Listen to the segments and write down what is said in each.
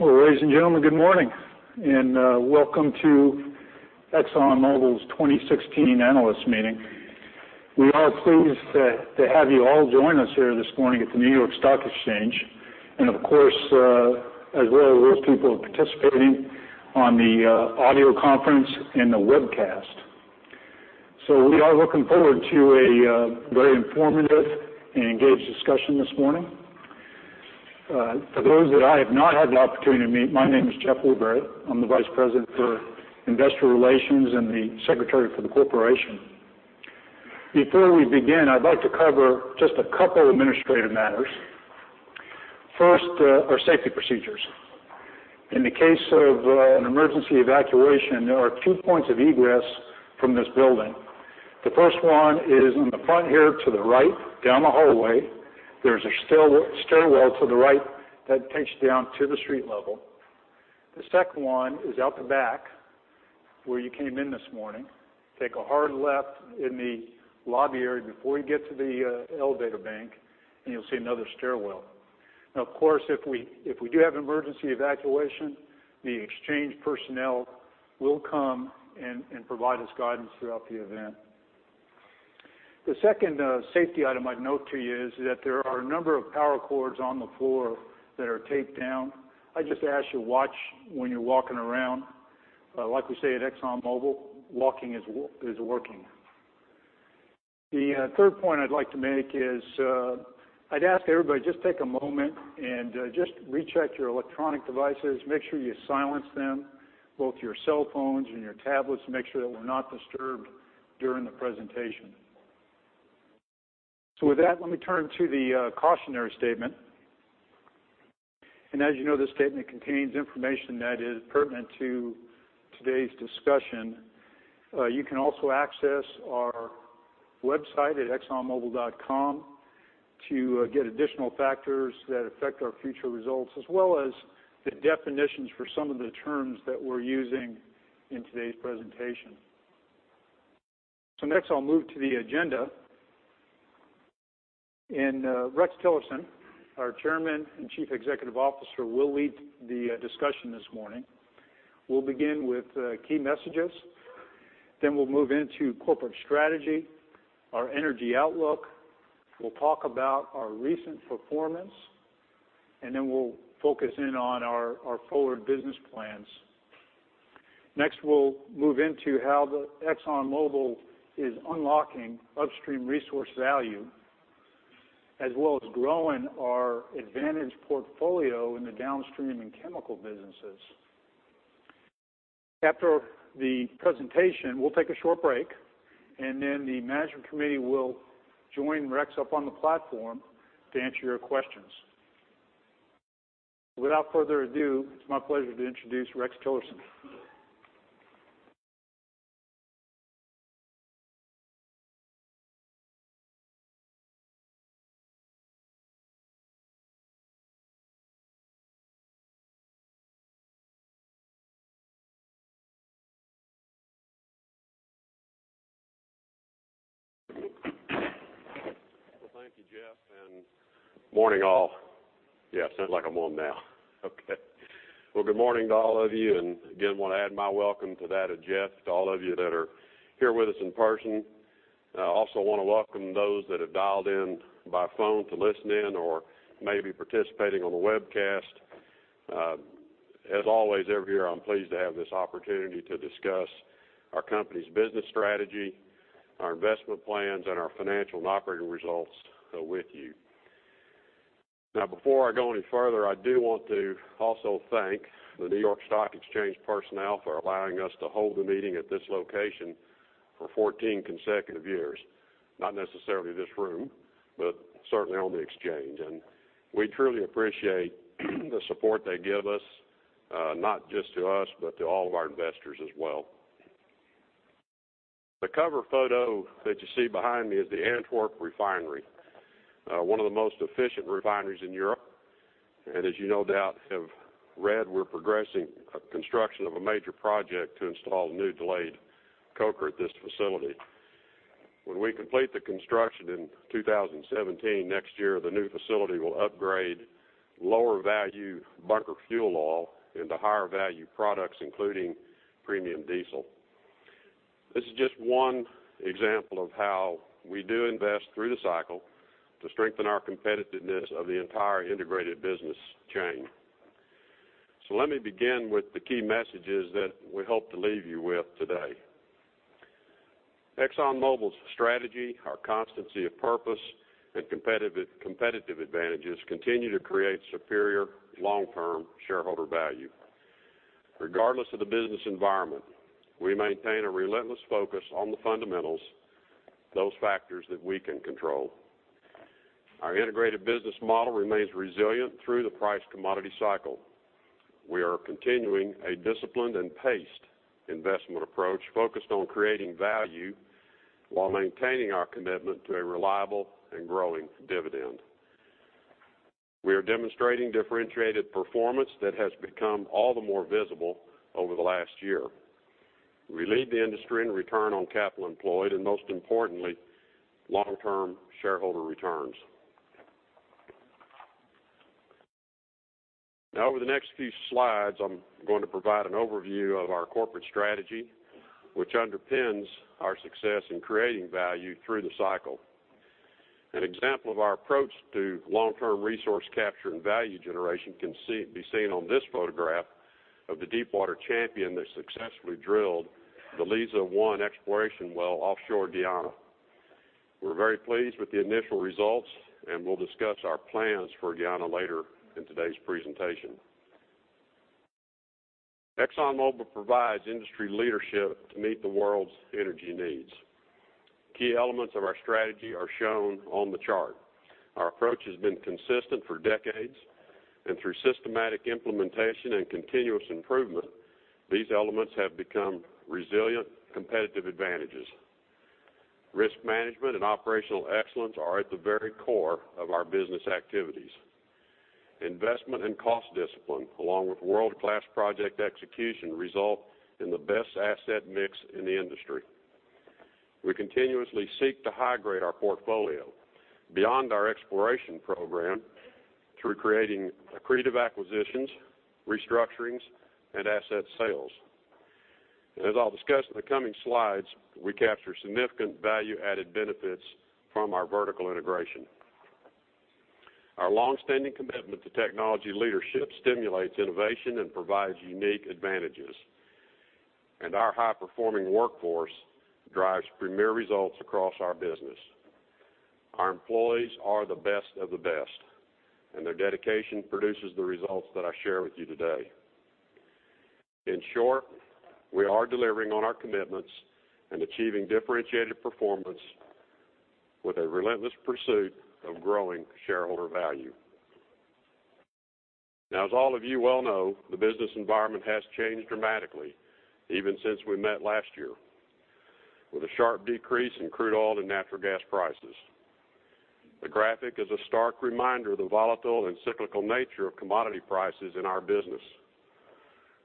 Well, ladies and gentlemen, good morning, and welcome to ExxonMobil's 2016 Analyst Meeting. We are pleased to have you all join us here this morning at the New York Stock Exchange, and of course, as well as those people participating on the audio conference and the webcast. We are looking forward to a very informative and engaged discussion this morning. For those that I have not had the opportunity to meet, my name is Jeff Woodbury. I am the Vice President for Investor Relations and the Secretary for the corporation. Before we begin, I would like to cover just a couple administrative matters. First, our safety procedures. In the case of an emergency evacuation, there are two points of egress from this building. The first one is in the front here to the right, down the hallway. There is a stairwell to the right that takes you down to the street level. The second one is out the back where you came in this morning. Take a hard left in the lobby area before you get to the elevator bank, and you will see another stairwell. Of course, if we do have an emergency evacuation, the exchange personnel will come and provide us guidance throughout the event. The second safety item I would note to you is that there are a number of power cords on the floor that are taped down. I would just ask you watch when you are walking around. Like we say at ExxonMobil, walking is working. The third point I would like to make is I would ask everybody just take a moment and just recheck your electronic devices. Make sure you silence them, both your cell phones and your tablets, to make sure that we are not disturbed during the presentation. With that, let me turn to the cautionary statement. As you know, this statement contains information that is pertinent to today's discussion. You can also access our website at exxonmobil.com to get additional factors that affect our future results as well as the definitions for some of the terms that we are using in today's presentation. Next, I will move to the agenda. Rex Tillerson, our Chairman and Chief Executive Officer, will lead the discussion this morning. We will begin with key messages. Then we will move into corporate strategy, our energy outlook. We will talk about our recent performance. Then we will focus in on our forward business plans. Next, we will move into how ExxonMobil is unlocking upstream resource value as well as growing our advantage portfolio in the downstream and chemical businesses. After the presentation, we will take a short break, and then the management committee will join Rex up on the platform to answer your questions. Without further ado, it is my pleasure to introduce Rex Tillerson. Well, thank you, Jeff, and morning all. Yeah, sounds like I'm on now. Okay. Well, good morning to all of you, and again, want to add my welcome to that of Jeff, to all of you that are here with us in person. I also want to welcome those that have dialed in by phone to listen in or may be participating on the webcast. As always, every year, I'm pleased to have this opportunity to discuss our company's business strategy, our investment plans, and our financial and operating results with you. Now, before I go any further, I do want to also thank the New York Stock Exchange personnel for allowing us to hold the meeting at this location for 14 consecutive years, not necessarily this room, but certainly on the exchange. We truly appreciate the support they give us, not just to us, but to all of our investors as well. The cover photo that you see behind me is the Antwerp Refinery, one of the most efficient refineries in Europe. As you no doubt have read, we're progressing construction of a major project to install a new delayed coker at this facility. When we complete the construction in 2017, next year, the new facility will upgrade lower-value bunker fuel oil into higher-value products, including premium diesel. This is just one example of how we do invest through the cycle to strengthen our competitiveness of the entire integrated business chain. Let me begin with the key messages that we hope to leave you with today. ExxonMobil's strategy, our constancy of purpose, and competitive advantages continue to create superior long-term shareholder value. Regardless of the business environment, we maintain a relentless focus on the fundamentals, those factors that we can control. Our integrated business model remains resilient through the price commodity cycle. We are continuing a disciplined and paced investment approach focused on creating value while maintaining our commitment to a reliable and growing dividend. We are demonstrating differentiated performance that has become all the more visible over the last year. We lead the industry in return on capital employed, and most importantly, long-term shareholder returns. Now, over the next few slides, I'm going to provide an overview of our corporate strategy, which underpins our success in creating value through the cycle. An example of our approach to long-term resource capture and value generation can be seen on this photograph of the Deepwater Champion that successfully drilled the Liza-1 exploration well offshore Guyana. We're very pleased with the initial results, and we'll discuss our plans for Guyana later in today's presentation. Exxon Mobil provides industry leadership to meet the world's energy needs. Key elements of our strategy are shown on the chart. Our approach has been consistent for decades, and through systematic implementation and continuous improvement, these elements have become resilient competitive advantages. Risk management and operational excellence are at the very core of our business activities. Investment and cost discipline, along with world-class project execution, result in the best asset mix in the industry. We continuously seek to high-grade our portfolio beyond our exploration program through creating accretive acquisitions, restructurings, and asset sales. As I'll discuss in the coming slides, we capture significant value-added benefits from our vertical integration. Our longstanding commitment to technology leadership stimulates innovation and provides unique advantages. Our high-performing workforce drives premier results across our business. Their dedication produces the results that I share with you today. In short, we are delivering on our commitments and achieving differentiated performance with a relentless pursuit of growing shareholder value. As all of you well know, the business environment has changed dramatically even since we met last year, with a sharp decrease in crude oil and natural gas prices. The graphic is a stark reminder of the volatile and cyclical nature of commodity prices in our business.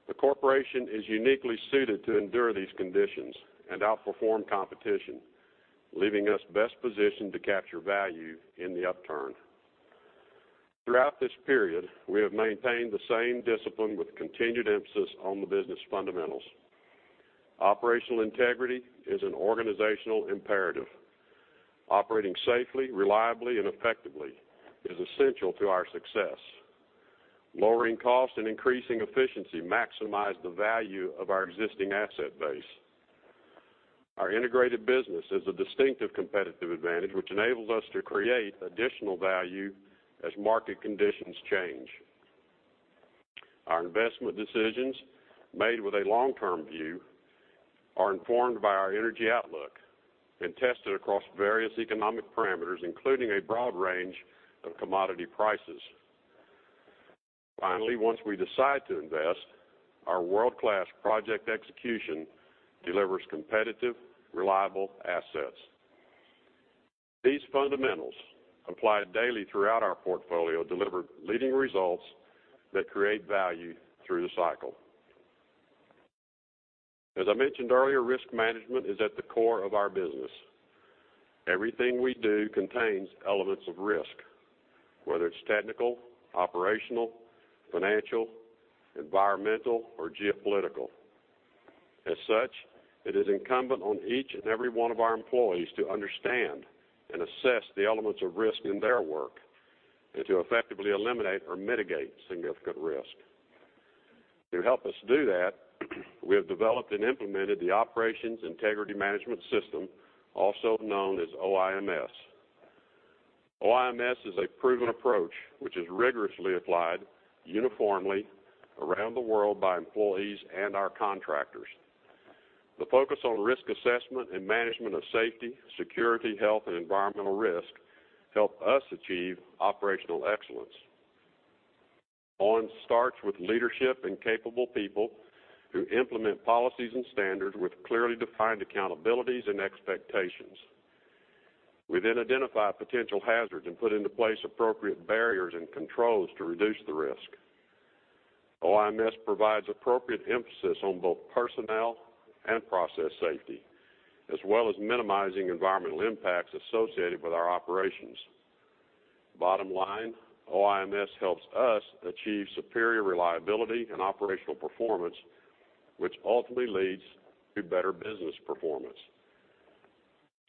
The corporation is uniquely suited to endure these conditions and outperform competition, leaving us best positioned to capture value in the upturn. Throughout this period, we have maintained the same discipline with continued emphasis on the business fundamentals. Operational integrity is an organizational imperative. Operating safely, reliably, and effectively is essential to our success. Lowering costs and increasing efficiency maximize the value of our existing asset base. Our integrated business is a distinctive competitive advantage which enables us to create additional value as market conditions change. Our investment decisions made with a long-term view are informed by our Outlook for Energy and tested across various economic parameters, including a broad range of commodity prices. Once we decide to invest, our world-class project execution delivers competitive, reliable assets. These fundamentals applied daily throughout our portfolio deliver leading results that create value through the cycle. As I mentioned earlier, risk management is at the core of our business. Everything we do contains elements of risk, whether it's technical, operational, financial, environmental, or geopolitical. It is incumbent on each and every one of our employees to understand and assess the elements of risk in their work and to effectively eliminate or mitigate significant risk. To help us do that, we have developed and implemented the Operations Integrity Management System, also known as OIMS. OIMS is a proven approach which is rigorously applied uniformly around the world by employees and our contractors. The focus on risk assessment and management of safety, security, health, and environmental risk help us achieve operational excellence. OIMS starts with leadership and capable people who implement policies and standards with clearly defined accountabilities and expectations. We then identify potential hazards and put into place appropriate barriers and controls to reduce the risk. OIMS provides appropriate emphasis on both personnel and process safety, as well as minimizing environmental impacts associated with our operations. Bottom line, OIMS helps us achieve superior reliability and operational performance, which ultimately leads to better business performance.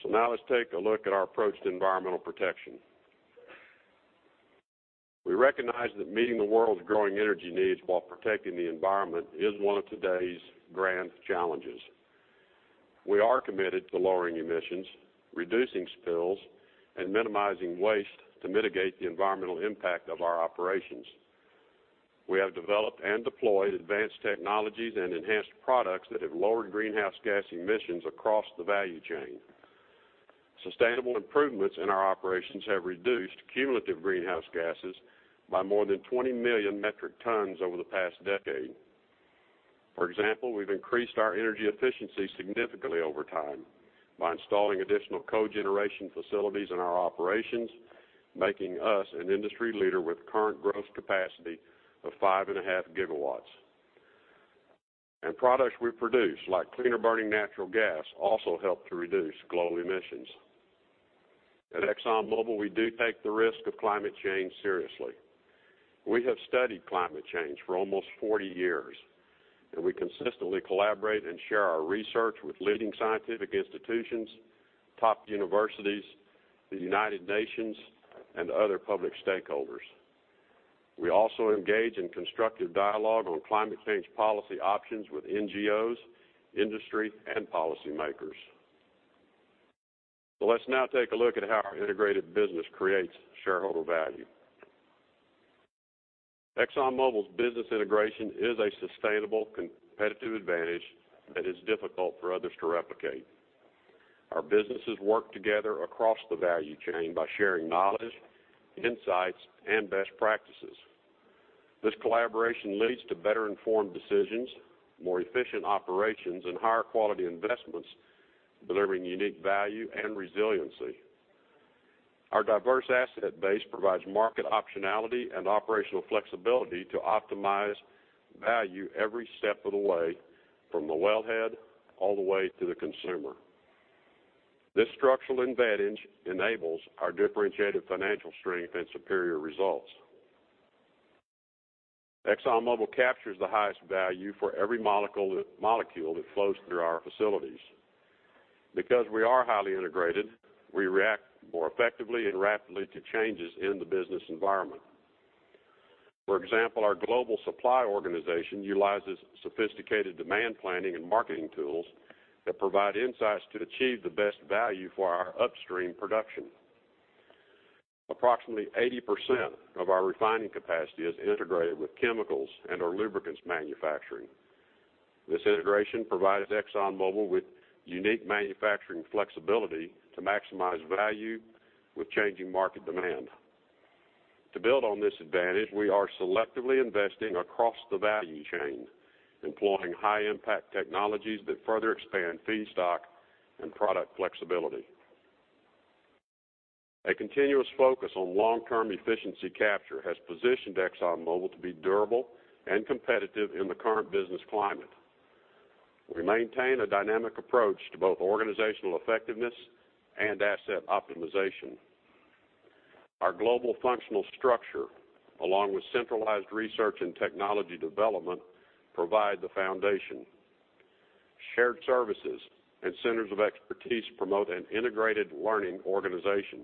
Let's take a look at our approach to environmental protection. We recognize that meeting the world's growing energy needs while protecting the environment is one of today's grand challenges. We are committed to lowering emissions, reducing spills, and minimizing waste to mitigate the environmental impact of our operations. We have developed and deployed advanced technologies and enhanced products that have lowered greenhouse gas emissions across the value chain. Sustainable improvements in our operations have reduced cumulative greenhouse gases by more than 20 million metric tons over the past decade. For example, we've increased our energy efficiency significantly over time by installing additional cogeneration facilities in our operations, making us an industry leader with current gross capacity of 5.5 gigawatts. Products we produce, like cleaner-burning natural gas, also help to reduce global emissions. At ExxonMobil, we do take the risk of climate change seriously. We have studied climate change for almost 40 years, we consistently collaborate and share our research with leading scientific institutions, top universities, the United Nations, and other public stakeholders. We also engage in constructive dialogue on climate change policy options with NGOs, industry, and policymakers. Let's now take a look at how our integrated business creates shareholder value. ExxonMobil's business integration is a sustainable competitive advantage that is difficult for others to replicate. Our businesses work together across the value chain by sharing knowledge, insights, and best practices. This collaboration leads to better-informed decisions, more efficient operations, and higher-quality investments, delivering unique value and resiliency. Our diverse asset base provides market optionality and operational flexibility to optimize value every step of the way, from the wellhead all the way to the consumer. This structural advantage enables our differentiated financial strength and superior results. ExxonMobil captures the highest value for every molecule that flows through our facilities. Because we are highly integrated, we react more effectively and rapidly to changes in the business environment. For example, our global supply organization utilizes sophisticated demand planning and marketing tools that provide insights to achieve the best value for our upstream production. Approximately 80% of our refining capacity is integrated with chemicals and our lubricants manufacturing. This integration provides ExxonMobil with unique manufacturing flexibility to maximize value with changing market demand. To build on this advantage, we are selectively investing across the value chain, employing high-impact technologies that further expand feedstock and product flexibility. A continuous focus on long-term efficiency capture has positioned ExxonMobil to be durable and competitive in the current business climate. We maintain a dynamic approach to both organizational effectiveness and asset optimization. Our global functional structure, along with centralized research and technology development, provide the foundation. Shared services and centers of expertise promote an integrated learning organization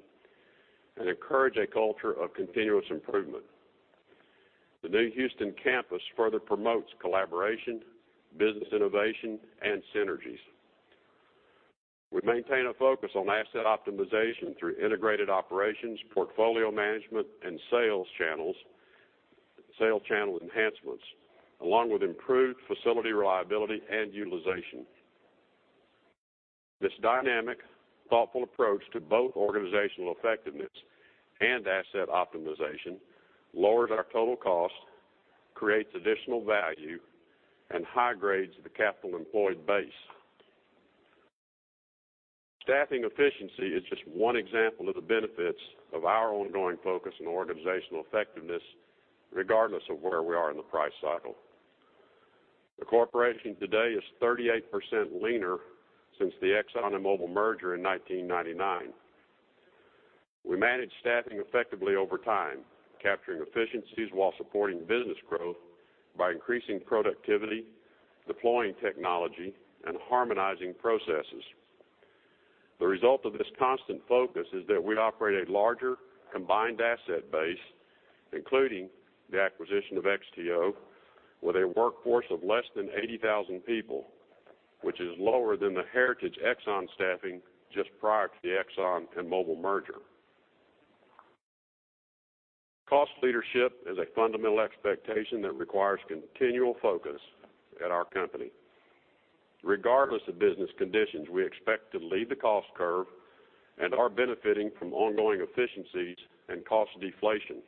and encourage a culture of continuous improvement. The new Houston campus further promotes collaboration, business innovation, and synergies. We maintain a focus on asset optimization through integrated operations, portfolio management, and sales channel enhancements, along with improved facility reliability and utilization. This dynamic, thoughtful approach to both organizational effectiveness and asset optimization lowers our total cost, creates additional value, and high grades the capital employed base. Staffing efficiency is just one example of the benefits of our ongoing focus on organizational effectiveness, regardless of where we are in the price cycle. The corporation today is 38% leaner since the Exxon and Mobil merger in 1999. We manage staffing effectively over time, capturing efficiencies while supporting business growth by increasing productivity, deploying technology, and harmonizing processes. The result of this constant focus is that we operate a larger combined asset base, including the acquisition of XTO, with a workforce of less than 80,000 people, which is lower than the heritage Exxon staffing just prior to the Exxon and Mobil merger. Cost leadership is a fundamental expectation that requires continual focus at our company. Regardless of business conditions, we expect to lead the cost curve and are benefiting from ongoing efficiencies and cost deflation.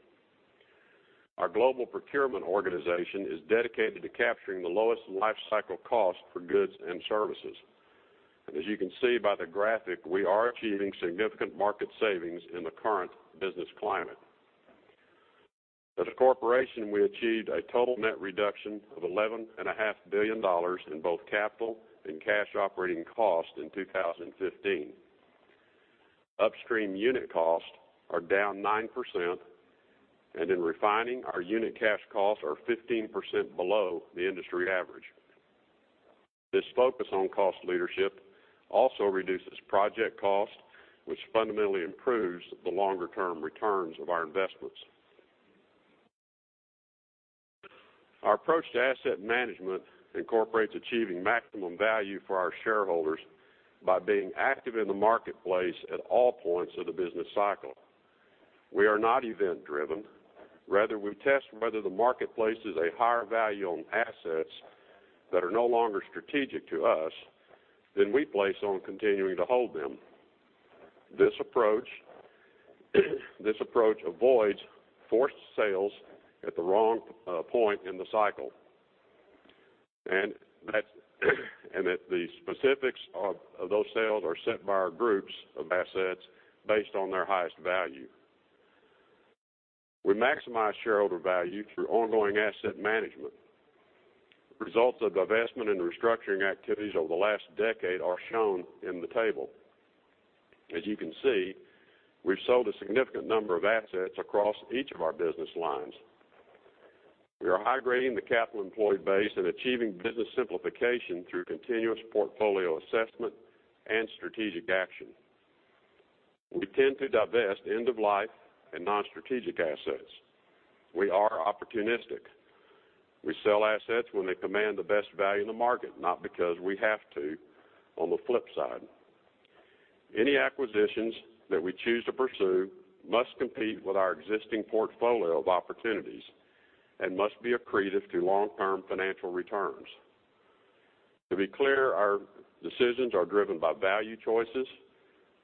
Our global procurement organization is dedicated to capturing the lowest lifecycle cost for goods and services. As you can see by the graphic, we are achieving significant market savings in the current business climate. As a corporation, we achieved a total net reduction of $11.5 billion in both capital and cash operating costs in 2015. Upstream unit costs are down 9%, and in refining, our unit cash costs are 15% below the industry average. This focus on cost leadership also reduces project cost, which fundamentally improves the longer-term returns of our investments. Our approach to asset management incorporates achieving maximum value for our shareholders by being active in the marketplace at all points of the business cycle. We are not event-driven. Rather, we test whether the marketplace is a higher value on assets that are no longer strategic to us than we place on continuing to hold them. This approach avoids forced sales at the wrong point in the cycle. The specifics of those sales are set by our groups of assets based on their highest value. We maximize shareholder value through ongoing asset management. Results of divestment and restructuring activities over the last decade are shown in the table. As you can see, we've sold a significant number of assets across each of our business lines. We are high-grading the capital employed base and achieving business simplification through continuous portfolio assessment and strategic action. We tend to divest end-of-life and non-strategic assets. We are opportunistic. We sell assets when they command the best value in the market, not because we have to on the flip side. Any acquisitions that we choose to pursue must compete with our existing portfolio of opportunities and must be accretive to long-term financial returns. To be clear, our decisions are driven by value choices,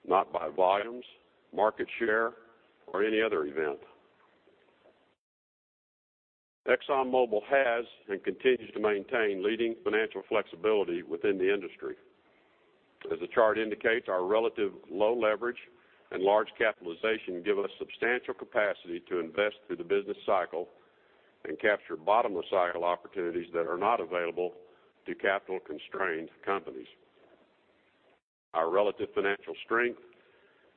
not by volumes, market share, or any other event. ExxonMobil has and continues to maintain leading financial flexibility within the industry. As the chart indicates, our relative low leverage and large capitalization give us substantial capacity to invest through the business cycle and capture bottom-of-the-cycle opportunities that are not available to capital-constrained companies. Our relative financial strength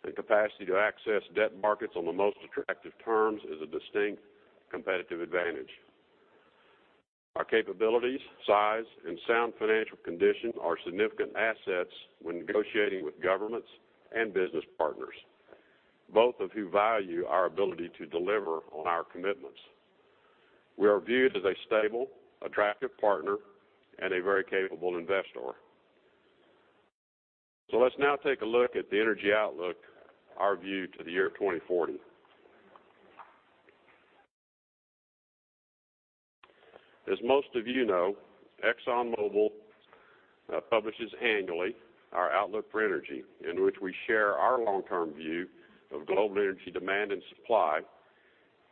and capacity to access debt markets on the most attractive terms is a distinct competitive advantage. Our capabilities, size, and sound financial condition are significant assets when negotiating with governments and business partners, both of whom value our ability to deliver on our commitments. We are viewed as a stable, attractive partner, and a very capable investor. Let's now take a look at the energy outlook, our view to the year 2040. As most of you know, ExxonMobil publishes annually our Outlook for Energy, in which we share our long-term view of global energy demand and supply.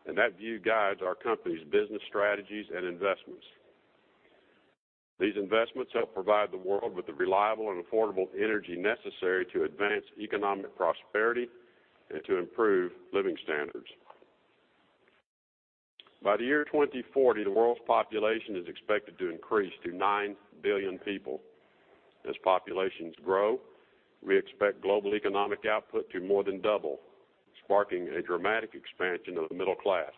That view guides our company's business strategies and investments. These investments help provide the world with the reliable and affordable energy necessary to advance economic prosperity and to improve living standards. By the year 2040, the world's population is expected to increase to 9 billion people. As populations grow, we expect global economic output to more than double, sparking a dramatic expansion of the middle class.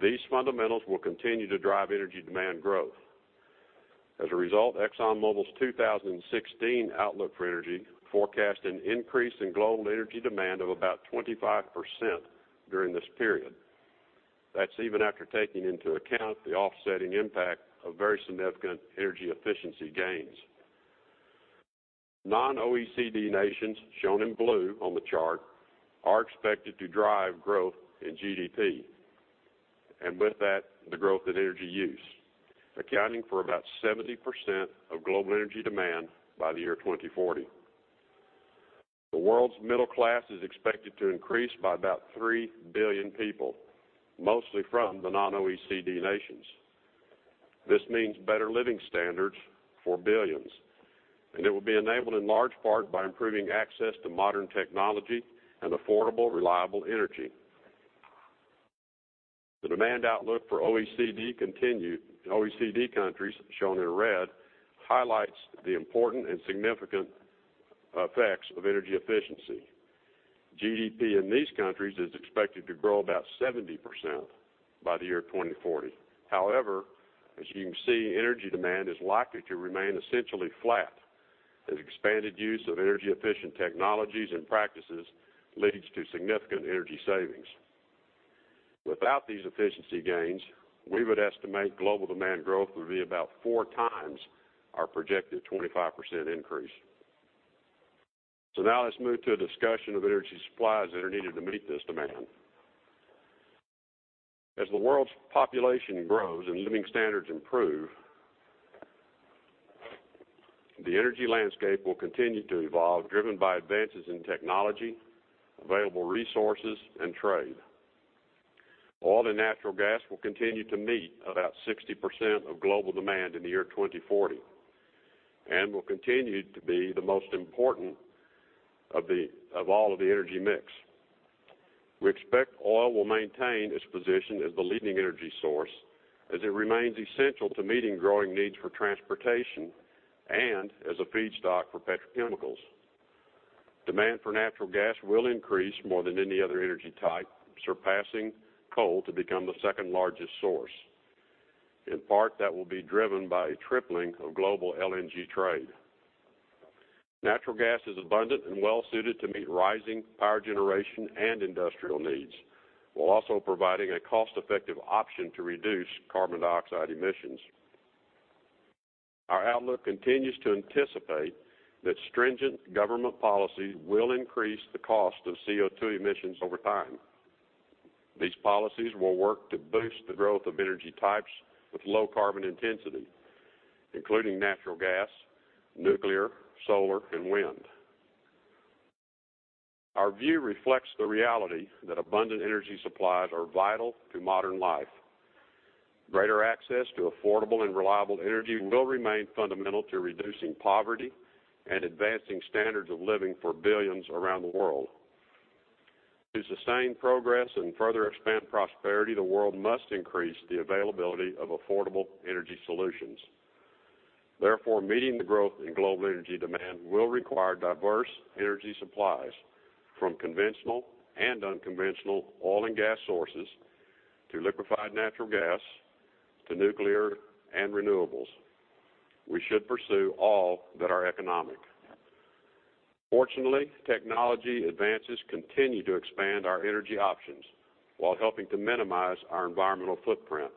These fundamentals will continue to drive energy demand growth. As a result, ExxonMobil's 2016 Outlook for Energy forecast an increase in global energy demand of about 25% during this period. That's even after taking into account the offsetting impact of very significant energy efficiency gains. Non-OECD nations, shown in blue on the chart, are expected to drive growth in GDP. With that, the growth in energy use, accounting for about 70% of global energy demand by the year 2040. The world's middle class is expected to increase by about 3 billion people, mostly from the non-OECD nations. This means better living standards for billions, and it will be enabled in large part by improving access to modern technology and affordable, reliable energy. The demand outlook for OECD countries, shown in red, highlights the important and significant effects of energy efficiency. GDP in these countries is expected to grow about 70% by the year 2040. However, as you can see, energy demand is likely to remain essentially flat as expanded use of energy-efficient technologies and practices leads to significant energy savings. Without these efficiency gains, we would estimate global demand growth would be about four times our projected 25% increase. Now let's move to a discussion of energy supplies that are needed to meet this demand. As the world's population grows and living standards improve, the energy landscape will continue to evolve, driven by advances in technology, available resources, and trade. Oil and natural gas will continue to meet about 60% of global demand in the year 2040 and will continue to be the most important of all of the energy mix. We expect oil will maintain its position as the leading energy source as it remains essential to meeting growing needs for transportation and as a feedstock for petrochemicals. Demand for natural gas will increase more than any other energy type, surpassing coal to become the second-largest source. In part, that will be driven by a tripling of global LNG trade. Natural gas is abundant and well-suited to meet rising power generation and industrial needs while also providing a cost-effective option to reduce carbon dioxide emissions. Our outlook continues to anticipate that stringent government policy will increase the cost of CO2 emissions over time. These policies will work to boost the growth of energy types with low carbon intensity, including natural gas, nuclear, solar, and wind. Our view reflects the reality that abundant energy supplies are vital to modern life. Greater access to affordable and reliable energy will remain fundamental to reducing poverty and advancing standards of living for billions around the world. To sustain progress and further expand prosperity, the world must increase the availability of affordable energy solutions. Meeting the growth in global energy demand will require diverse energy supplies from conventional and unconventional oil and gas sources, to liquefied natural gas, to nuclear and renewables. We should pursue all that are economic. Fortunately, technology advances continue to expand our energy options while helping to minimize our environmental footprint,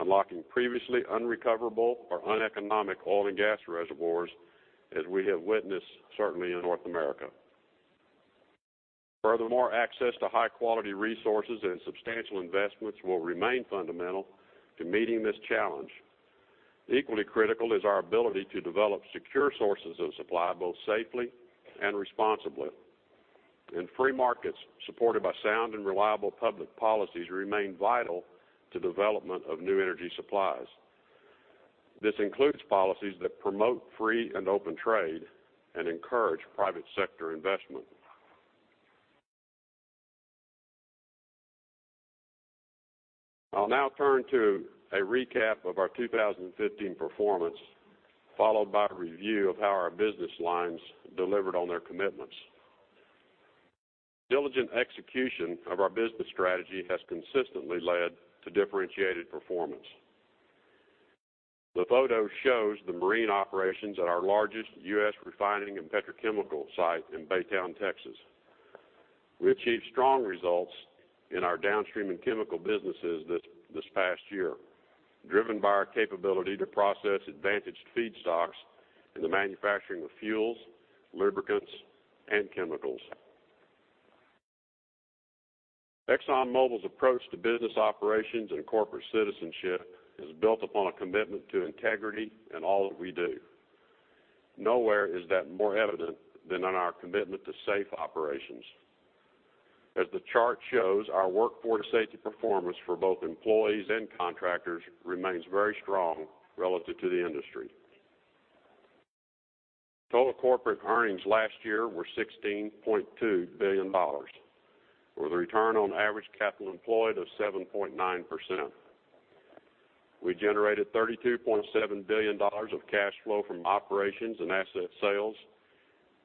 unlocking previously unrecoverable or uneconomic oil and gas reservoirs, as we have witnessed certainly in North America. Furthermore, access to high-quality resources and substantial investments will remain fundamental to meeting this challenge. Equally critical is our ability to develop secure sources of supply both safely and responsibly. Free markets supported by sound and reliable public policies remain vital to development of new energy supplies. This includes policies that promote free and open trade and encourage private sector investment. I'll now turn to a recap of our 2015 performance, followed by a review of how our business lines delivered on their commitments. Diligent execution of our business strategy has consistently led to differentiated performance. The photo shows the marine operations at our largest U.S. refining and petrochemical site in Baytown, Texas. We achieved strong results in our downstream and chemical businesses this past year, driven by our capability to process advantaged feedstocks in the manufacturing of fuels, lubricants, and chemicals. ExxonMobil's approach to business operations and corporate citizenship is built upon a commitment to integrity in all that we do. Nowhere is that more evident than in our commitment to safe operations. As the chart shows, our workforce safety performance for both employees and contractors remains very strong relative to the industry. Total corporate earnings last year were $16.2 billion, with a return on average capital employed of 7.9%. We generated $32.7 billion of cash flow from operations and asset sales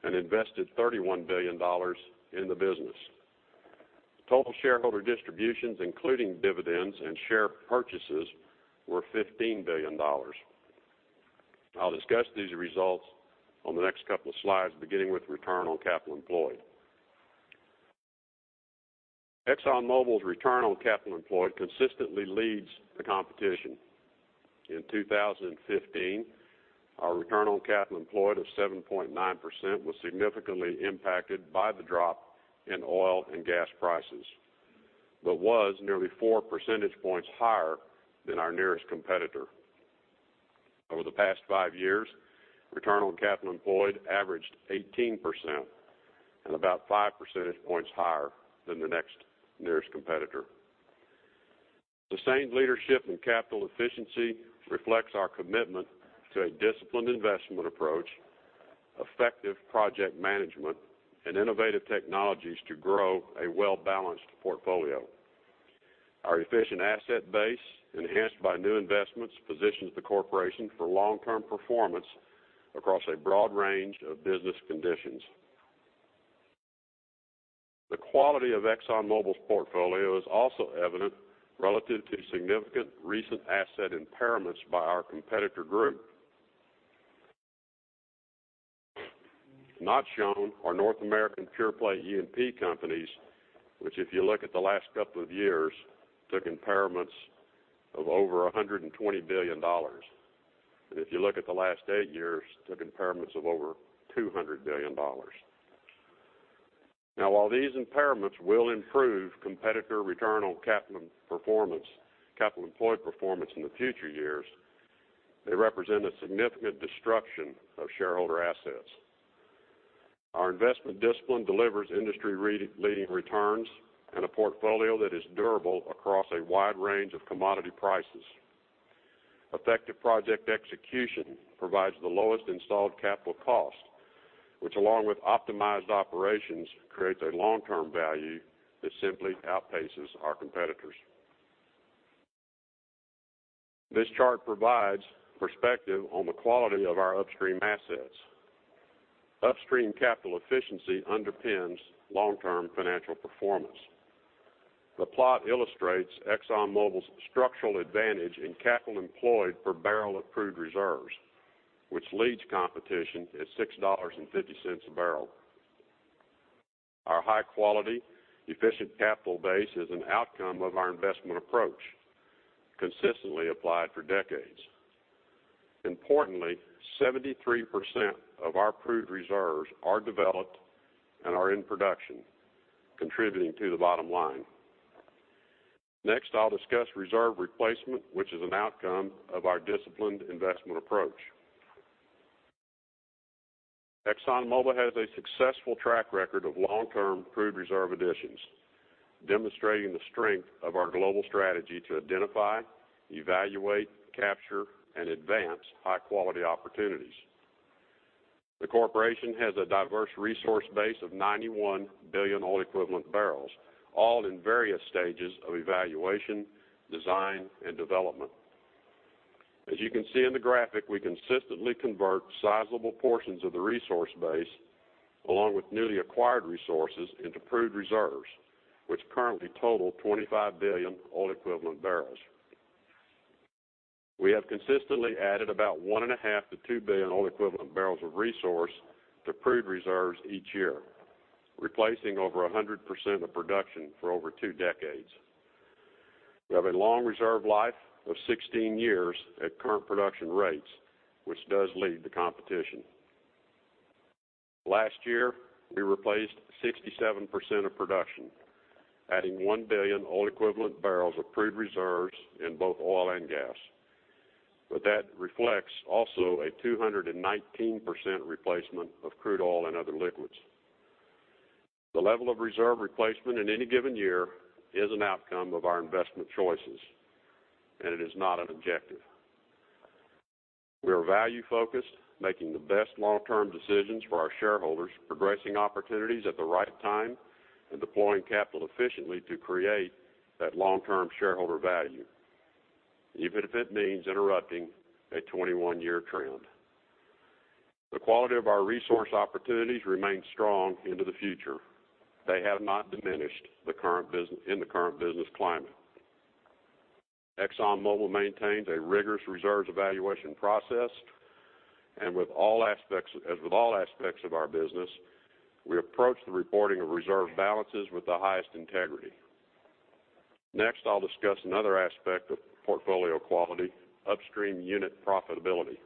and invested $31 billion in the business. Total shareholder distributions, including dividends and share purchases, were $15 billion. I'll discuss these results on the next couple of slides, beginning with return on capital employed. ExxonMobil's return on capital employed consistently leads the competition. In 2015, our return on capital employed of 7.9% was significantly impacted by the drop in oil and gas prices but was nearly four percentage points higher than our nearest competitor. Over the past five years, return on capital employed averaged 18% and about five percentage points higher than the next nearest competitor. Sustained leadership in capital efficiency reflects our commitment to a disciplined investment approach, effective project management, and innovative technologies to grow a well-balanced portfolio. Our efficient asset base, enhanced by new investments, positions the corporation for long-term performance across a broad range of business conditions. The quality of ExxonMobil's portfolio is also evident relative to significant recent asset impairments by our competitor group. Not shown are North American pure-play E&P companies, which, if you look at the last couple of years, took impairments of over $120 billion. If you look at the last eight years, took impairments of over $200 billion. While these impairments will improve competitor return on capital employed performance in the future years, they represent a significant destruction of shareholder assets. Our investment discipline delivers industry-leading returns and a portfolio that is durable across a wide range of commodity prices. Effective project execution provides the lowest installed capital cost, which, along with optimized operations, creates a long-term value that simply outpaces our competitors. This chart provides perspective on the quality of our upstream assets. Upstream capital efficiency underpins long-term financial performance. The plot illustrates ExxonMobil's structural advantage in capital employed per barrel of proved reserves, which leads competition at $6.50 a barrel. Our high-quality, efficient capital base is an outcome of our investment approach, consistently applied for decades. Importantly, 73% of our proved reserves are developed and are in production, contributing to the bottom line. Next, I'll discuss reserve replacement, which is an outcome of our disciplined investment approach. ExxonMobil has a successful track record of long-term proved reserve additions, demonstrating the strength of our global strategy to identify, evaluate, capture, and advance high-quality opportunities. The corporation has a diverse resource base of 91 billion oil equivalent barrels, all in various stages of evaluation, design, and development. As you can see in the graphic, we consistently convert sizable portions of the resource base, along with newly acquired resources, into proved reserves, which currently total 25 billion oil equivalent barrels. We have consistently added about 1.5 billion-2 billion oil equivalent barrels of resource to proved reserves each year, replacing over 100% of production for over two decades. We have a long reserve life of 16 years at current production rates, which does lead the competition. Last year, we replaced 67% of production, adding 1 billion oil equivalent barrels of proved reserves in both oil and gas. That reflects also a 219% replacement of crude oil and other liquids. The level of reserve replacement in any given year is an outcome of our investment choices, and it is not an objective. We are value-focused, making the best long-term decisions for our shareholders, progressing opportunities at the right time, and deploying capital efficiently to create that long-term shareholder value, even if it means interrupting a 21-year trend. The quality of our resource opportunities remains strong into the future. They have not diminished in the current business climate. ExxonMobil maintains a rigorous reserves evaluation process. As with all aspects of our business, we approach the reporting of reserve balances with the highest integrity. Next, I'll discuss another aspect of portfolio quality, upstream unit profitability.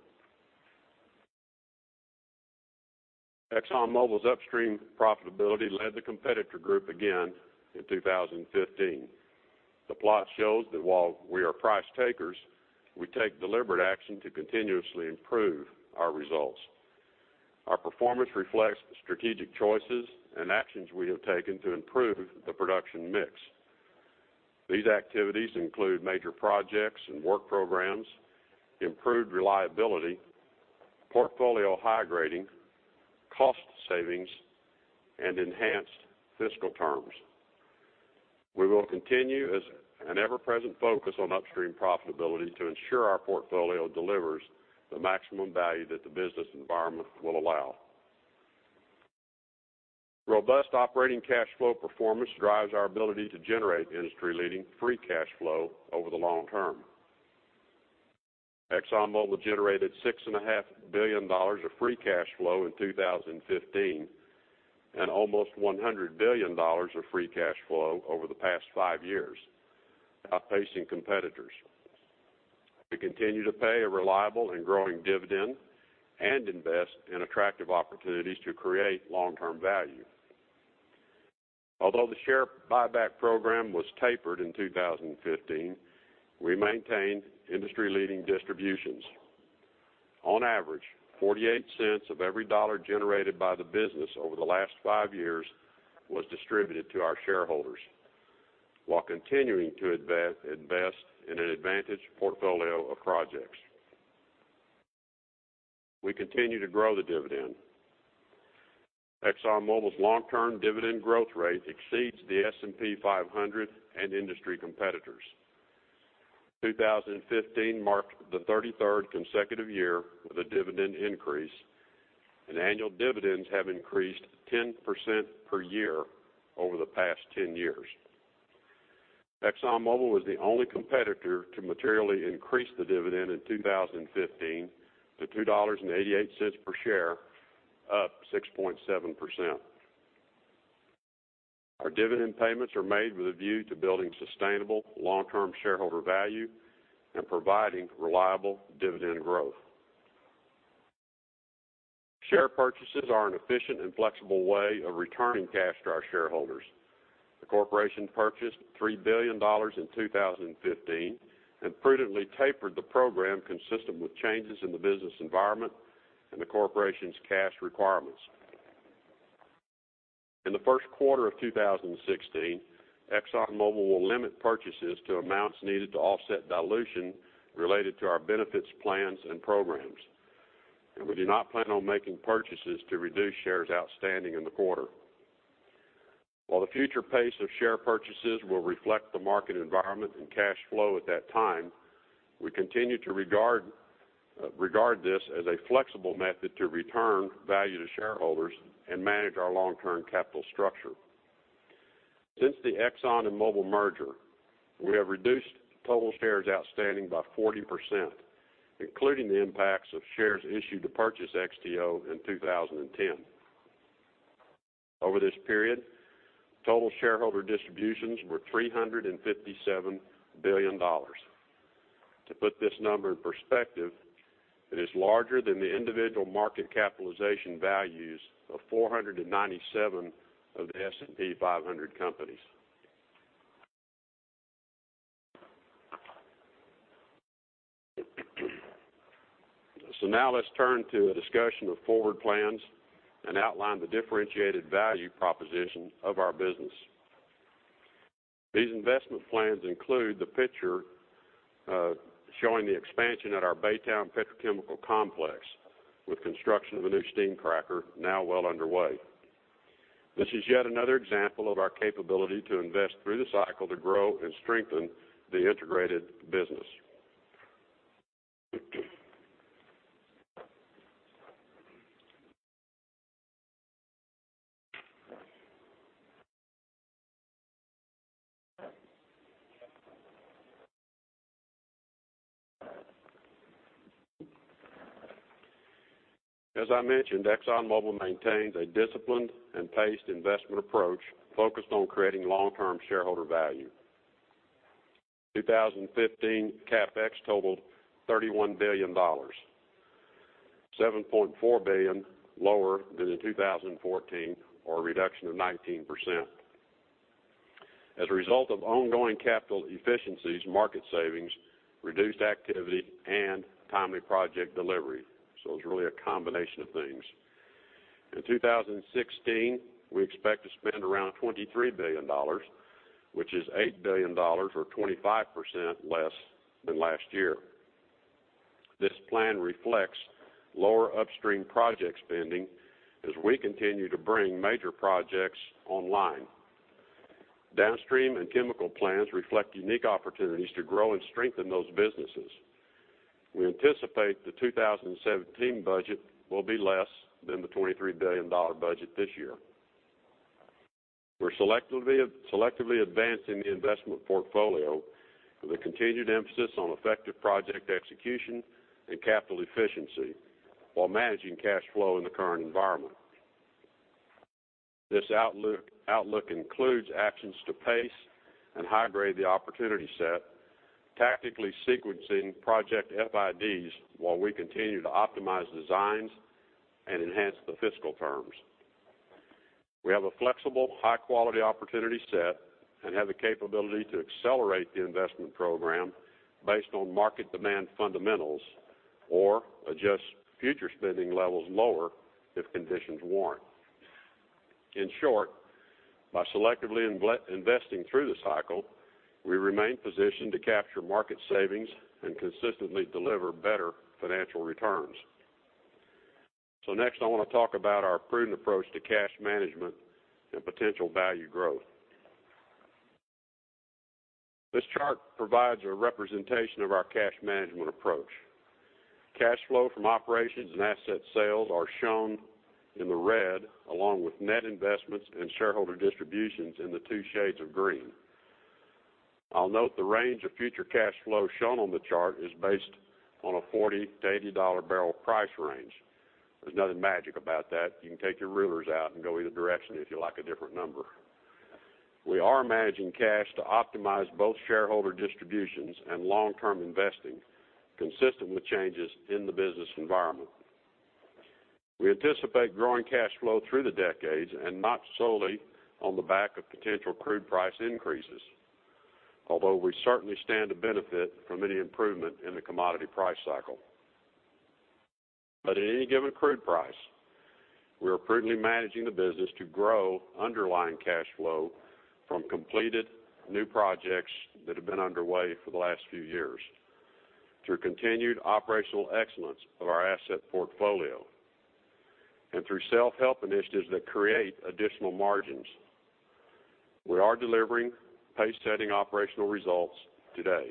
ExxonMobil's upstream profitability led the competitor group again in 2015. The plot shows that while we are price takers, we take deliberate action to continuously improve our results. Our performance reflects the strategic choices and actions we have taken to improve the production mix. These activities include major projects and work programs, improved reliability, portfolio high grading, cost savings, and enhanced fiscal terms. We will continue as an ever-present focus on upstream profitability to ensure our portfolio delivers the maximum value that the business environment will allow. Robust operating cash flow performance drives our ability to generate industry-leading free cash flow over the long term. ExxonMobil generated $6.5 billion of free cash flow in 2015 and almost $100 billion of free cash flow over the past five years, outpacing competitors. We continue to pay a reliable and growing dividend and invest in attractive opportunities to create long-term value. Although the share buyback program was tapered in 2015, we maintained industry-leading distributions. On average, $0.48 of every dollar generated by the business over the last five years was distributed to our shareholders while continuing to invest in an advantaged portfolio of projects. We continue to grow the dividend. ExxonMobil's long-term dividend growth rate exceeds the S&P 500 and industry competitors. 2015 marked the 33rd consecutive year with a dividend increase, and annual dividends have increased 10% per year over the past 10 years. ExxonMobil was the only competitor to materially increase the dividend in 2015 to $2.88 per share, up 6.7%. Our dividend payments are made with a view to building sustainable long-term shareholder value and providing reliable dividend growth. Share purchases are an efficient and flexible way of returning cash to our shareholders. The corporation purchased $3 billion in 2015 and prudently tapered the program consistent with changes in the business environment and the corporation's cash requirements. In the first quarter of 2016, ExxonMobil will limit purchases to amounts needed to offset dilution related to our benefits plans and programs. We do not plan on making purchases to reduce shares outstanding in the quarter. While the future pace of share purchases will reflect the market environment and cash flow at that time, we continue to regard this as a flexible method to return value to shareholders and manage our long-term capital structure. Since the Exxon and Mobil merger, we have reduced total shares outstanding by 40%, including the impacts of shares issued to purchase XTO Energy in 2010. Over this period, total shareholder distributions were $357 billion. To put this number in perspective, it is larger than the individual market capitalization values of 497 of the S&P 500 companies. Now let's turn to a discussion of forward plans and outline the differentiated value proposition of our business. These investment plans include the picture showing the expansion at our Baytown petrochemical complex, with construction of a new steam cracker now well underway. This is yet another example of our capability to invest through the cycle to grow and strengthen the integrated business. As I mentioned, Exxon Mobil maintains a disciplined and paced investment approach focused on creating long-term shareholder value. 2015 CapEx totaled $31 billion, $7.4 billion lower than in 2014, or a reduction of 19%. As a result of ongoing capital efficiencies, market savings, reduced activity, and timely project delivery. It's really a combination of things. In 2016, we expect to spend around $23 billion, which is $8 billion or 25% less than last year. This plan reflects lower upstream project spending as we continue to bring major projects online. Downstream and chemical plans reflect unique opportunities to grow and strengthen those businesses. We anticipate the 2017 budget will be less than the $23 billion budget this year. We're selectively advancing the investment portfolio with a continued emphasis on effective project execution and capital efficiency while managing cash flow in the current environment. This outlook includes actions to pace and high-grade the opportunity set, tactically sequencing project FIDs while we continue to optimize designs and enhance the fiscal terms. We have a flexible, high-quality opportunity set and have the capability to accelerate the investment program based on market demand fundamentals or adjust future spending levels lower if conditions warrant. In short, by selectively investing through the cycle, we remain positioned to capture market savings and consistently deliver better financial returns. Next, I want to talk about our prudent approach to cash management and potential value growth. This chart provides a representation of our cash management approach. Cash flow from operations and asset sales are shown in the red, along with net investments and shareholder distributions in the two shades of green. I'll note the range of future cash flow shown on the chart is based on a $40-$80 barrel price range. There's nothing magic about that. You can take your rulers out and go either direction if you like a different number. We are managing cash to optimize both shareholder distributions and long-term investing consistent with changes in the business environment. We anticipate growing cash flow through the decades and not solely on the back of potential crude price increases. Although we certainly stand to benefit from any improvement in the commodity price cycle. At any given crude price, we are prudently managing the business to grow underlying cash flow from completed new projects that have been underway for the last few years, through continued operational excellence of our asset portfolio, and through self-help initiatives that create additional margins. We are delivering pace-setting operational results today.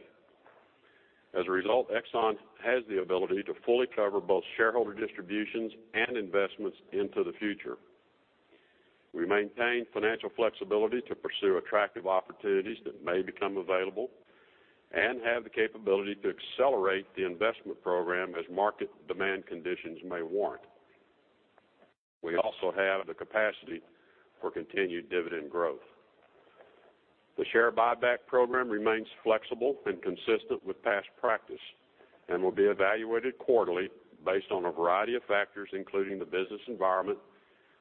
As a result, Exxon has the ability to fully cover both shareholder distributions and investments into the future. We maintain financial flexibility to pursue attractive opportunities that may become available and have the capability to accelerate the investment program as market demand conditions may warrant. We also have the capacity for continued dividend growth. The share buyback program remains flexible and consistent with past practice and will be evaluated quarterly based on a variety of factors, including the business environment,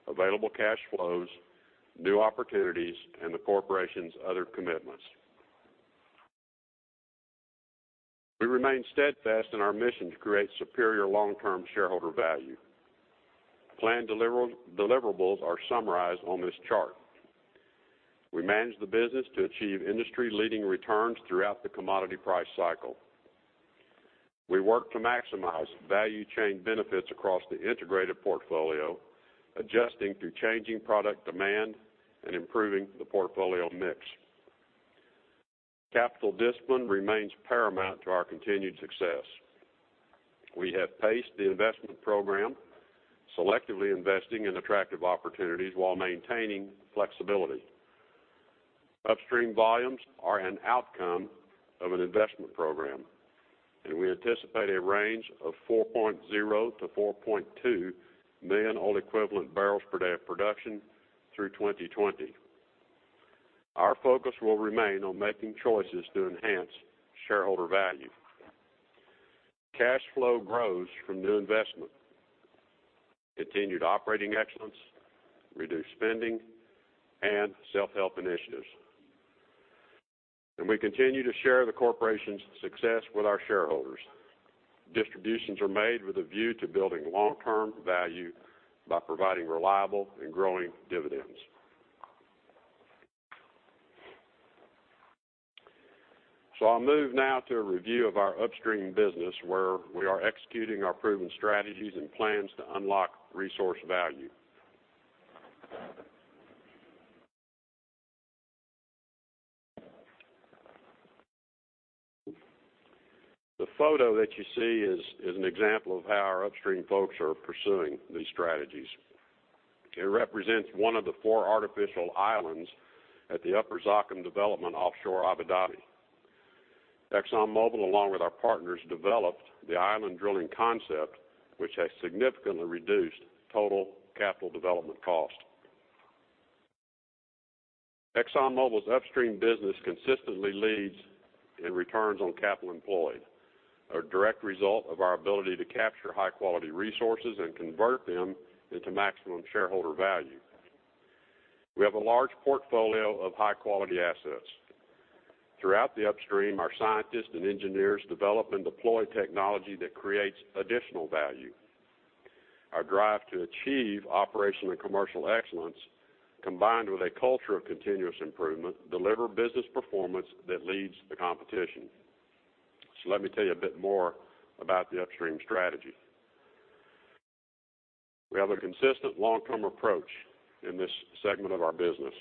available cash flows, new opportunities, and the corporation's other commitments. We remain steadfast in our mission to create superior long-term shareholder value. Planned deliverables are summarized on this chart. We manage the business to achieve industry-leading returns throughout the commodity price cycle. We work to maximize value chain benefits across the integrated portfolio, adjusting to changing product demand and improving the portfolio mix. Capital discipline remains paramount to our continued success. We have paced the investment program, selectively investing in attractive opportunities while maintaining flexibility. Upstream volumes are an outcome of an investment program, and we anticipate a range of 4.0-4.2 million oil equivalent barrels per day of production through 2020. Our focus will remain on making choices to enhance shareholder value. Cash flow grows from new investment, continued operating excellence, reduced spending, and self-help initiatives. We continue to share the corporation's success with our shareholders. Distributions are made with a view to building long-term value by providing reliable and growing dividends. I'll move now to a review of our upstream business, where we are executing our proven strategies and plans to unlock resource value. The photo that you see is an example of how our upstream folks are pursuing these strategies. It represents one of the four artificial islands at the Upper Zakum Development offshore Abu Dhabi. ExxonMobil, along with our partners, developed the island drilling concept, which has significantly reduced total capital development cost. ExxonMobil's upstream business consistently leads in returns on capital employed, a direct result of our ability to capture high-quality resources and convert them into maximum shareholder value. We have a large portfolio of high-quality assets. Throughout the upstream, our scientists and engineers develop and deploy technology that creates additional value. Our drive to achieve operational and commercial excellence, combined with a culture of continuous improvement, deliver business performance that leads the competition. Let me tell you a bit more about the upstream strategy. We have a consistent long-term approach in this segment of our business.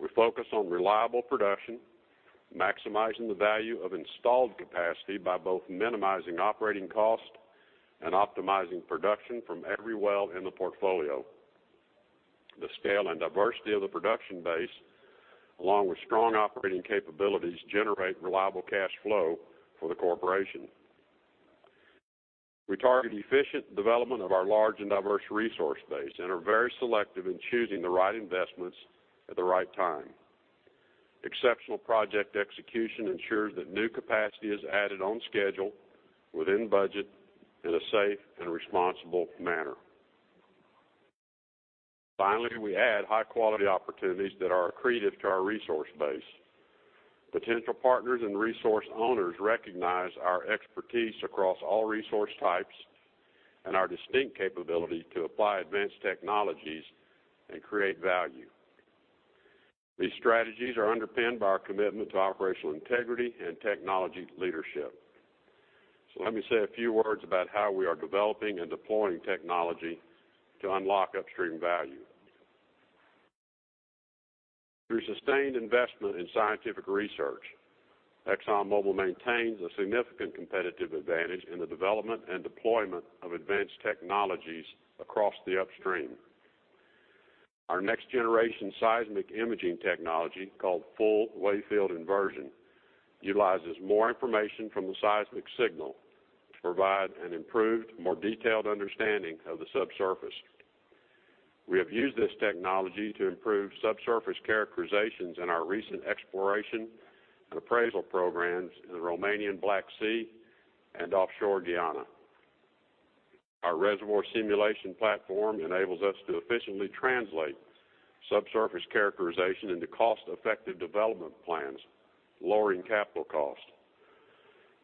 We focus on reliable production, maximizing the value of installed capacity by both minimizing operating cost and optimizing production from every well in the portfolio. The scale and diversity of the production base, along with strong operating capabilities, generate reliable cash flow for the corporation. We target efficient development of our large and diverse resource base and are very selective in choosing the right investments at the right time. Exceptional project execution ensures that new capacity is added on schedule, within budget, in a safe and responsible manner. Finally, we add high-quality opportunities that are accretive to our resource base. Potential partners and resource owners recognize our expertise across all resource types and our distinct capability to apply advanced technologies and create value. These strategies are underpinned by our commitment to operational integrity and technology leadership. Let me say a few words about how we are developing and deploying technology to unlock upstream value. Through sustained investment in scientific research, ExxonMobil maintains a significant competitive advantage in the development and deployment of advanced technologies across the upstream. Our next-generation seismic imaging technology, called Full Waveform Inversion, utilizes more information from the seismic signal to provide an improved, more detailed understanding of the subsurface. We have used this technology to improve subsurface characterizations in our recent exploration and appraisal programs in the Romanian Black Sea and offshore Guyana. Our reservoir simulation platform enables us to efficiently translate subsurface characterization into cost-effective development plans, lowering capital costs.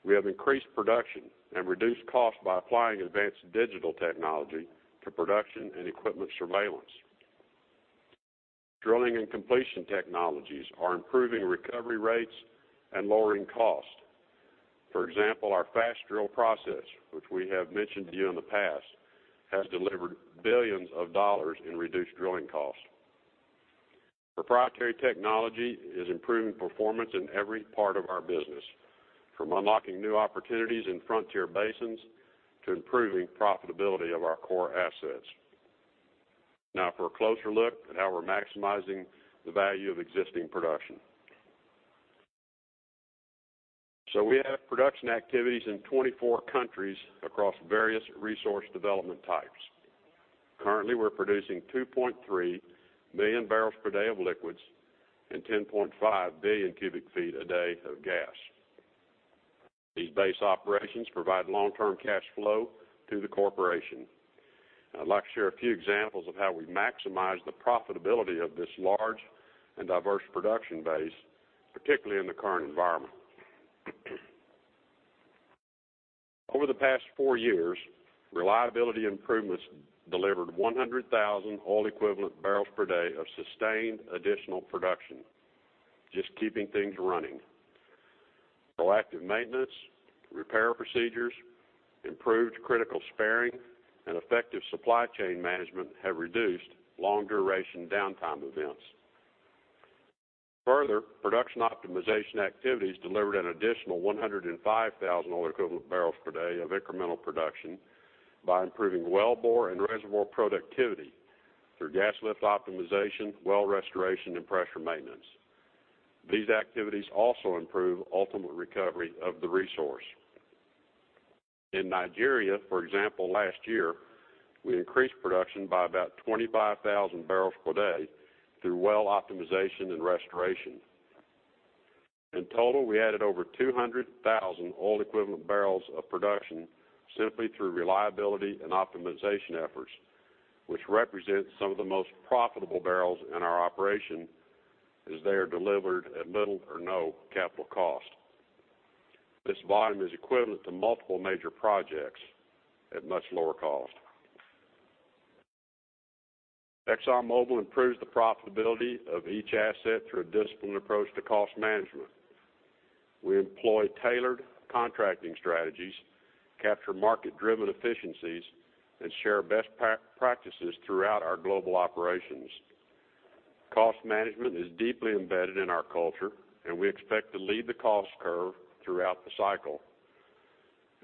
We have increased production and reduced costs by applying advanced digital technology to production and equipment surveillance. Drilling and completion technologies are improving recovery rates and lowering costs. For example, our Fast-Drill Process, which we have mentioned to you in the past, has delivered billions of dollars in reduced drilling costs. Proprietary technology is improving performance in every part of our business, from unlocking new opportunities in frontier basins to improving profitability of our core assets. For a closer look at how we're maximizing the value of existing production. We have production activities in 24 countries across various resource development types. Currently, we're producing 2.3 million barrels per day of liquids and 10.5 billion cubic feet a day of gas. These base operations provide long-term cash flow to the corporation. I'd like to share a few examples of how we maximize the profitability of this large and diverse production base, particularly in the current environment. Over the past four years, reliability improvements delivered 100,000 oil equivalent barrels per day of sustained additional production, just keeping things running. Proactive maintenance, repair procedures, improved critical sparing, and effective supply chain management have reduced long-duration downtime events. Further, production optimization activities delivered an additional 105,000 oil equivalent barrels per day of incremental production. By improving wellbore and reservoir productivity through gas lift optimization, well restoration, and pressure maintenance. These activities also improve ultimate recovery of the resource. In Nigeria, for example, last year, we increased production by about 25,000 barrels per day through well optimization and restoration. In total, we added over 200,000 oil equivalent barrels of production simply through reliability and optimization efforts, which represent some of the most profitable barrels in our operation, as they are delivered at little or no capital cost. This volume is equivalent to multiple major projects at much lower cost. ExxonMobil improves the profitability of each asset through a disciplined approach to cost management. We employ tailored contracting strategies, capture market-driven efficiencies, and share best practices throughout our global operations. Cost management is deeply embedded in our culture, we expect to lead the cost curve throughout the cycle.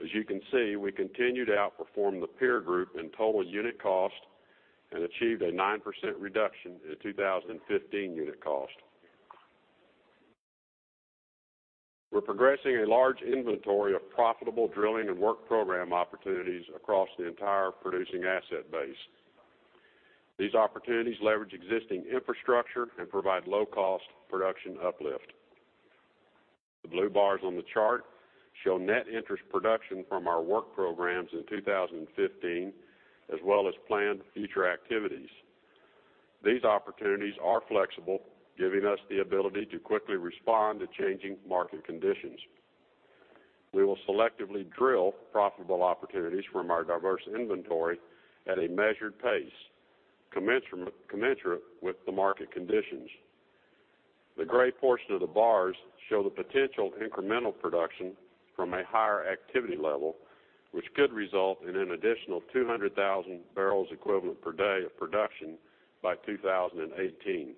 As you can see, we continue to outperform the peer group in total unit cost and achieved a 9% reduction in 2015 unit cost. We're progressing a large inventory of profitable drilling and work program opportunities across the entire producing asset base. These opportunities leverage existing infrastructure and provide low-cost production uplift. The blue bars on the chart show net interest production from our work programs in 2015, as well as planned future activities. These opportunities are flexible, giving us the ability to quickly respond to changing market conditions. We will selectively drill profitable opportunities from our diverse inventory at a measured pace, commensurate with the market conditions. The gray portion of the bars show the potential incremental production from a higher activity level, which could result in an additional 200,000 barrels equivalent per day of production by 2018.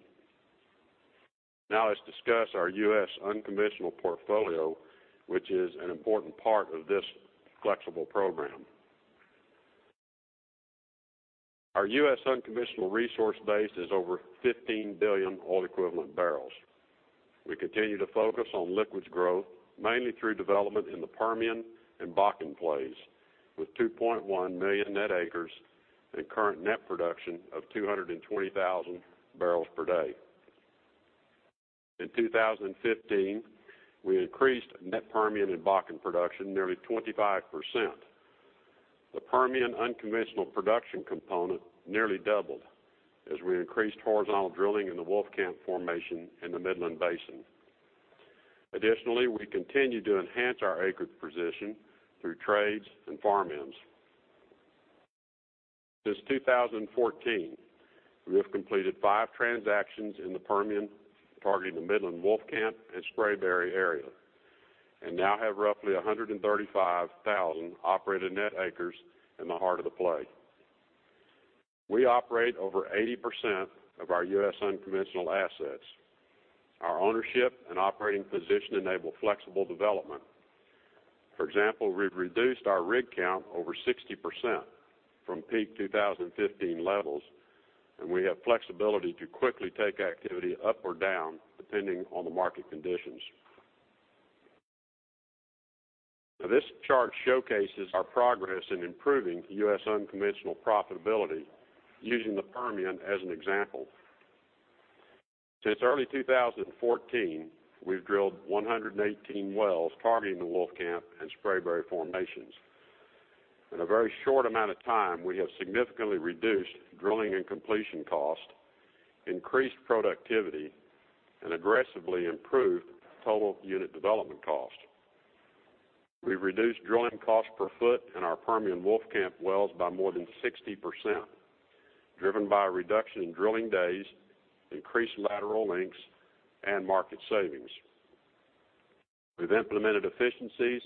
Let's discuss our U.S. unconventional portfolio, which is an important part of this flexible program. Our U.S. unconventional resource base is over 15 billion oil equivalent barrels. We continue to focus on liquids growth, mainly through development in the Permian and Bakken plays, with 2.1 million net acres and current net production of 220,000 barrels per day. In 2015, we increased net Permian and Bakken production nearly 25%. The Permian unconventional production component nearly doubled as we increased horizontal drilling in the Wolfcamp formation in the Midland Basin. We continue to enhance our acreage position through trades and farm-ins. Since 2014, we have completed 5 transactions in the Permian targeting the Midland Wolfcamp and Spraberry area and now have roughly 135,000 operated net acres in the heart of the play. We operate over 80% of our U.S. unconventional assets. Our ownership and operating position enable flexible development. For example, we've reduced our rig count over 60% from peak 2015 levels, and we have flexibility to quickly take activity up or down depending on the market conditions. This chart showcases our progress in improving U.S. unconventional profitability using the Permian as an example. Since early 2014, we've drilled 118 wells targeting the Wolfcamp and Spraberry formations. In a very short amount of time, we have significantly reduced drilling and completion cost, increased productivity, and aggressively improved total unit development cost. We've reduced drilling cost per foot in our Permian Wolfcamp wells by more than 60%, driven by a reduction in drilling days, increased lateral lengths, and market savings. We've implemented efficiencies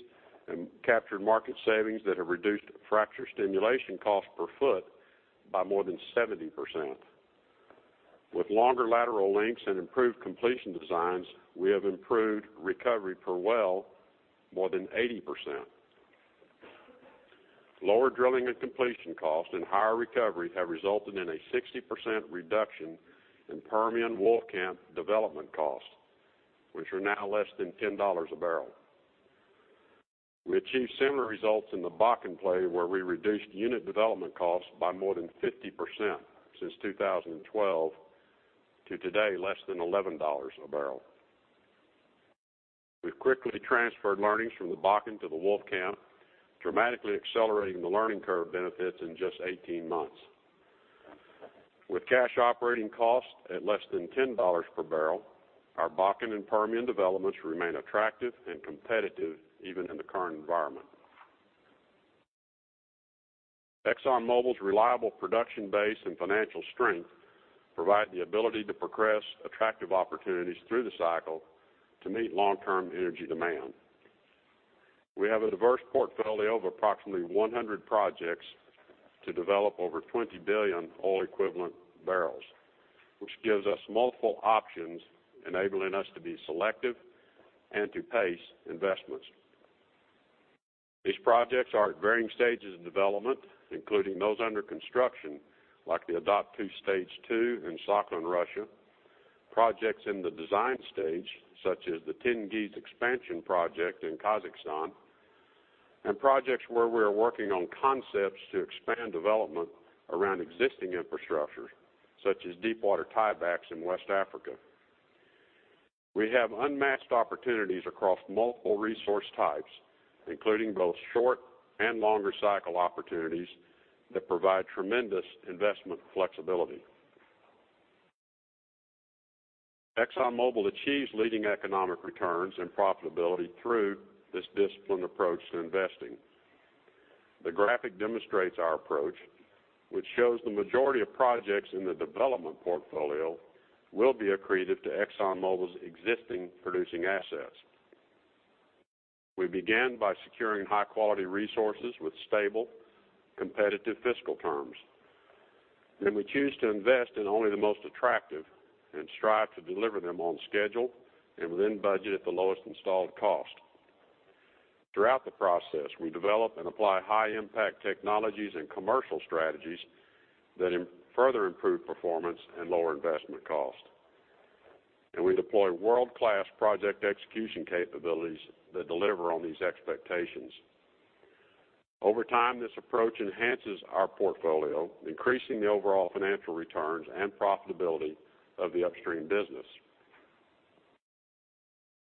and captured market savings that have reduced fracture stimulation cost per foot by more than 70%. With longer lateral lengths and improved completion designs, we have improved recovery per well more than 80%. Lower drilling and completion cost and higher recovery have resulted in a 60% reduction in Permian Wolfcamp development costs, which are now less than $10 a barrel. We achieved similar results in the Bakken play, where we reduced unit development costs by more than 50% since 2012 to today less than $11 a barrel. We've quickly transferred learnings from the Bakken to the Wolfcamp, dramatically accelerating the learning curve benefits in just 18 months. With cash operating costs at less than $10 per barrel, our Bakken and Permian developments remain attractive and competitive even in the current environment. ExxonMobil's reliable production base and financial strength provide the ability to progress attractive opportunities through the cycle to meet long-term energy demand. We have a diverse portfolio of approximately 100 projects to develop over 20 billion oil equivalent barrels, which gives us multiple options, enabling us to be selective and to pace investments. These projects are at varying stages of development, including those under construction, like the Arkutun-Dagi Stage 2 in Sakhalin, Russia, projects in the design stage, such as the Tengiz expansion project in Kazakhstan, and projects where we're working on concepts to expand development around existing infrastructure, such as deepwater tiebacks in West Africa. We have unmatched opportunities across multiple resource types, including both short and longer cycle opportunities that provide tremendous investment flexibility. ExxonMobil achieves leading economic returns and profitability through this disciplined approach to investing. The graphic demonstrates our approach, which shows the majority of projects in the development portfolio will be accretive to ExxonMobil's existing producing assets. We begin by securing high-quality resources with stable, competitive fiscal terms. We choose to invest in only the most attractive and strive to deliver them on schedule and within budget at the lowest installed cost. Throughout the process, we develop and apply high-impact technologies and commercial strategies that further improve performance and lower investment cost. We deploy world-class project execution capabilities that deliver on these expectations. Over time, this approach enhances our portfolio, increasing the overall financial returns and profitability of the upstream business.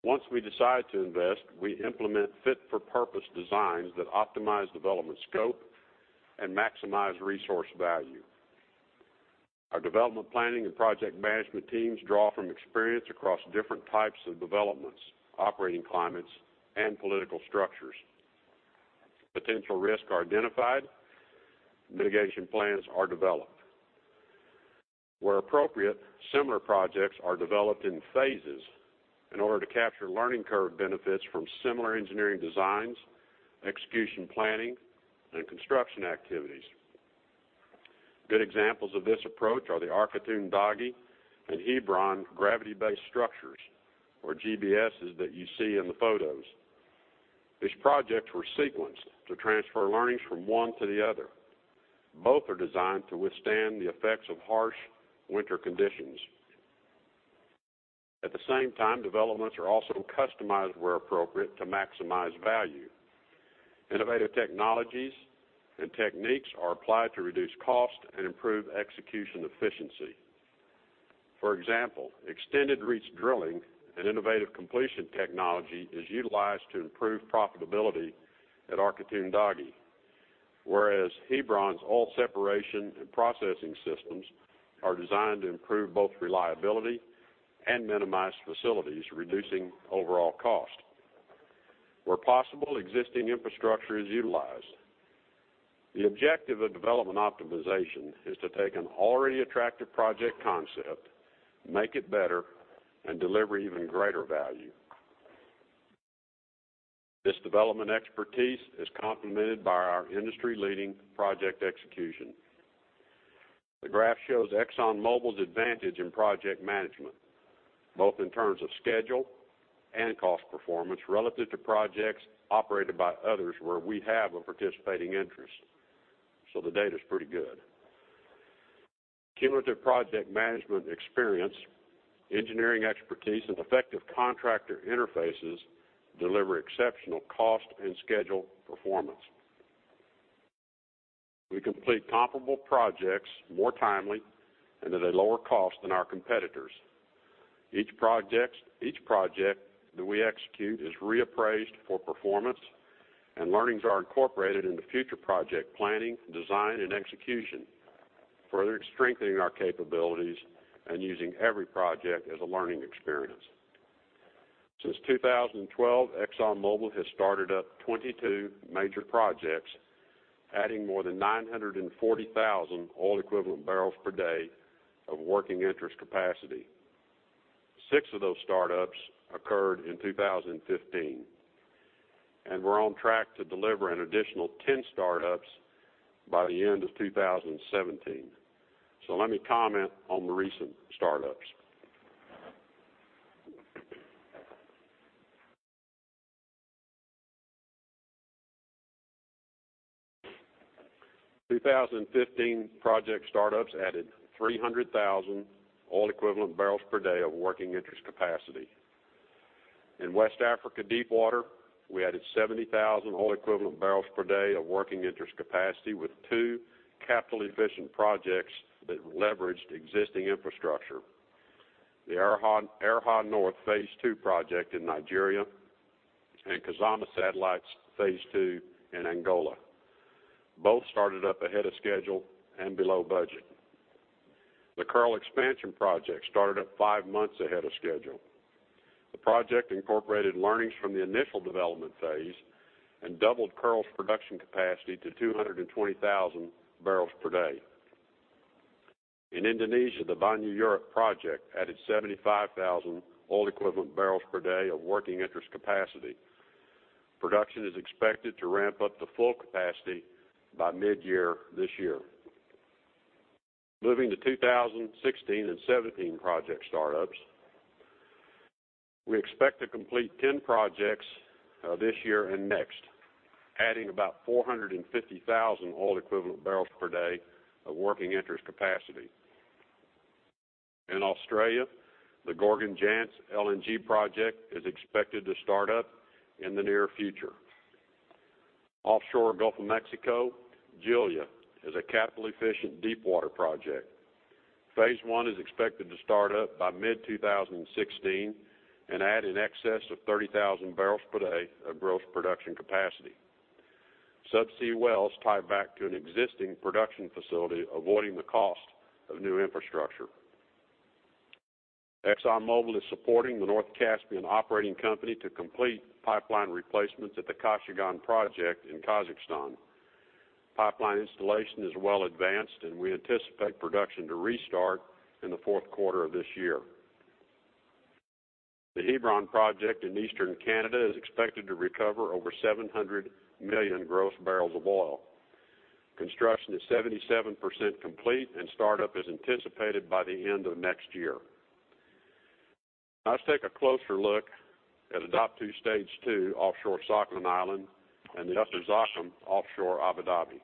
Once we decide to invest, we implement fit-for-purpose designs that optimize development scope and maximize resource value. Our development planning and project management teams draw from experience across different types of developments, operating climates, and political structures. Potential risks are identified, mitigation plans are developed. Where appropriate, similar projects are developed in phases in order to capture learning curve benefits from similar engineering designs, execution planning, and construction activities. Good examples of this approach are the Arkutun-Dagi and Hebron gravity-based structures, or GBSs, that you see in the photos. These projects were sequenced to transfer learnings from one to the other. Both are designed to withstand the effects of harsh winter conditions. At the same time, developments are also customized where appropriate to maximize value. Innovative technologies and techniques are applied to reduce cost and improve execution efficiency. For example, extended-reach drilling and innovative completion technology is utilized to improve profitability at Arkutun-Dagi, whereas Hebron's oil separation and processing systems are designed to improve both reliability and minimize facilities, reducing overall cost. Where possible, existing infrastructure is utilized. The objective of development optimization is to take an already attractive project concept, make it better, and deliver even greater value. This development expertise is complemented by our industry-leading project execution. The graph shows ExxonMobil's advantage in project management, both in terms of schedule and cost performance relative to projects operated by others where we have a participating interest. The data's pretty good. Cumulative project management experience, engineering expertise, and effective contractor interfaces deliver exceptional cost and schedule performance. We complete comparable projects more timely and at a lower cost than our competitors. Each project that we execute is reappraised for performance, and learnings are incorporated into future project planning, design, and execution, further strengthening our capabilities and using every project as a learning experience. Since 2012, ExxonMobil has started up 22 major projects, adding more than 940,000 oil equivalent barrels per day of working interest capacity. Six of those startups occurred in 2015, and we are on track to deliver an additional 10 startups by the end of 2017. Let me comment on the recent startups. 2015 project startups added 300,000 oil equivalent barrels per day of working interest capacity. In West Africa Deepwater, we added 70,000 oil-equivalent barrels per day of working interest capacity with two capital-efficient projects that leveraged existing infrastructure, the Erha North Phase 2 project in Nigeria and Kizomba Satellites Phase 2 in Angola. Both started up ahead of schedule and below budget. The Kearl Expansion project started up five months ahead of schedule. The project incorporated learnings from the initial development phase and doubled Kearl's production capacity to 220,000 barrels per day. In Indonesia, the Banyu Urip project added 75,000 oil-equivalent barrels per day of working interest capacity. Production is expected to ramp up to full capacity by mid-year this year. Moving to 2016 and 2017 project startups. We expect to complete 10 projects this year and next, adding about 450,000 oil equivalent barrels per day of working interest capacity. In Australia, the Gorgon Jansz LNG project is expected to start up in the near future. Offshore Gulf of Mexico, Julia is a capital-efficient deepwater project. Phase 1 is expected to start up by mid-2016 and add in excess of 30,000 barrels per day of gross production capacity. Subsea wells tie back to an existing production facility, avoiding the cost of new infrastructure. ExxonMobil is supporting the North Caspian Operating Company to complete pipeline replacements at the Kashagan project in Kazakhstan. Pipeline installation is well advanced, and we anticipate production to restart in the fourth quarter of this year. The Hebron project in eastern Canada is expected to recover over 700 million gross barrels of oil. Construction is 77% complete, and startup is anticipated by the end of next year. Now let's take a closer look at Arkutun-Dagi Stage Two offshore Sakhalin Island and the Upper Zakum offshore Abu Dhabi.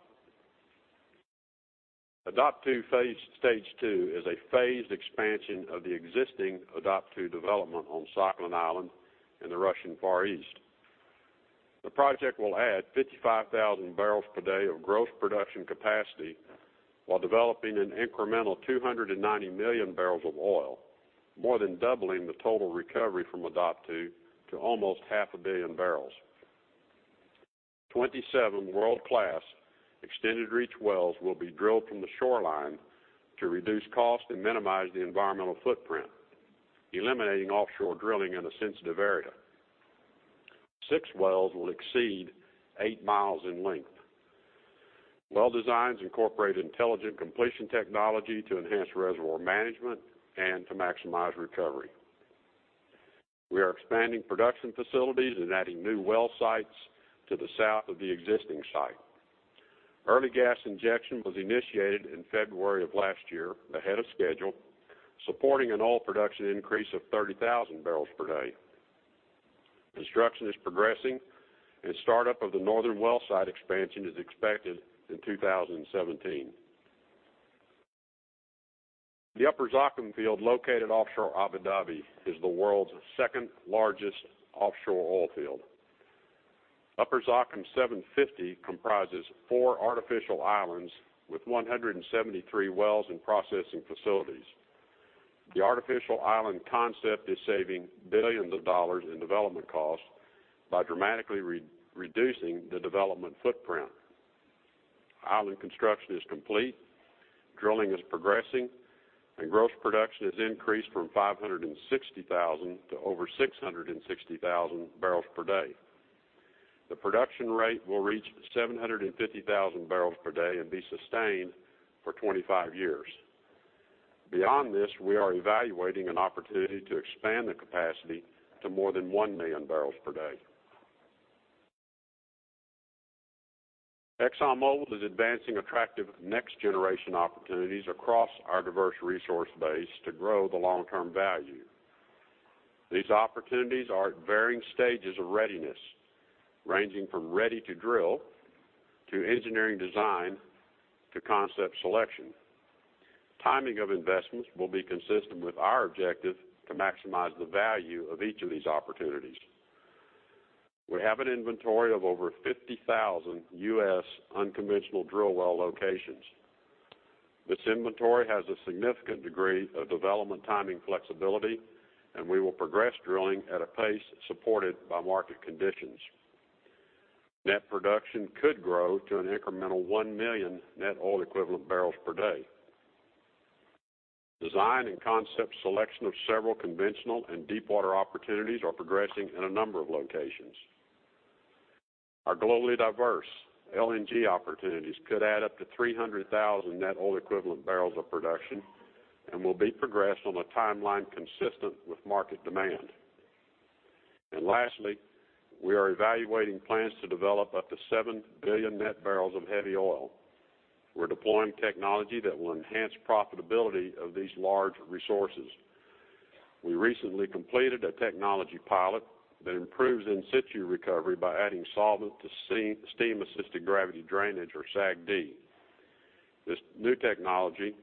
Arkutun-Dagi Stage Two is a phased expansion of the existing Arkutun-Dagi development on Sakhalin Island in the Russian Far East. The project will add 55,000 barrels per day of gross production capacity while developing an incremental 290 million barrels of oil, more than doubling the total recovery from Arkutun-Dagi to almost half a billion barrels. 27 world-class extended reach wells will be drilled from the shoreline to reduce cost and minimize the environmental footprint, eliminating offshore drilling in a sensitive area. Six wells will exceed eight miles in length. Well designs incorporate intelligent completion technology to enhance reservoir management and to maximize recovery. We are expanding production facilities and adding new well sites to the south of the existing site. Early gas injection was initiated in February of last year, ahead of schedule, supporting an oil production increase of 30,000 barrels per day. Construction is progressing, and startup of the northern well site expansion is expected in 2017. The Upper Zakum field, located offshore Abu Dhabi, is the world's second-largest offshore oil field. Upper Zakum 750 comprises four artificial islands with 173 wells and processing facilities. The artificial island concept is saving billions of dollars in development costs by dramatically reducing the development footprint. Island construction is complete, drilling is progressing, and gross production has increased from 560,000 to over 660,000 barrels per day. The production rate will reach 750,000 barrels per day and be sustained for 25 years. Beyond this, we are evaluating an opportunity to expand the capacity to more than one million barrels per day. ExxonMobil is advancing attractive next-generation opportunities across our diverse resource base to grow the long-term value. These opportunities are at varying stages of readiness, ranging from ready to drill to engineering design to concept selection. Timing of investments will be consistent with our objective to maximize the value of each of these opportunities. We have an inventory of over 50,000 U.S. unconventional drill well locations. This inventory has a significant degree of development timing flexibility, and we will progress drilling at a pace supported by market conditions. Net production could grow to an incremental 1 million net oil equivalent barrels per day. Design and concept selection of several conventional and deepwater opportunities are progressing in a number of locations. Our globally diverse LNG opportunities could add up to 300,000 net oil equivalent barrels of production and will be progressed on a timeline consistent with market demand. Lastly, we are evaluating plans to develop up to 7 billion net barrels of heavy oil. We're deploying technology that will enhance profitability of these large resources. We recently completed a technology pilot that improves in situ recovery by adding solvent to steam-assisted gravity drainage, or SAGD. This new technology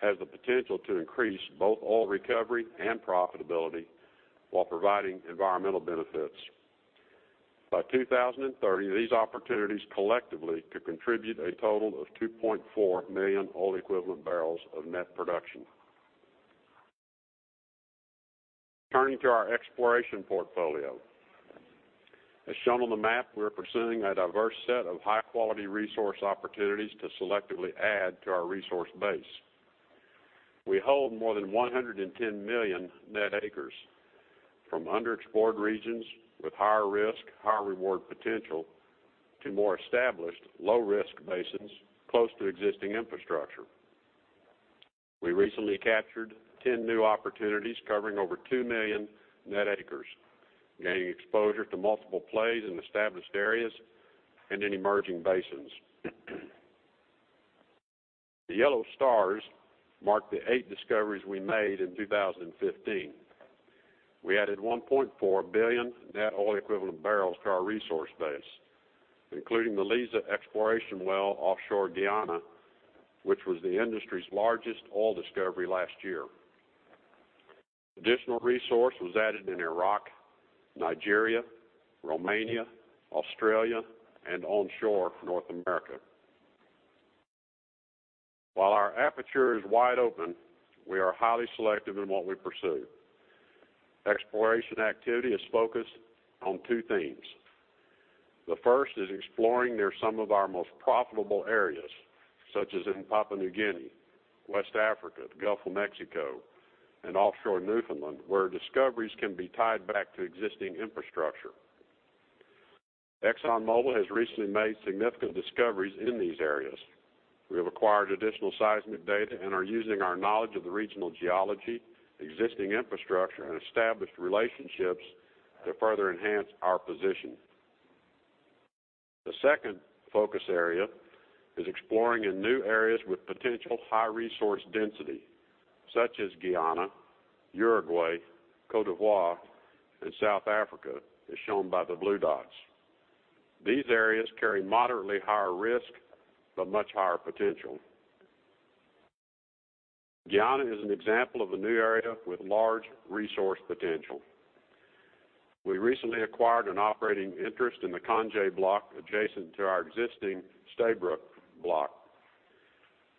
has the potential to increase both oil recovery and profitability while providing environmental benefits. By 2030, these opportunities collectively could contribute a total of 2.4 million oil equivalent barrels of net production. Turning to our exploration portfolio. As shown on the map, we're pursuing a diverse set of high-quality resource opportunities to selectively add to our resource base. We hold more than 110 million net acres from underexplored regions with higher risk, higher reward potential to more established low-risk basins close to existing infrastructure. We recently captured 10 new opportunities covering over 2 million net acres, gaining exposure to multiple plays in established areas and in emerging basins. The yellow stars mark the eight discoveries we made in 2015. We added 1.4 billion net oil equivalent barrels to our resource base, including the Liza exploration well offshore Guyana, which was the industry's largest oil discovery last year. Additional resource was added in Iraq, Nigeria, Romania, Australia, and onshore North America. While our aperture is wide open, we are highly selective in what we pursue. Exploration activity is focused on two themes. The first is exploring near some of our most profitable areas, such as in Papua New Guinea, West Africa, the Gulf of Mexico, and offshore Newfoundland, where discoveries can be tied back to existing infrastructure. ExxonMobil has recently made significant discoveries in these areas. We have acquired additional seismic data and are using our knowledge of the regional geology, existing infrastructure, and established relationships to further enhance our position. The second focus area is exploring in new areas with potential high-resource density, such as Guyana, Uruguay, Côte d'Ivoire, and South Africa, as shown by the blue dots. These areas carry moderately higher risk but much higher potential. Guyana is an example of a new area with large resource potential. We recently acquired an operating interest in the Canje block adjacent to our existing Stabroek block.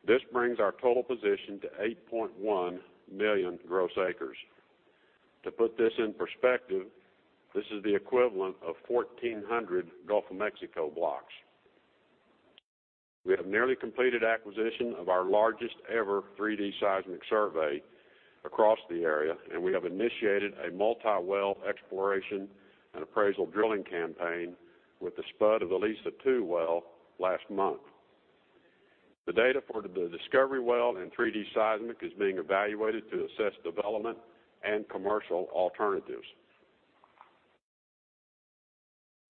This brings our total position to 8.1 million gross acres. To put this in perspective, this is the equivalent of 1,400 Gulf of Mexico blocks. We have nearly completed acquisition of our largest-ever 3D seismic survey across the area, and we have initiated a multi-well exploration and appraisal drilling campaign with the spud of the Liza-2 well last month. The data for the discovery well and 3D seismic is being evaluated to assess development and commercial alternatives.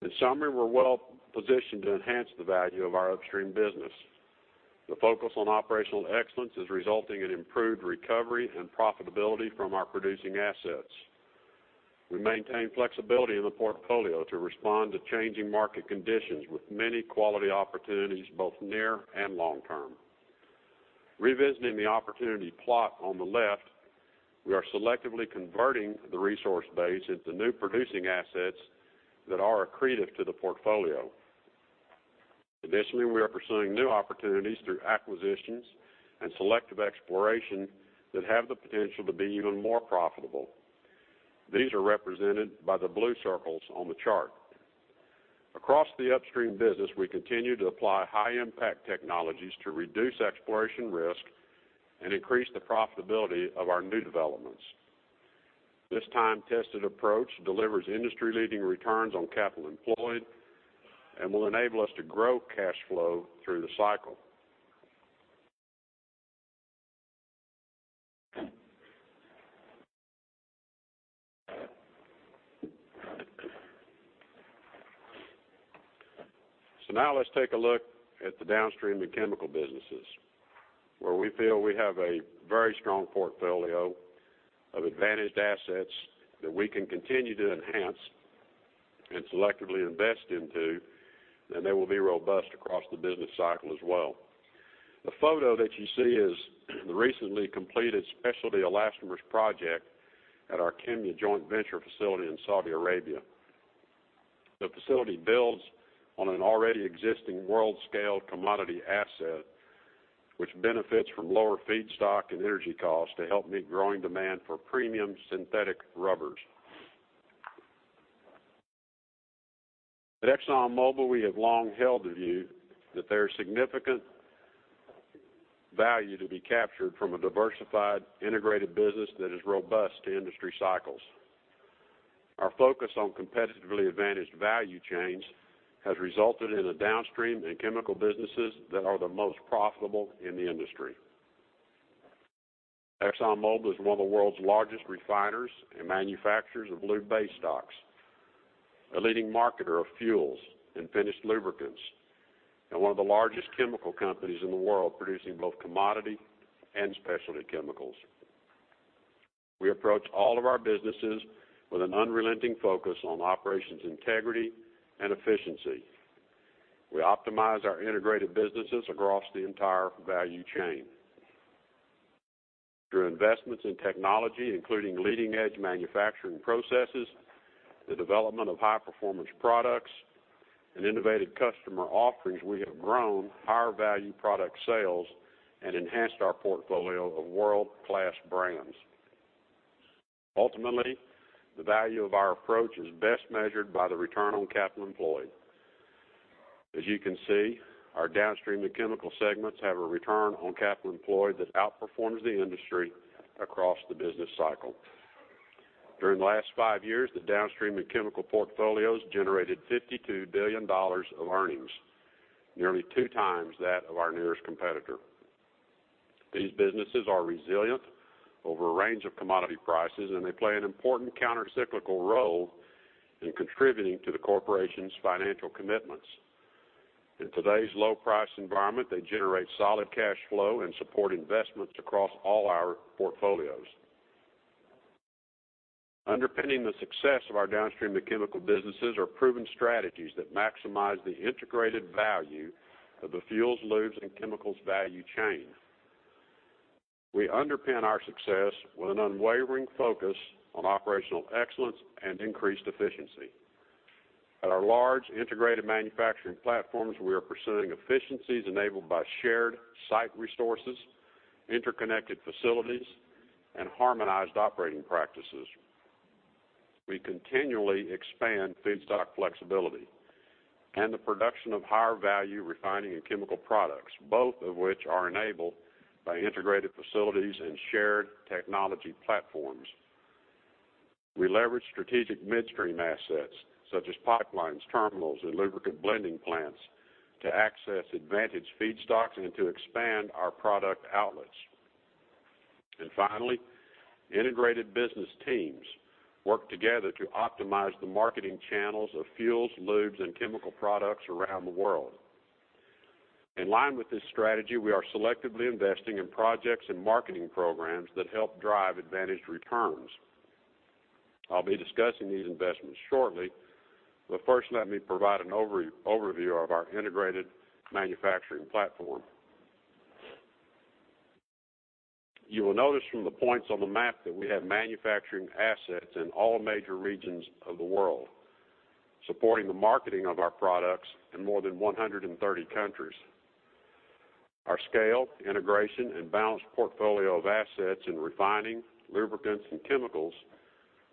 In summary, we're well-positioned to enhance the value of our upstream business. The focus on operational excellence is resulting in improved recovery and profitability from our producing assets. We maintain flexibility in the portfolio to respond to changing market conditions with many quality opportunities, both near and long-term. Revisiting the opportunity plot on the left, we are selectively converting the resource base into new producing assets that are accretive to the portfolio. Additionally, we are pursuing new opportunities through acquisitions and selective exploration that have the potential to be even more profitable. These are represented by the blue circles on the chart. Across the upstream business, we continue to apply high-impact technologies to reduce exploration risk and increase the profitability of our new developments. This time-tested approach delivers industry-leading returns on capital employed and will enable us to grow cash flow through the cycle. Now let's take a look at the downstream and chemical businesses, where we feel we have a very strong portfolio of advantaged assets that we can continue to enhance and selectively invest into, and they will be robust across the business cycle as well. The photo that you see is the recently completed specialty elastomers project at our KEMYA joint venture facility in Saudi Arabia. The facility builds on an already existing world-scale commodity asset, which benefits from lower feedstock and energy costs to help meet growing demand for premium synthetic rubbers. At ExxonMobil, we have long held the view that there is significant value to be captured from a diversified, integrated business that is robust to industry cycles. Our focus on competitively advantaged value chains has resulted in downstream and chemical businesses that are the most profitable in the industry. ExxonMobil is one of the world's largest refiners and manufacturers of lube base stocks, a leading marketer of fuels and finished lubricants, and one of the largest chemical companies in the world, producing both commodity and specialty chemicals. We approach all of our businesses with an unrelenting focus on operations integrity and efficiency. We optimize our integrated businesses across the entire value chain. Through investments in technology, including leading-edge manufacturing processes, the development of high-performance products, and innovative customer offerings, we have grown higher-value product sales and enhanced our portfolio of world-class brands. Ultimately, the value of our approach is best measured by the return on capital employed. As you can see, our downstream and chemical segments have a return on capital employed that outperforms the industry across the business cycle. During the last 5 years, the downstream and chemical portfolios generated $52 billion of earnings, nearly 2 times that of our nearest competitor. These businesses are resilient over a range of commodity prices. They play an important counter-cyclical role in contributing to the corporation's financial commitments. In today's low-price environment, they generate solid cash flow and support investments across all our portfolios. Underpinning the success of our downstream and chemical businesses are proven strategies that maximize the integrated value of the fuels, lubes, and chemicals value chain. We underpin our success with an unwavering focus on operational excellence and increased efficiency. At our large integrated manufacturing platforms, we are pursuing efficiencies enabled by shared site resources, interconnected facilities, and harmonized operating practices. We continually expand feedstock flexibility and the production of higher-value refining and chemical products, both of which are enabled by integrated facilities and shared technology platforms. We leverage strategic midstream assets such as pipelines, terminals, and lubricant blending plants to access advantage feedstocks and to expand our product outlets. Finally, integrated business teams work together to optimize the marketing channels of fuels, lubes, and chemical products around the world. In line with this strategy, we are selectively investing in projects and marketing programs that help drive advantaged returns. I'll be discussing these investments shortly, but first let me provide an overview of our integrated manufacturing platform. You will notice from the points on the map that we have manufacturing assets in all major regions of the world, supporting the marketing of our products in more than 130 countries. Our scale, integration, and balanced portfolio of assets in refining, lubricants, and chemicals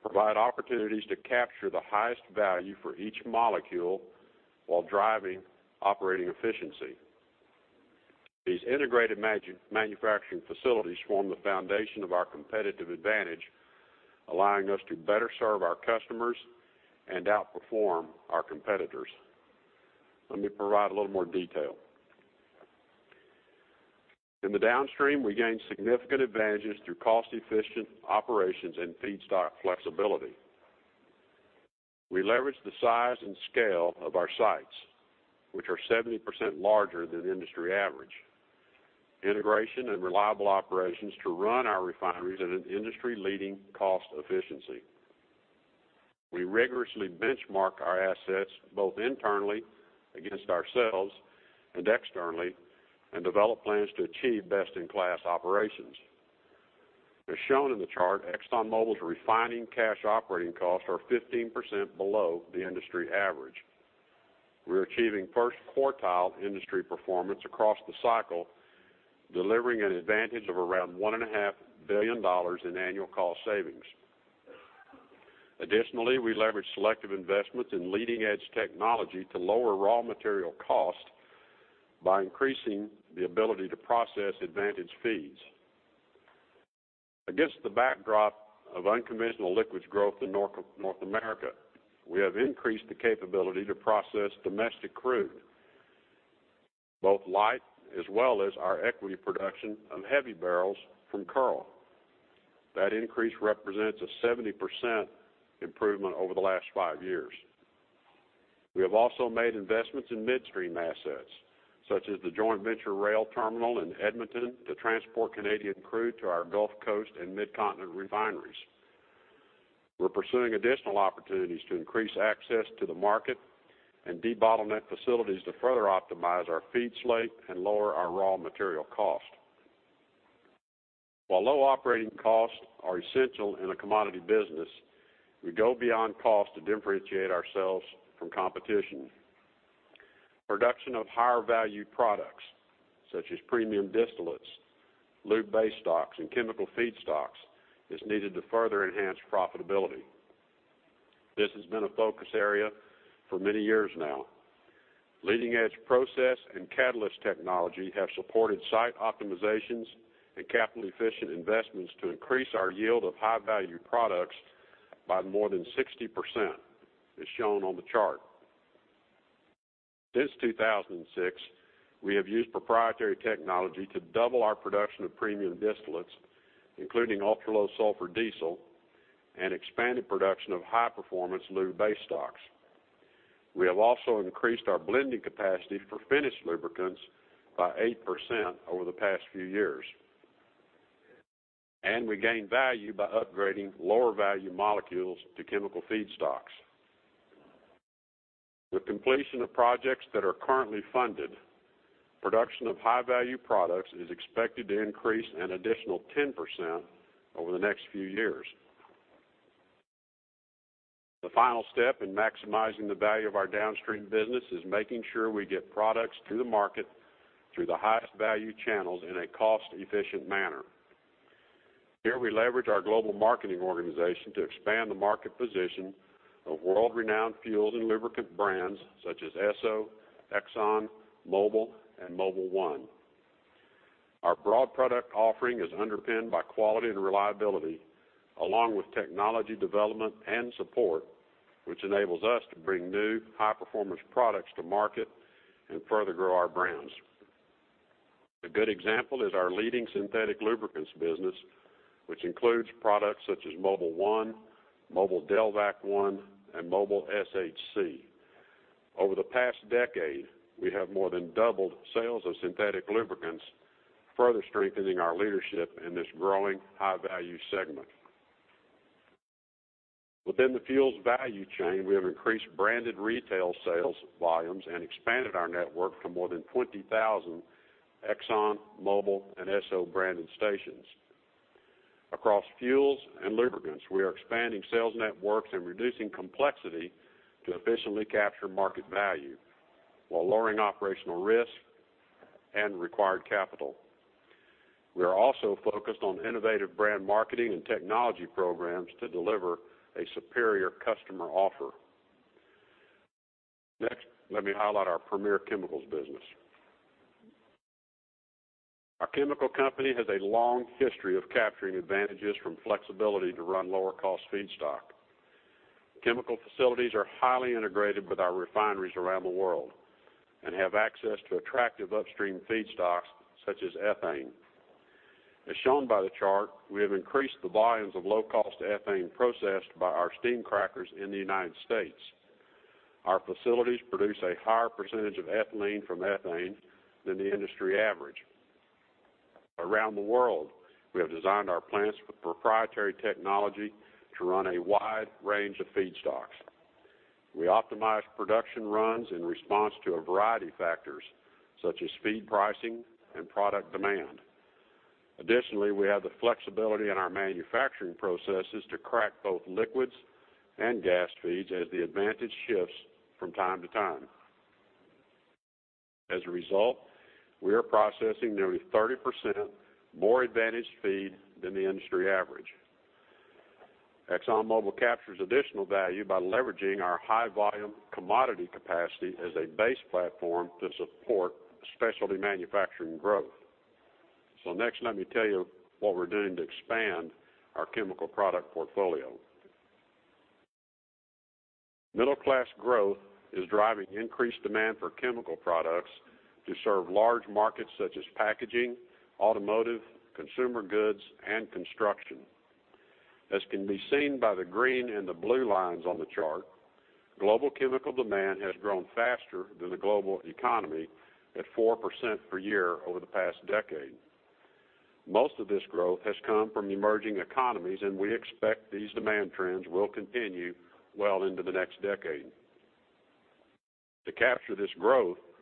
provide opportunities to capture the highest value for each molecule while driving operating efficiency. These integrated manufacturing facilities form the foundation of our competitive advantage, allowing us to better serve our customers and outperform our competitors. Let me provide a little more detail. In the downstream, we gain significant advantages through cost-efficient operations and feedstock flexibility. We leverage the size and scale of our sites, which are 70% larger than industry average. Integration and reliable operations to run our refineries at an industry-leading cost efficiency. We rigorously benchmark our assets both internally against ourselves and externally and develop plans to achieve best-in-class operations. As shown in the chart, ExxonMobil's refining cash operating costs are 15% below the industry average. We're achieving first quartile industry performance across the cycle, delivering an advantage of around $1.5 billion in annual cost savings. Additionally, we leverage selective investments in leading-edge technology to lower raw material cost by increasing the ability to process advantage feeds. Against the backdrop of unconventional liquids growth in North America, we have increased the capability to process domestic crude, both light as well as our equity production of heavy barrels from Kearl. That increase represents a 70% improvement over the last five years. We have also made investments in midstream assets, such as the joint venture rail terminal in Edmonton to transport Canadian crude to our Gulf Coast and Mid-Continent refineries. We're pursuing additional opportunities to increase access to the market and debottleneck facilities to further optimize our feed slate and lower our raw material cost. While low operating costs are essential in a commodity business, we go beyond cost to differentiate ourselves from competition. Production of higher-value products such as premium distillates, lube base stocks, and chemical feedstocks is needed to further enhance profitability. This has been a focus area for many years now. Leading-edge process and catalyst technology have supported site optimizations and capital-efficient investments to increase our yield of high-value products by more than 60%, as shown on the chart. Since 2006, we have used proprietary technology to double our production of premium distillates, including ultra-low sulfur diesel and expanded production of high-performance lube base stocks. We have also increased our blending capacity for finished lubricants by 8% over the past few years. We gain value by upgrading lower-value molecules to chemical feedstocks. With completion of projects that are currently funded, production of high-value products is expected to increase an additional 10% over the next few years. The final step in maximizing the value of our downstream business is making sure we get products to the market through the highest value channels in a cost-efficient manner. Here we leverage our global marketing organization to expand the market position of world-renowned fuels and lubricant brands such as Esso, Exxon, Mobil, and Mobil 1. Our broad product offering is underpinned by quality and reliability, along with technology development and support, which enables us to bring new high-performance products to market and further grow our brands. A good example is our leading synthetic lubricants business, which includes products such as Mobil 1, Mobil Delvac 1, and Mobil SHC. Over the past decade, we have more than doubled sales of synthetic lubricants, further strengthening our leadership in this growing high-value segment. Within the fuels value chain, we have increased branded retail sales volumes and expanded our network to more than 20,000 Exxon, Mobil, and Esso branded stations. Across fuels and lubricants, we are expanding sales networks and reducing complexity to efficiently capture market value while lowering operational risk and required capital. We are also focused on innovative brand marketing and technology programs to deliver a superior customer offer. Let me highlight our premier chemicals business. Our chemical company has a long history of capturing advantages from flexibility to run lower-cost feedstock. Chemical facilities are highly integrated with our refineries around the world and have access to attractive upstream feedstocks such as ethane. As shown by the chart, we have increased the volumes of low-cost ethane processed by our steam crackers in the U.S. Our facilities produce a higher percentage of ethylene from ethane than the industry average. Around the world, we have designed our plants with proprietary technology to run a wide range of feedstocks. We optimize production runs in response to a variety of factors such as feed pricing and product demand. Additionally, we have the flexibility in our manufacturing processes to crack both liquids and gas feeds as the advantage shifts from time to time. As a result, we are processing nearly 30% more advantaged feed than the industry average. ExxonMobil captures additional value by leveraging our high-volume commodity capacity as a base platform to support specialty manufacturing growth. Let me tell you what we're doing to expand our chemical product portfolio. Middle-class growth is driving increased demand for chemical products to serve large markets such as packaging, automotive, consumer goods, and construction. As can be seen by the green and the blue lines on the chart, global chemical demand has grown faster than the global economy at 4% per year over the past decade. Most of this growth has come from emerging economies. We expect these demand trends will continue well into the next decade. To capture this growth, we have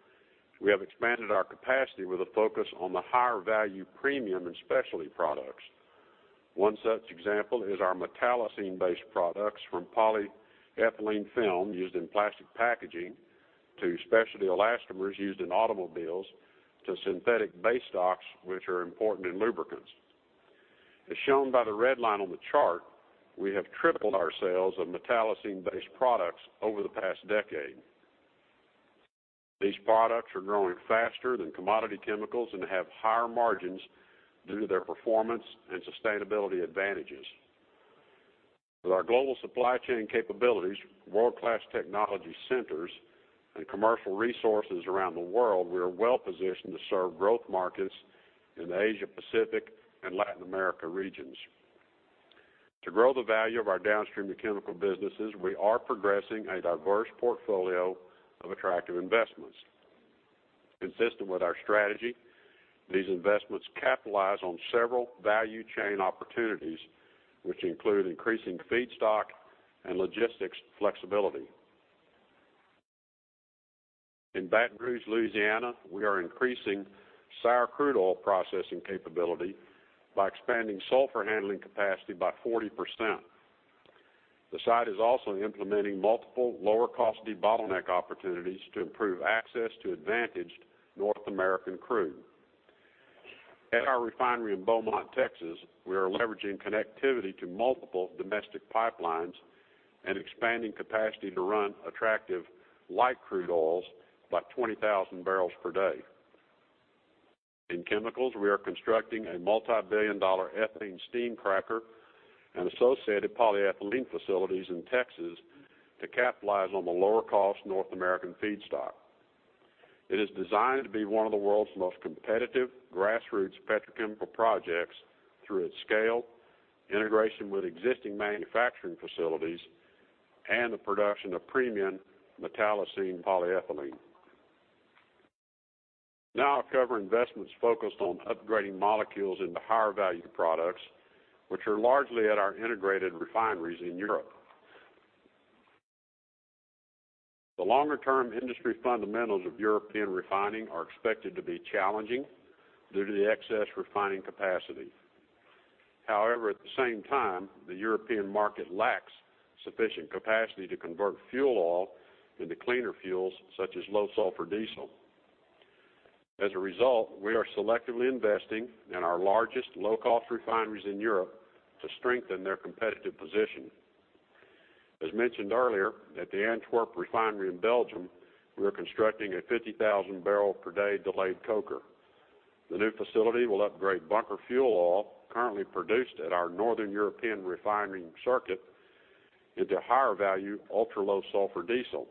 expanded our capacity with a focus on the higher-value premium and specialty products. One such example is our metallocene-based products from polyethylene film used in plastic packaging to specialty elastomers used in automobiles to synthetic base stocks, which are important in lubricants. As shown by the red line on the chart, we have tripled our sales of metallocene-based products over the past decade. These products are growing faster than commodity chemicals and have higher margins due to their performance and sustainability advantages. With our global supply chain capabilities, world-class technology centers, and commercial resources around the world, we are well-positioned to serve growth markets in the Asia-Pacific and Latin America regions. To grow the value of our downstream and chemical businesses, we are progressing a diverse portfolio of attractive investments. Consistent with our strategy, these investments capitalize on several value chain opportunities, which include increasing feedstock and logistics flexibility. In Baton Rouge, Louisiana, we are increasing sour crude oil processing capability by expanding sulfur handling capacity by 40%. The site is also implementing multiple lower-cost debottleneck opportunities to improve access to advantaged North American crude. At our refinery in Beaumont, Texas, we are leveraging connectivity to multiple domestic pipelines and expanding capacity to run attractive light crude oils by 20,000 barrels per day. In chemicals, we are constructing a multibillion-dollar ethane steam cracker and associated polyethylene facilities in Texas to capitalize on the lower-cost North American feedstock. It is designed to be one of the world's most competitive grassroots petrochemical projects through its scale, integration with existing manufacturing facilities, and the production of premium metallocene polyethylene. Now I'll cover investments focused on upgrading molecules into higher-value products, which are largely at our integrated refineries in Europe. The longer-term industry fundamentals of European refining are expected to be challenging due to the excess refining capacity. At the same time, the European market lacks sufficient capacity to convert fuel oil into cleaner fuels such as low sulfur diesel. As a result, we are selectively investing in our largest low-cost refineries in Europe to strengthen their competitive position. As mentioned earlier, at the Antwerp refinery in Belgium, we are constructing a 50,000-barrel-per-day delayed coker. The new facility will upgrade bunker fuel oil currently produced at our northern European refinery circuit into higher-value ultra-low-sulfur diesel.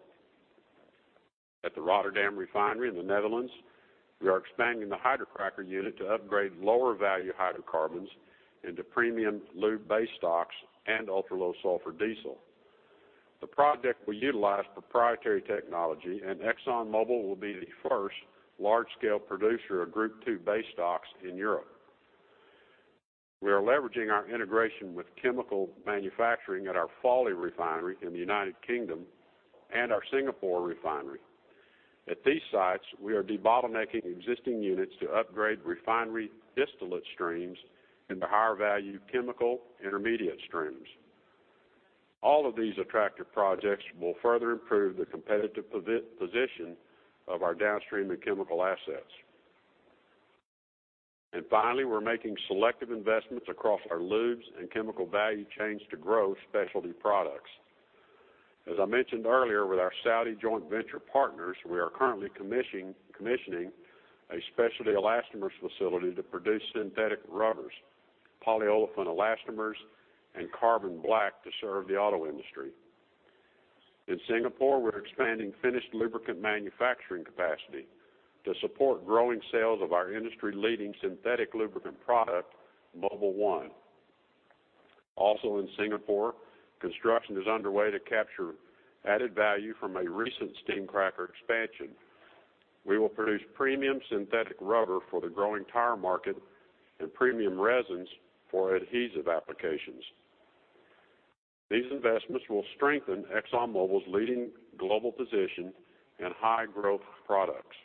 At the Rotterdam refinery in the Netherlands, we are expanding the hydrocracker unit to upgrade lower-value hydrocarbons into premium lube base stocks and ultra-low-sulfur diesel. The project will utilize proprietary technology, and ExxonMobil will be the first large-scale producer of Group II base stocks in Europe. We are leveraging our integration with chemical manufacturing at our Fawley refinery in the U.K. and our Singapore refinery. At these sites, we are debottlenecking existing units to upgrade refinery distillate streams into higher-value chemical intermediate streams. All of these attractive projects will further improve the competitive position of our downstream and chemical assets. Finally, we're making selective investments across our lubes and chemical value chains to grow specialty products. As I mentioned earlier with our Saudi joint venture partners, we are currently commissioning a specialty elastomers facility to produce synthetic rubbers, polyolefin elastomers, and carbon black to serve the auto industry. In Singapore, we're expanding finished lubricant manufacturing capacity to support growing sales of our industry-leading synthetic lubricant product, Mobil 1. Also in Singapore, construction is underway to capture added value from a recent steam cracker expansion. We will produce premium synthetic rubber for the growing tire market and premium resins for adhesive applications. These investments will strengthen ExxonMobil's leading global position in high-growth products.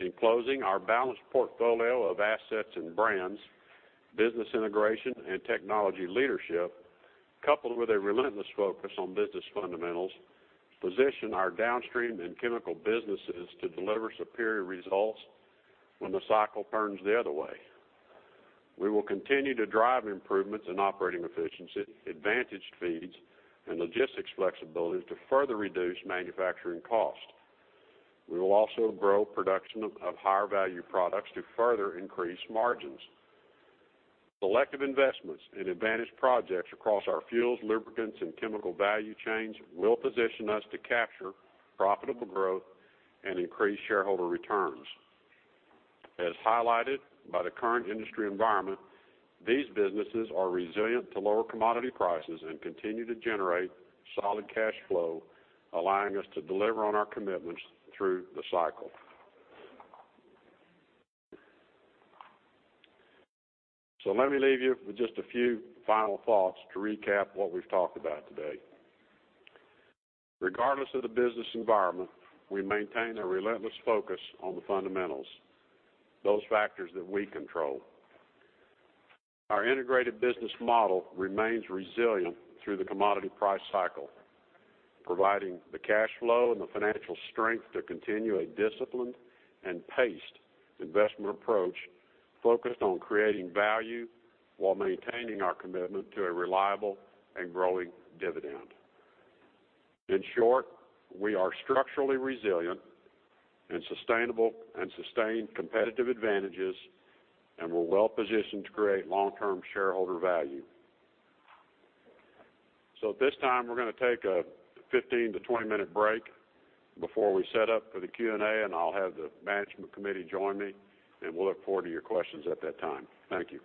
In closing, our balanced portfolio of assets and brands, business integration, and technology leadership, coupled with a relentless focus on business fundamentals, position our downstream and chemical businesses to deliver superior results when the cycle turns the other way. We will continue to drive improvements in operating efficiency, advantaged feeds, and logistics flexibility to further reduce manufacturing cost. We will also grow production of higher-value products to further increase margins. Selective investments in advantaged projects across our fuels, lubricants, and chemical value chains will position us to capture profitable growth and increase shareholder returns. As highlighted by the current industry environment, these businesses are resilient to lower commodity prices and continue to generate solid cash flow, allowing us to deliver on our commitments through the cycle. Let me leave you with just a few final thoughts to recap what we've talked about today. Regardless of the business environment, we maintain a relentless focus on the fundamentals, those factors that we control. Our integrated business model remains resilient through the commodity price cycle, providing the cash flow and the financial strength to continue a disciplined and paced investment approach focused on creating value while maintaining our commitment to a reliable and growing dividend. In short, we are structurally resilient and sustained competitive advantages, and we're well-positioned to create long-term shareholder value. At this time, we're going to take a 15- to 20-minute break before we set up for the Q&A, and I'll have the management committee join me, and we'll look forward to your questions at that time. Thank you.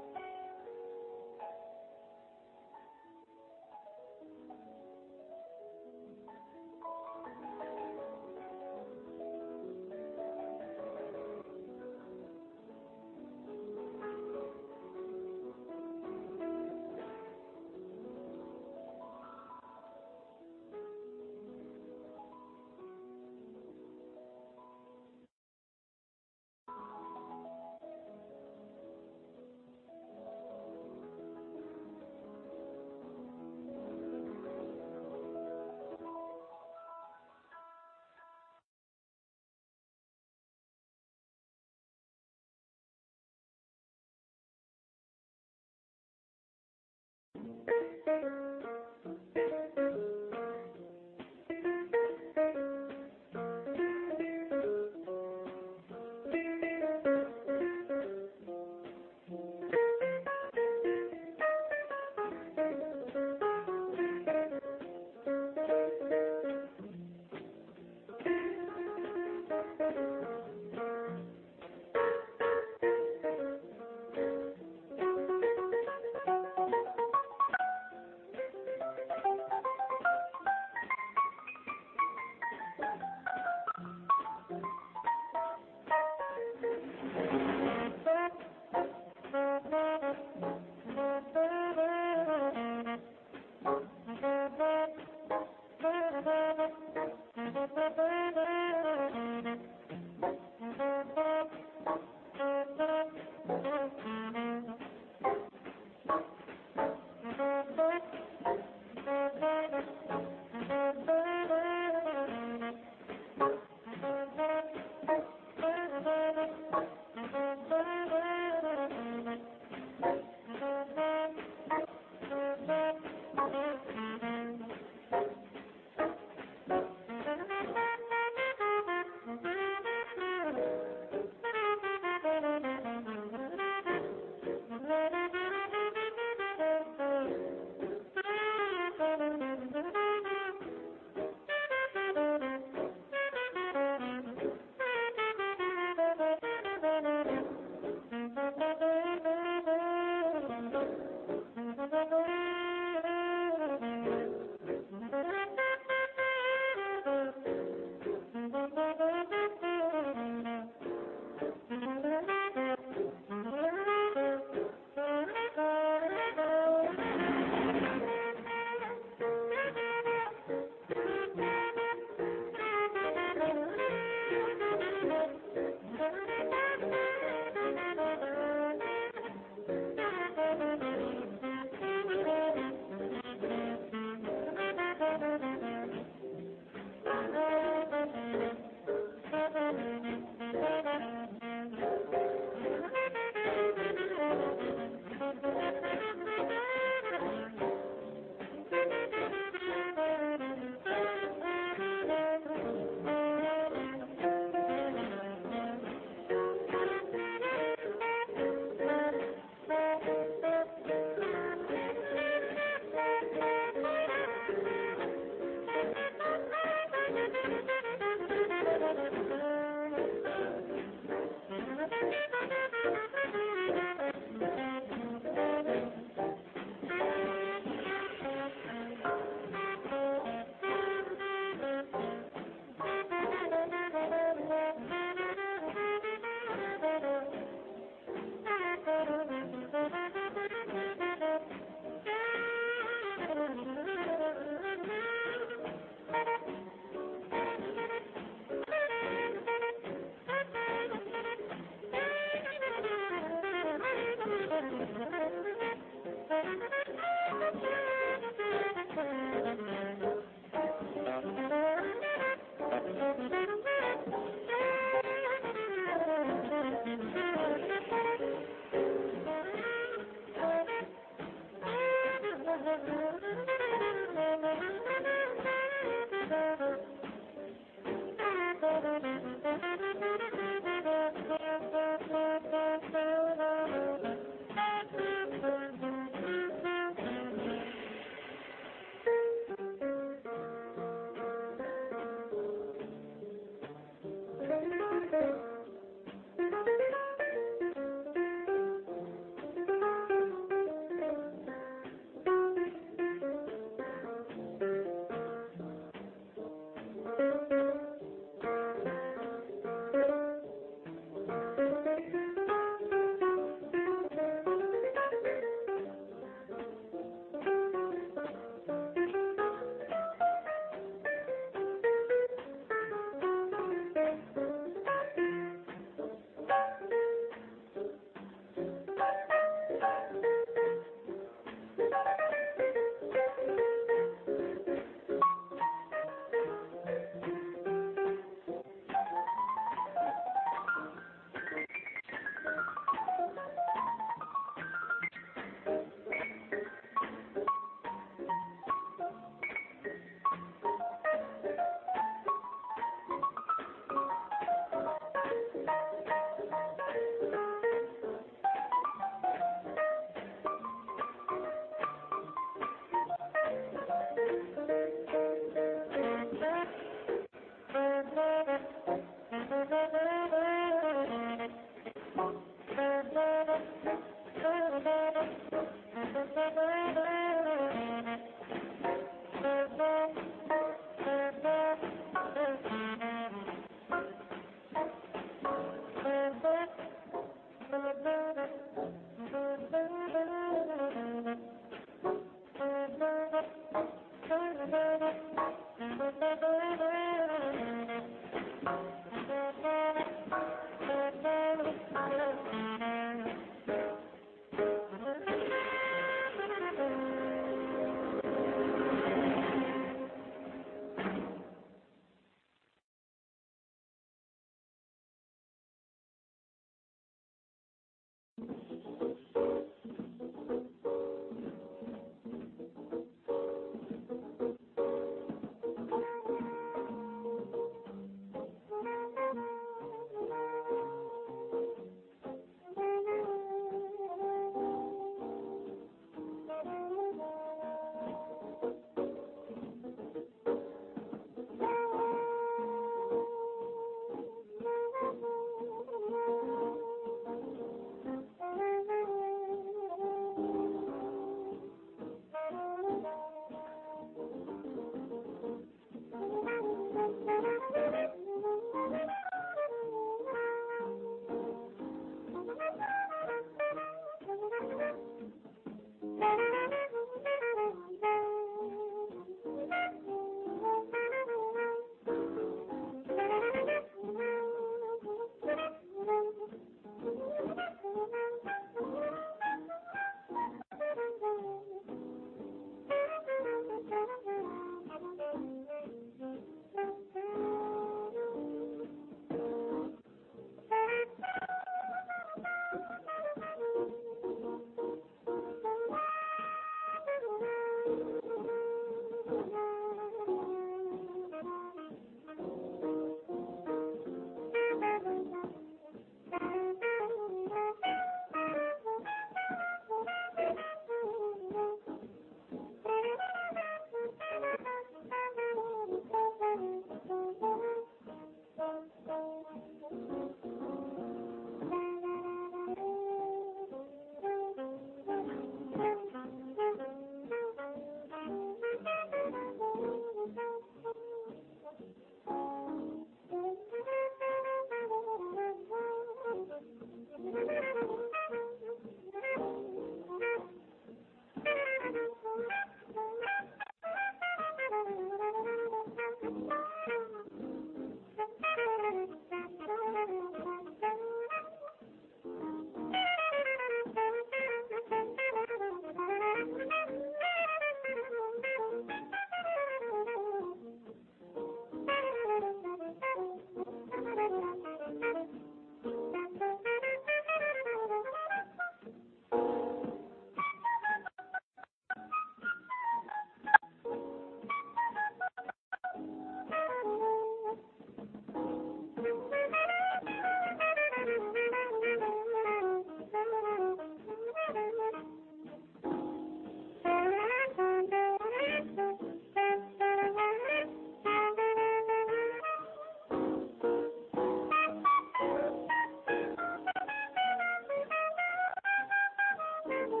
Also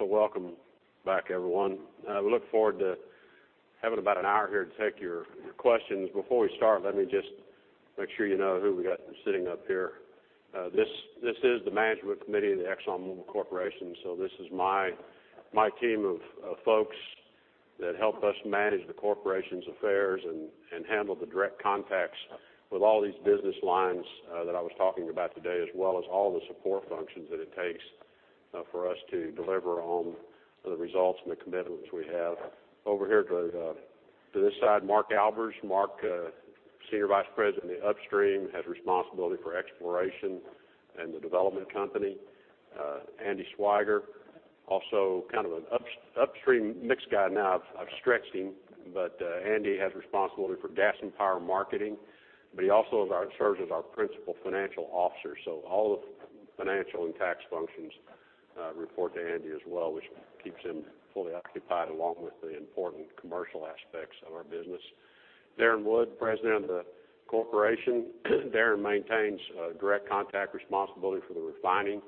welcome back everyone. I look forward to having about an hour here to take your questions. Before we start, let me just make sure you know who we got sitting up here. This is the management committee of the Exxon Mobil Corporation. This is my team of folks that help us manage the corporation's affairs and handle the direct contacts with all these business lines that I was talking about today, as well as all the support functions that it takes for us to deliver on the results and the commitments we have. Over here to this side, Mark Albers. Mark, Senior Vice President of Upstream, has responsibility for exploration and the development company. Andy Swiger, also an upstream mixed guy now. I've stretched him. But, Andy has responsibility for gas and power marketing, but he also serves as our Principal Financial Officer. All the financial and tax functions report to Andy as well, which keeps him fully occupied along with the important commercial aspects of our business. Darren Woods, President of the corporation. Darren maintains direct contact responsibility for the refining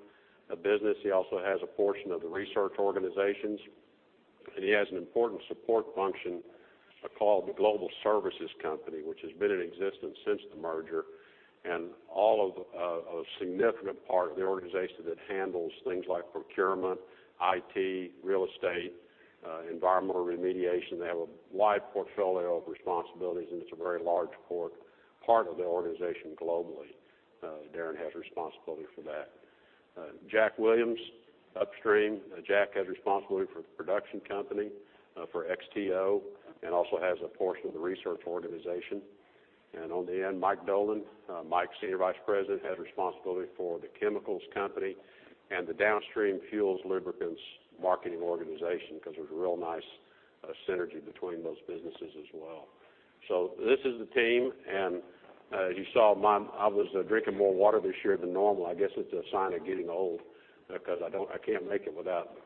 of business. He also has a portion of the research organizations, and he has an important support function called the Global Services Company, which has been in existence since the merger and a significant part of the organization that handles things like procurement, IT, real estate, environmental remediation. They have a wide portfolio of responsibilities, and it's a very large part of the organization globally. Darren has responsibility for that. Jack Williams, Upstream. Jack has responsibility for the production company, for XTO, and also has a portion of the research organization. And on the end, Mike Dolan. Mike, Senior Vice President, has responsibility for the chemicals company and the downstream fuels lubricants marketing organization, because there's a real nice synergy between those businesses as well. This is the team, and as you saw, I was drinking more water this year than normal. I guess it's a sign of getting old because I can't make it without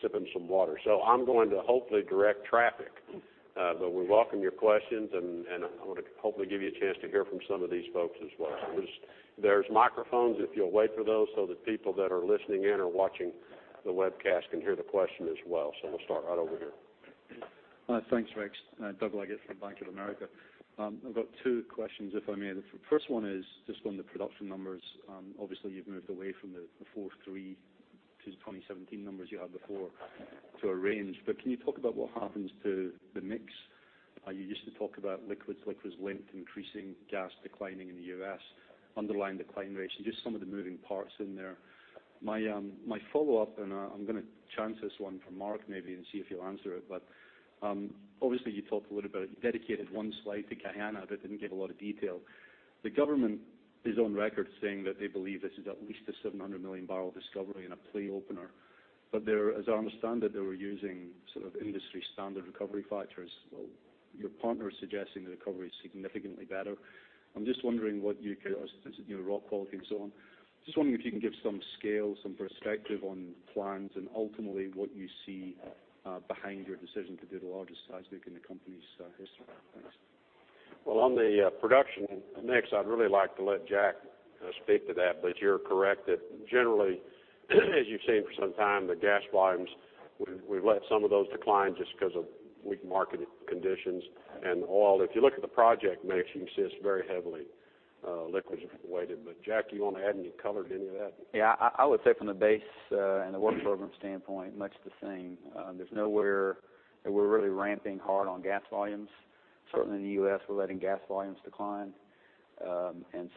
sipping some water. I'm going to hopefully direct traffic. We welcome your questions, and I want to hopefully give you a chance to hear from some of these folks as well. There's microphones if you'll wait for those so that people that are listening in or watching the webcast can hear the question as well. We'll start right over here. Thanks, Rex. Doug Leggate from Bank of America. I've got two questions, if I may. The first one is just on the production numbers. Obviously, you've moved away from the four three to 2017 numbers you had before to a range, can you talk about what happens to the mix? You used to talk about [liquids length] increasing, gas declining in the U.S., underlying decline rates, and just some of the moving parts in there. My follow-up, and I'm going to chance this one for Mark maybe and see if he'll answer it, obviously you talked a little bit, dedicated one slide to Guyana, didn't give a lot of detail. The government is on record saying that they believe this is at least a 700 million barrel discovery and a play opener. As I understand it, they were using sort of industry standard recovery factors. Well, your partner is suggesting the recovery is significantly better. I'm just wondering what you could, as you know, rock quality and so on. Just wondering if you can give some scale, some perspective on plans and ultimately what you see behind your decision to do the largest seismic in the company's history. Thanks. Well, on the production mix, I'd really like to let Jack speak to that, you're correct that generally, as you've seen for some time, the gas volumes, we've let some of those decline just because of weak market conditions. Oil, if you look at the project mix, you can see it's very heavily liquids weighted. Jack, you want to add any color to any of that? I would say from the base and the work program standpoint, much the same. There's nowhere that we're really ramping hard on gas volumes. Certainly in the U.S., we're letting gas volumes decline.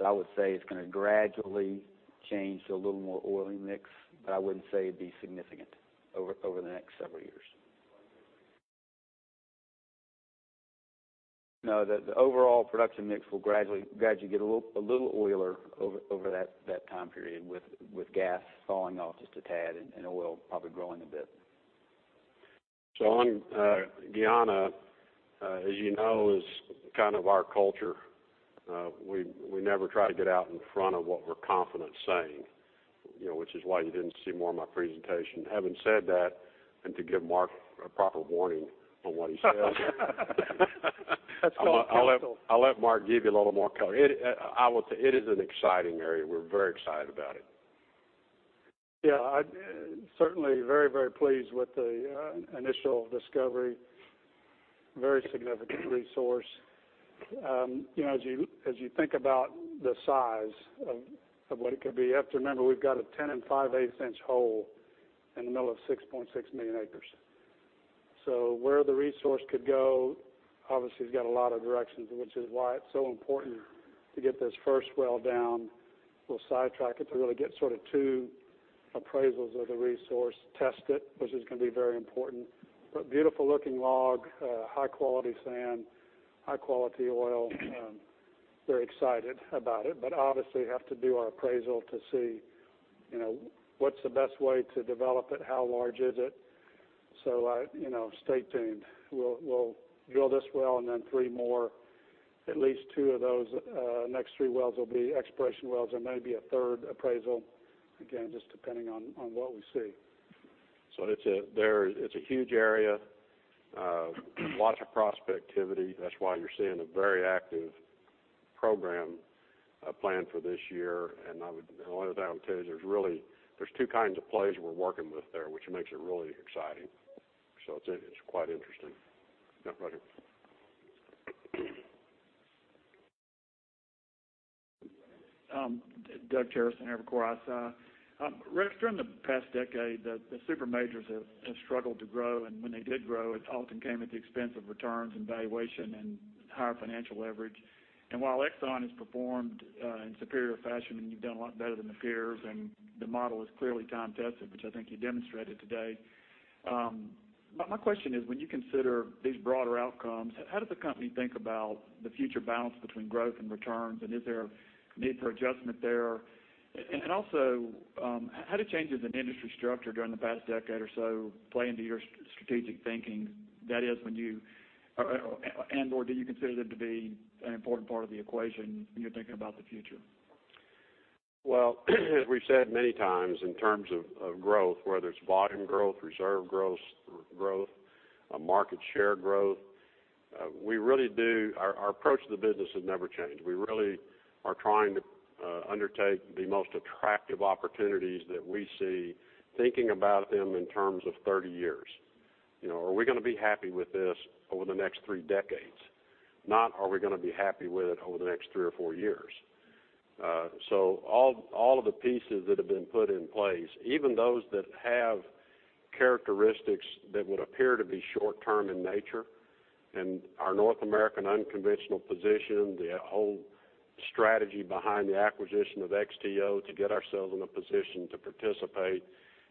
I would say it's going to gradually change to a little more oily mix, but I wouldn't say it'd be significant over the next several years. No, the overall production mix will gradually get a little oiler over that time period with gas falling off just a tad and oil probably growing a bit. On Guyana, as you know, is kind of our culture. We never try to get out in front of what we're confident saying, which is why you didn't see more in my presentation. Having said that, and to give Mark a proper warning on what he says That's called counsel. I'll let Mark give you a little more color. I would say it is an exciting area. We're very excited about it. Certainly very pleased with the initial discovery. Very significant resource. As you think about the size of what it could be, you have to remember we've got a 10 and 5/8 inch hole in the middle of 6.6 million acres. Where the resource could go, obviously has got a lot of directions, which is why it's so important to get this first well down. We'll sidetrack it to really get two appraisals of the resource, test it, which is going to be very important. Beautiful looking log, high-quality sand, high-quality oil. Very excited about it, but obviously have to do our appraisal to see what's the best way to develop it, how large is it. Stay tuned. We'll drill this well and then three more. At least two of those next three wells will be exploration wells, and maybe a third appraisal. Again, just depending on what we see. It's a huge area. Lots of prospectivity. That's why you're seeing a very active program planned for this year. The only other thing I would tell you is there's two kinds of plays we're working with there, which makes it really exciting. It's quite interesting. Right here. Doug Terreson, Evercore ISI. Rex, during the past decade, the super majors have struggled to grow, and when they did grow, it often came at the expense of returns and valuation and higher financial leverage. While Exxon has performed in superior fashion, and you've done a lot better than the peers, and the model is clearly time tested, which I think you demonstrated today. My question is: when you consider these broader outcomes, how does the company think about the future balance between growth and returns, and is there a need for adjustment there? Also, how do changes in industry structure during the past decade or so play into your strategic thinking? That is, and/or do you consider them to be an important part of the equation when you're thinking about the future? Well, as we've said many times, in terms of growth, whether it's volume growth, reserve growth, market share growth, our approach to the business has never changed. We really are trying to undertake the most attractive opportunities that we see, thinking about them in terms of 30 years. Are we going to be happy with this over the next three decades? Not, are we going to be happy with it over the next three or four years. All of the pieces that have been put in place, even those that have characteristics that would appear to be short-term in nature, and our North American unconventional position, the whole strategy behind the acquisition of XTO to get ourselves in a position to participate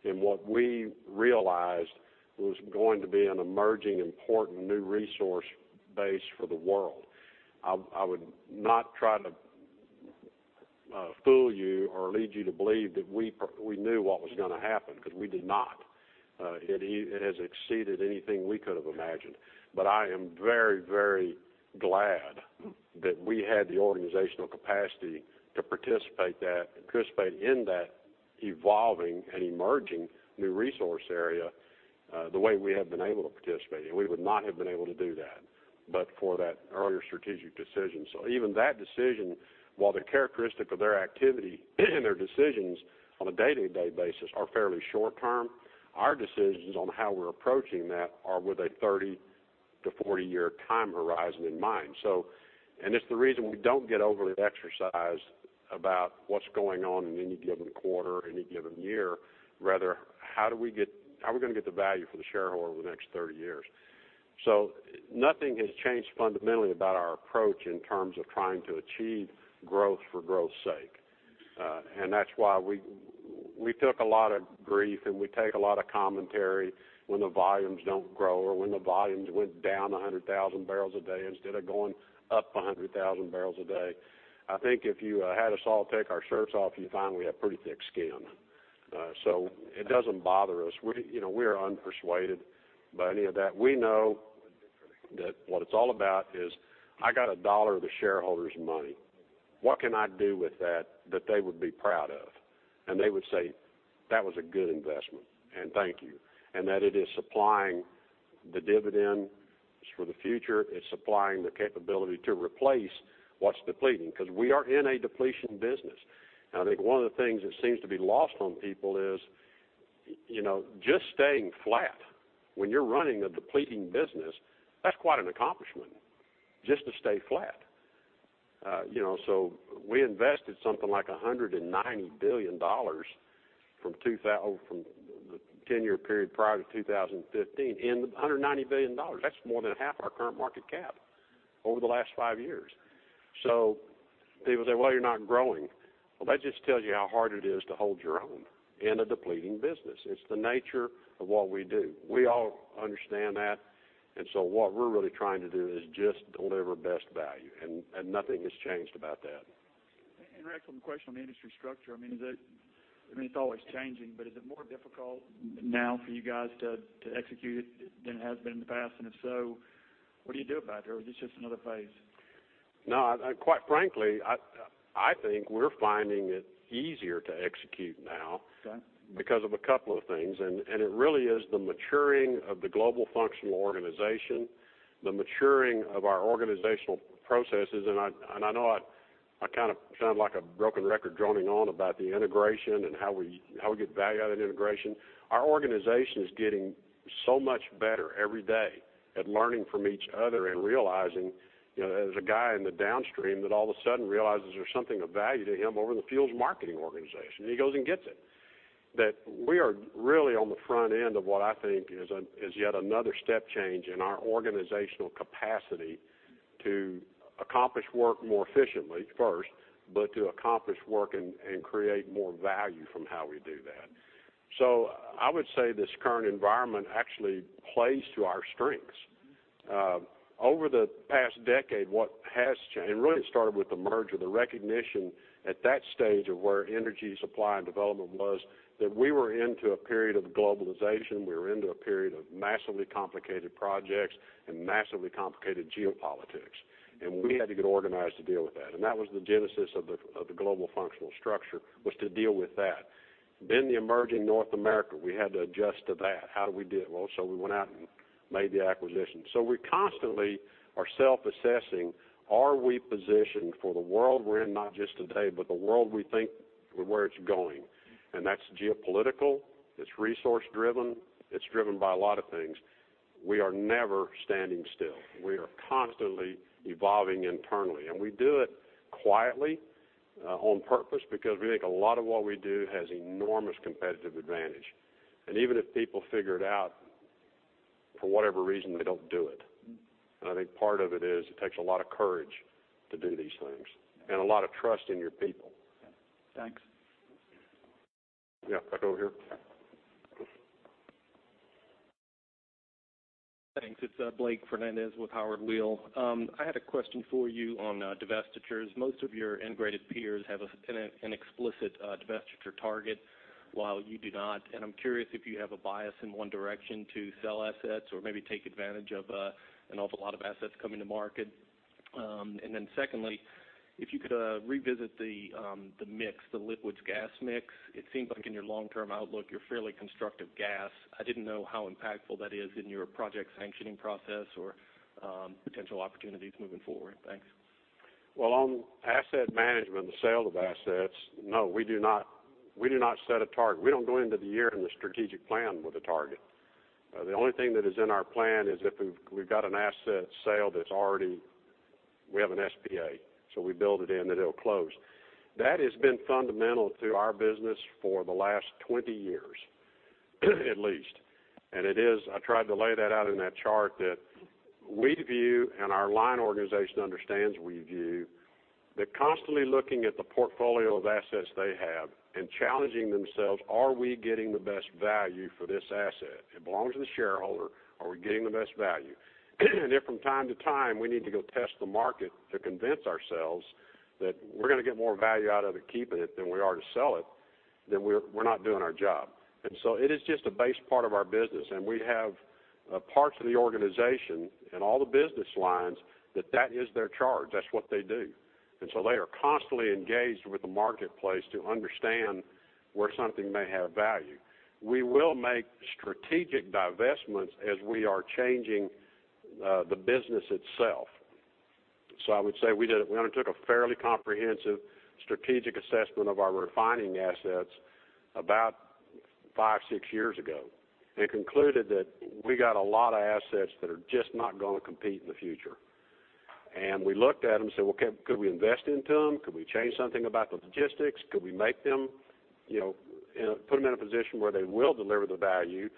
in what we realized was going to be an emerging, important new resource base for the world. I would not try to fool you or lead you to believe that we knew what was going to happen, because we did not. It has exceeded anything we could have imagined. I am very glad that we had the organizational capacity to participate in that evolving and emerging new resource area the way we have been able to participate, and we would not have been able to do that but for that earlier strategic decision. Even that decision, while the characteristic of their activity and their decisions on a day-to-day basis are fairly short term, our decisions on how we're approaching that are with a 30 to 40 year time horizon in mind. It's the reason we don't get overly exercised about what's going on in any given quarter, any given year. Rather, how are we going to get the value for the shareholder over the next 30 years? Nothing has changed fundamentally about our approach in terms of trying to achieve growth for growth's sake. That's why we took a lot of grief, and we take a lot of commentary when the volumes don't grow or when the volumes went down 100,000 barrels a day instead of going up 100,000 barrels a day. I think if you had us all take our shirts off, you'd find we have pretty thick skin. It doesn't bother us. We are unpersuaded by any of that. We know that what it's all about is, I got a dollar of the shareholder's money. What can I do with that that they would be proud of? They would say, "That was a good investment," and, "Thank you." That it is supplying the dividends for the future. It's supplying the capability to replace what's depleting, because we are in a depletion business. I think one of the things that seems to be lost on people is just staying flat when you're running a depleting business, that's quite an accomplishment. Just to stay flat. We invested something like $190 billion from the 10-year period prior to 2015 in-- $190 billion, that's more than half our current market cap, over the last five years. People say, "Well, you're not growing." Well, that just tells you how hard it is to hold your own in a depleting business. It's the nature of what we do. We all understand that. What we're really trying to do is just deliver best value, nothing has changed about that. Rex, on the question on the industry structure, it's always changing, is it more difficult now for you guys to execute it than it has been in the past? If so, what do you do about it, or is this just another phase? No, quite frankly, I think we're finding it easier to execute now. Okay. Because of a couple of things, it really is the maturing of the global functional organization, the maturing of our organizational processes. I know I kind of sound like a broken record droning on about the integration and how we get value out of that integration. Our organization is getting so much better every day at learning from each other and realizing, as a guy in the downstream that all of a sudden realizes there's something of value to him over in the fuels marketing organization, he goes and gets it. That we are really on the front end of what I think is yet another step change in our organizational capacity to accomplish work more efficiently first, to accomplish work and create more value from how we do that. I would say this current environment actually plays to our strengths. Over the past decade, what has changed, really it started with the merger, the recognition at that stage of where energy supply and development was, that we were into a period of globalization. We were into a period of massively complicated projects and massively complicated geopolitics, we had to get organized to deal with that. That was the genesis of the global functional structure, was to deal with that. The emerging North America, we had to adjust to that. How do we do it? We went out and made the acquisition. We constantly are self-assessing. Are we positioned for the world we're in, not just today, but the world we think, where it's going? That's geopolitical, it's resource driven, it's driven by a lot of things. We are never standing still. We are constantly evolving internally, we do it quietly on purpose because we think a lot of what we do has enormous competitive advantage. Even if people figure it out, for whatever reason, they don't do it. I think part of it is, it takes a lot of courage to do these things and a lot of trust in your people. Yeah. Thanks. Yeah. Back over here. Thanks. It's Blake Fernandez with Howard Weil. I had a question for you on divestitures. Most of your integrated peers have an explicit divestiture target while you do not. I'm curious if you have a bias in one direction to sell assets or maybe take advantage of an awful lot of assets coming to market. Secondly, if you could revisit the mix, the liquids-gas mix. It seems like in your long-term outlook, you're fairly constructive gas. I didn't know how impactful that is in your project sanctioning process or potential opportunities moving forward. Thanks. Well, on asset management and the sale of assets, no, we do not set a target. We don't go into the year in the strategic plan with a target. The only thing that is in our plan is if we've got an asset sale that's already, we have an SPA, so we build it in that it'll close. That has been fundamental to our business for the last 20 years, at least. It is, I tried to lay that out in that chart that we view and our line organization understands we view, that constantly looking at the portfolio of assets they have and challenging themselves, are we getting the best value for this asset? It belongs to the shareholder. Are we getting the best value? If from time to time we need to go test the market to convince ourselves that we're going to get more value out of it keeping it than we are to sell it, then we're not doing our job. It is just a base part of our business, and we have parts of the organization and all the business lines that that is their charge. That's what they do. They are constantly engaged with the marketplace to understand where something may have value. We will make strategic divestments as we are changing the business itself. I would say we undertook a fairly comprehensive strategic assessment of our refining assets about five, six years ago and concluded that we got a lot of assets that are just not going to compete in the future. We looked at them and said, "Well, could we invest into them? Could we change something about the logistics? Could we put them in a position where they will deliver the value?"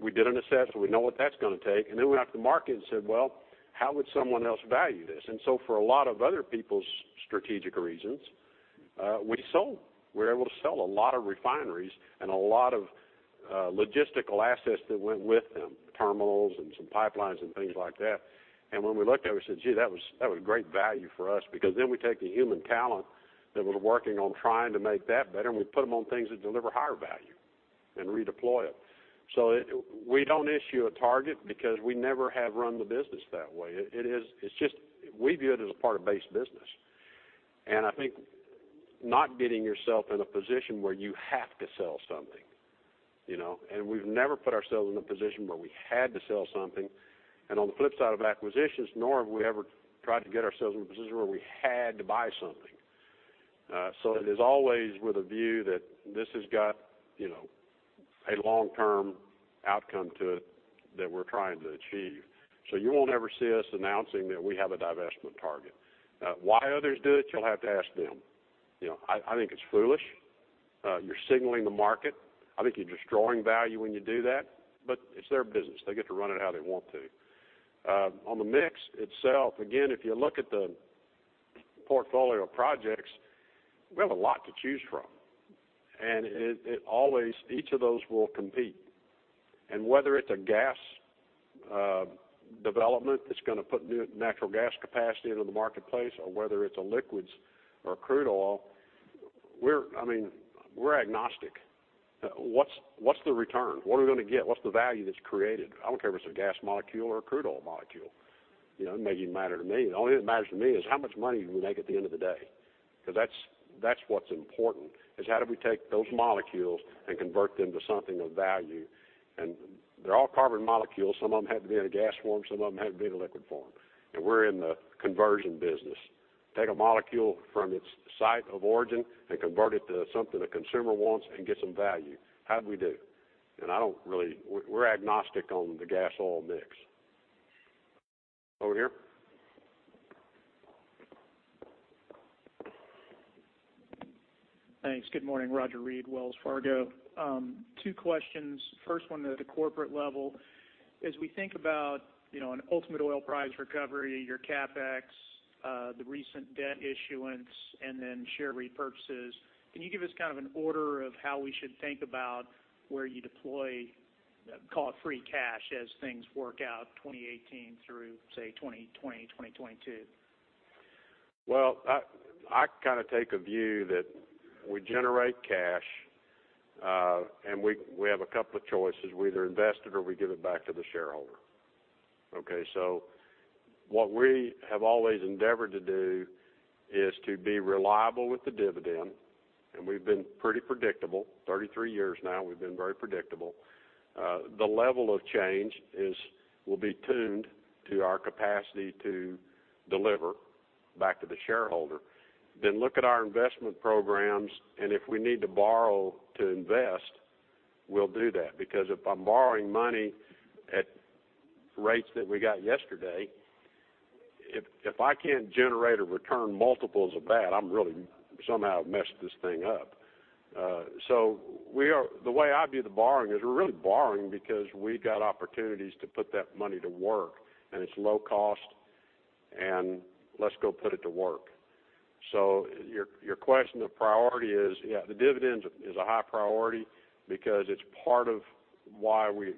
We did an assessment. We know what that's going to take. Then we went out to the market and said, "Well, how would someone else value this?" For a lot of other people's strategic reasons, we sold. We were able to sell a lot of refineries and a lot of logistical assets that went with them, terminals and some pipelines and things like that. When we looked at it, we said, "Gee, that was great value for us," because then we take the human talent that was working on trying to make that better, and we put them on things that deliver higher value and redeploy it. We don't issue a target because we never have run the business that way. We view it as a part of base business. I think not getting yourself in a position where you have to sell something. We've never put ourselves in a position where we had to sell something. On the flip side of acquisitions, nor have we ever tried to get ourselves in a position where we had to buy something. It is always with a view that this has got a long-term outcome to it that we're trying to achieve. You won't ever see us announcing that we have a divestment target. Why others do it, you'll have to ask them. I think it's foolish. You're signaling the market. I think you're destroying value when you do that, but it's their business. They get to run it how they want to. On the mix itself, again, if you look at the portfolio of projects, we have a lot to choose from. Each of those will compete. Whether it's a gas development that's going to put new natural gas capacity into the marketplace or whether it's a liquids or a crude oil, we're agnostic. What's the return? What are we going to get? What's the value that's created? I don't care if it's a gas molecule or a crude oil molecule. It doesn't even matter to me. The only thing that matters to me is how much money do we make at the end of the day? Because that's what's important, is how do we take those molecules and convert them to something of value? They're all carbon molecules. Some of them happen to be in a gas form, some of them happen to be in a liquid form. We're in the conversion business. Take a molecule from its site of origin and convert it to something the consumer wants and get some value. How did we do? We're agnostic on the gas oil mix. Over here. Thanks. Good morning. Roger Read, Wells Fargo. Two questions. First one at a corporate level. As we think about an ultimate oil price recovery, your CapEx, the recent debt issuance, and then share repurchases, can you give us an order of how we should think about where you deploy call it free cash as things work out 2018 through, say, 2020, 2022? Well, I take a view that we generate cash, and we have a couple of choices. We either invest it or we give it back to the shareholder. Okay, what we have always endeavored to do is to be reliable with the dividend, and we've been pretty predictable. 33 years now, we've been very predictable. The level of change will be tuned to our capacity to deliver back to the shareholder. Look at our investment programs, and if we need to borrow to invest, we'll do that because if I'm borrowing money at rates that we got yesterday, if I can't generate a return multiples of that, I'm really somehow messed this thing up. The way I view the borrowing is we're really borrowing because we got opportunities to put that money to work, and it's low cost, and let's go put it to work. Your question of priority is, yeah, the dividend is a high priority because it's part of why we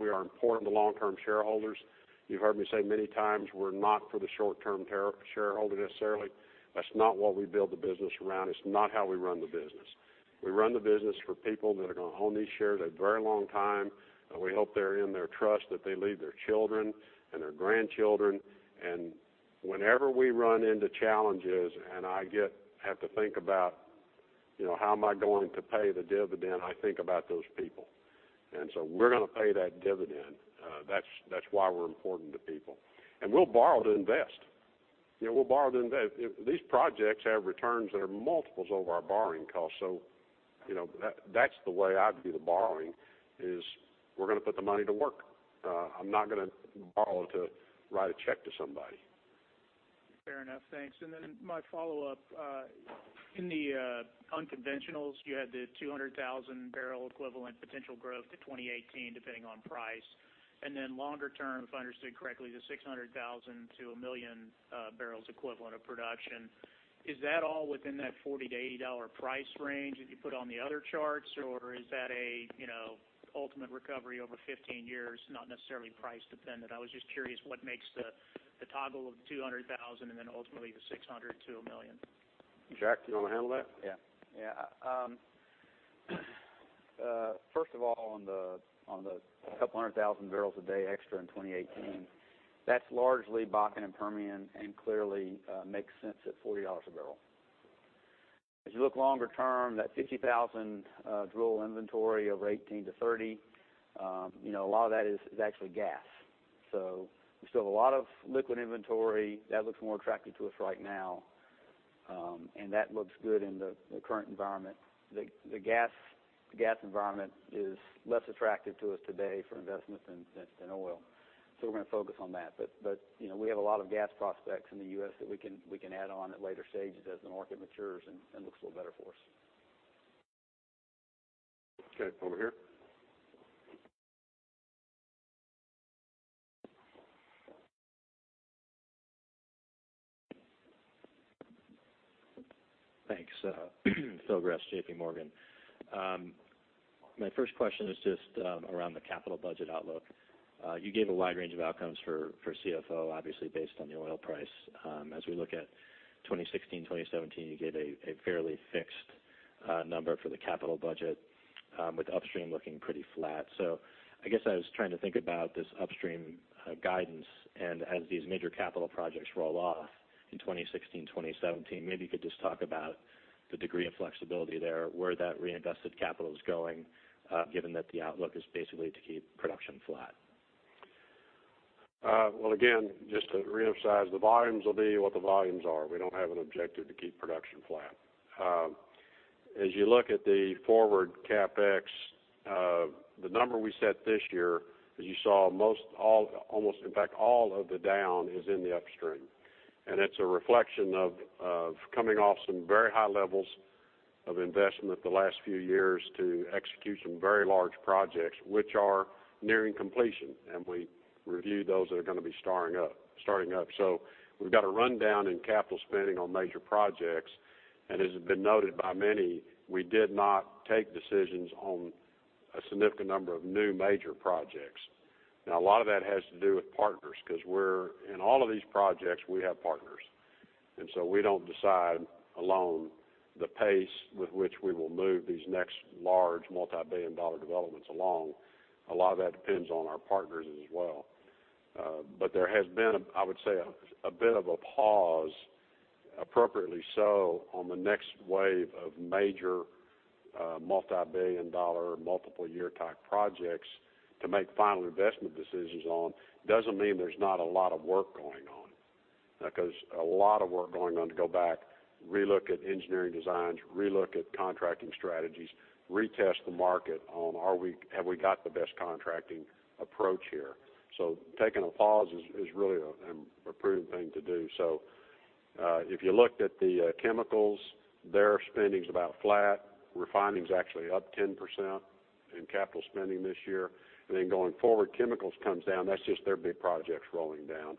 are important to long-term shareholders. You've heard me say many times, we're not for the short-term shareholder necessarily. That's not what we build the business around. It's not how we run the business. We run the business for people that are going to own these shares a very long time, and we hope they're in their trust, that they leave their children and their grandchildren. Whenever we run into challenges and I have to think about how am I going to pay the dividend, I think about those people. We're going to pay that dividend. That's why we're important to people. We'll borrow to invest. These projects have returns that are multiples over our borrowing cost. That's the way I view the borrowing, is we're going to put the money to work. I'm not going to borrow to write a check to somebody. My follow-up. In the unconventionals, you had the 200,000 barrel equivalent potential growth to 2018, depending on price. Longer term, if I understood correctly, the 600,000 to 1 million barrels equivalent of production. Is that all within that $40-$80 price range that you put on the other charts, or is that an ultimate recovery over 15 years, not necessarily price dependent? I was just curious what makes the toggle of 200,000 and then ultimately the 600,000 to 1 million. Jack, do you want to handle that? First of all, on the couple hundred thousand barrels a day extra in 2018, that's largely Bakken and Permian and clearly makes sense at $40 a barrel. As you look longer term, that 50,000 drill inventory over 2018 to 2030, a lot of that is actually gas. We still have a lot of liquid inventory. That looks more attractive to us right now. That looks good in the current environment. The gas environment is less attractive to us today for investment than oil. We're going to focus on that. We have a lot of gas prospects in the U.S. that we can add on at later stages as the market matures and looks a little better for us. Okay. Over here. Thanks. Phil Gresh, JPMorgan. My first question is just around the capital budget outlook. You gave a wide range of outcomes for CFO, obviously based on the oil price. As we look at 2016, 2017, you gave a fairly fixed number for the capital budget, with upstream looking pretty flat. I guess I was trying to think about this upstream guidance and as these major capital projects roll off in 2016, 2017, maybe you could just talk about the degree of flexibility there, where that reinvested capital is going given that the outlook is basically to keep production flat. Well, again, just to reemphasize, the volumes will be what the volumes are. We don't have an objective to keep production flat. As you look at the forward CapEx, the number we set this year, as you saw, almost in fact all of the down is in the upstream. It's a reflection of coming off some very high levels of investment the last few years to execute some very large projects, which are nearing completion, and we review those that are going to be starting up. We've got a rundown in capital spending on major projects, and as has been noted by many, we did not take decisions on a significant number of new major projects. A lot of that has to do with partners because in all of these projects, we have partners. We don't decide alone the pace with which we will move these next large multibillion-dollar developments along. A lot of that depends on our partners as well. There has been, I would say, a bit of a pause, appropriately so, on the next wave of major multibillion-dollar, multiple year type projects to make Final Investment Decisions on. It doesn't mean there's not a lot of work going on. A lot of work going on to go back, relook at engineering designs, relook at contracting strategies, retest the market on have we got the best contracting approach here? Taking a pause is really a prudent thing to do. If you looked at the chemicals, their spending's about flat. Refining's actually up 10% in capital spending this year. Going forward, chemicals comes down. That's just their big projects rolling down.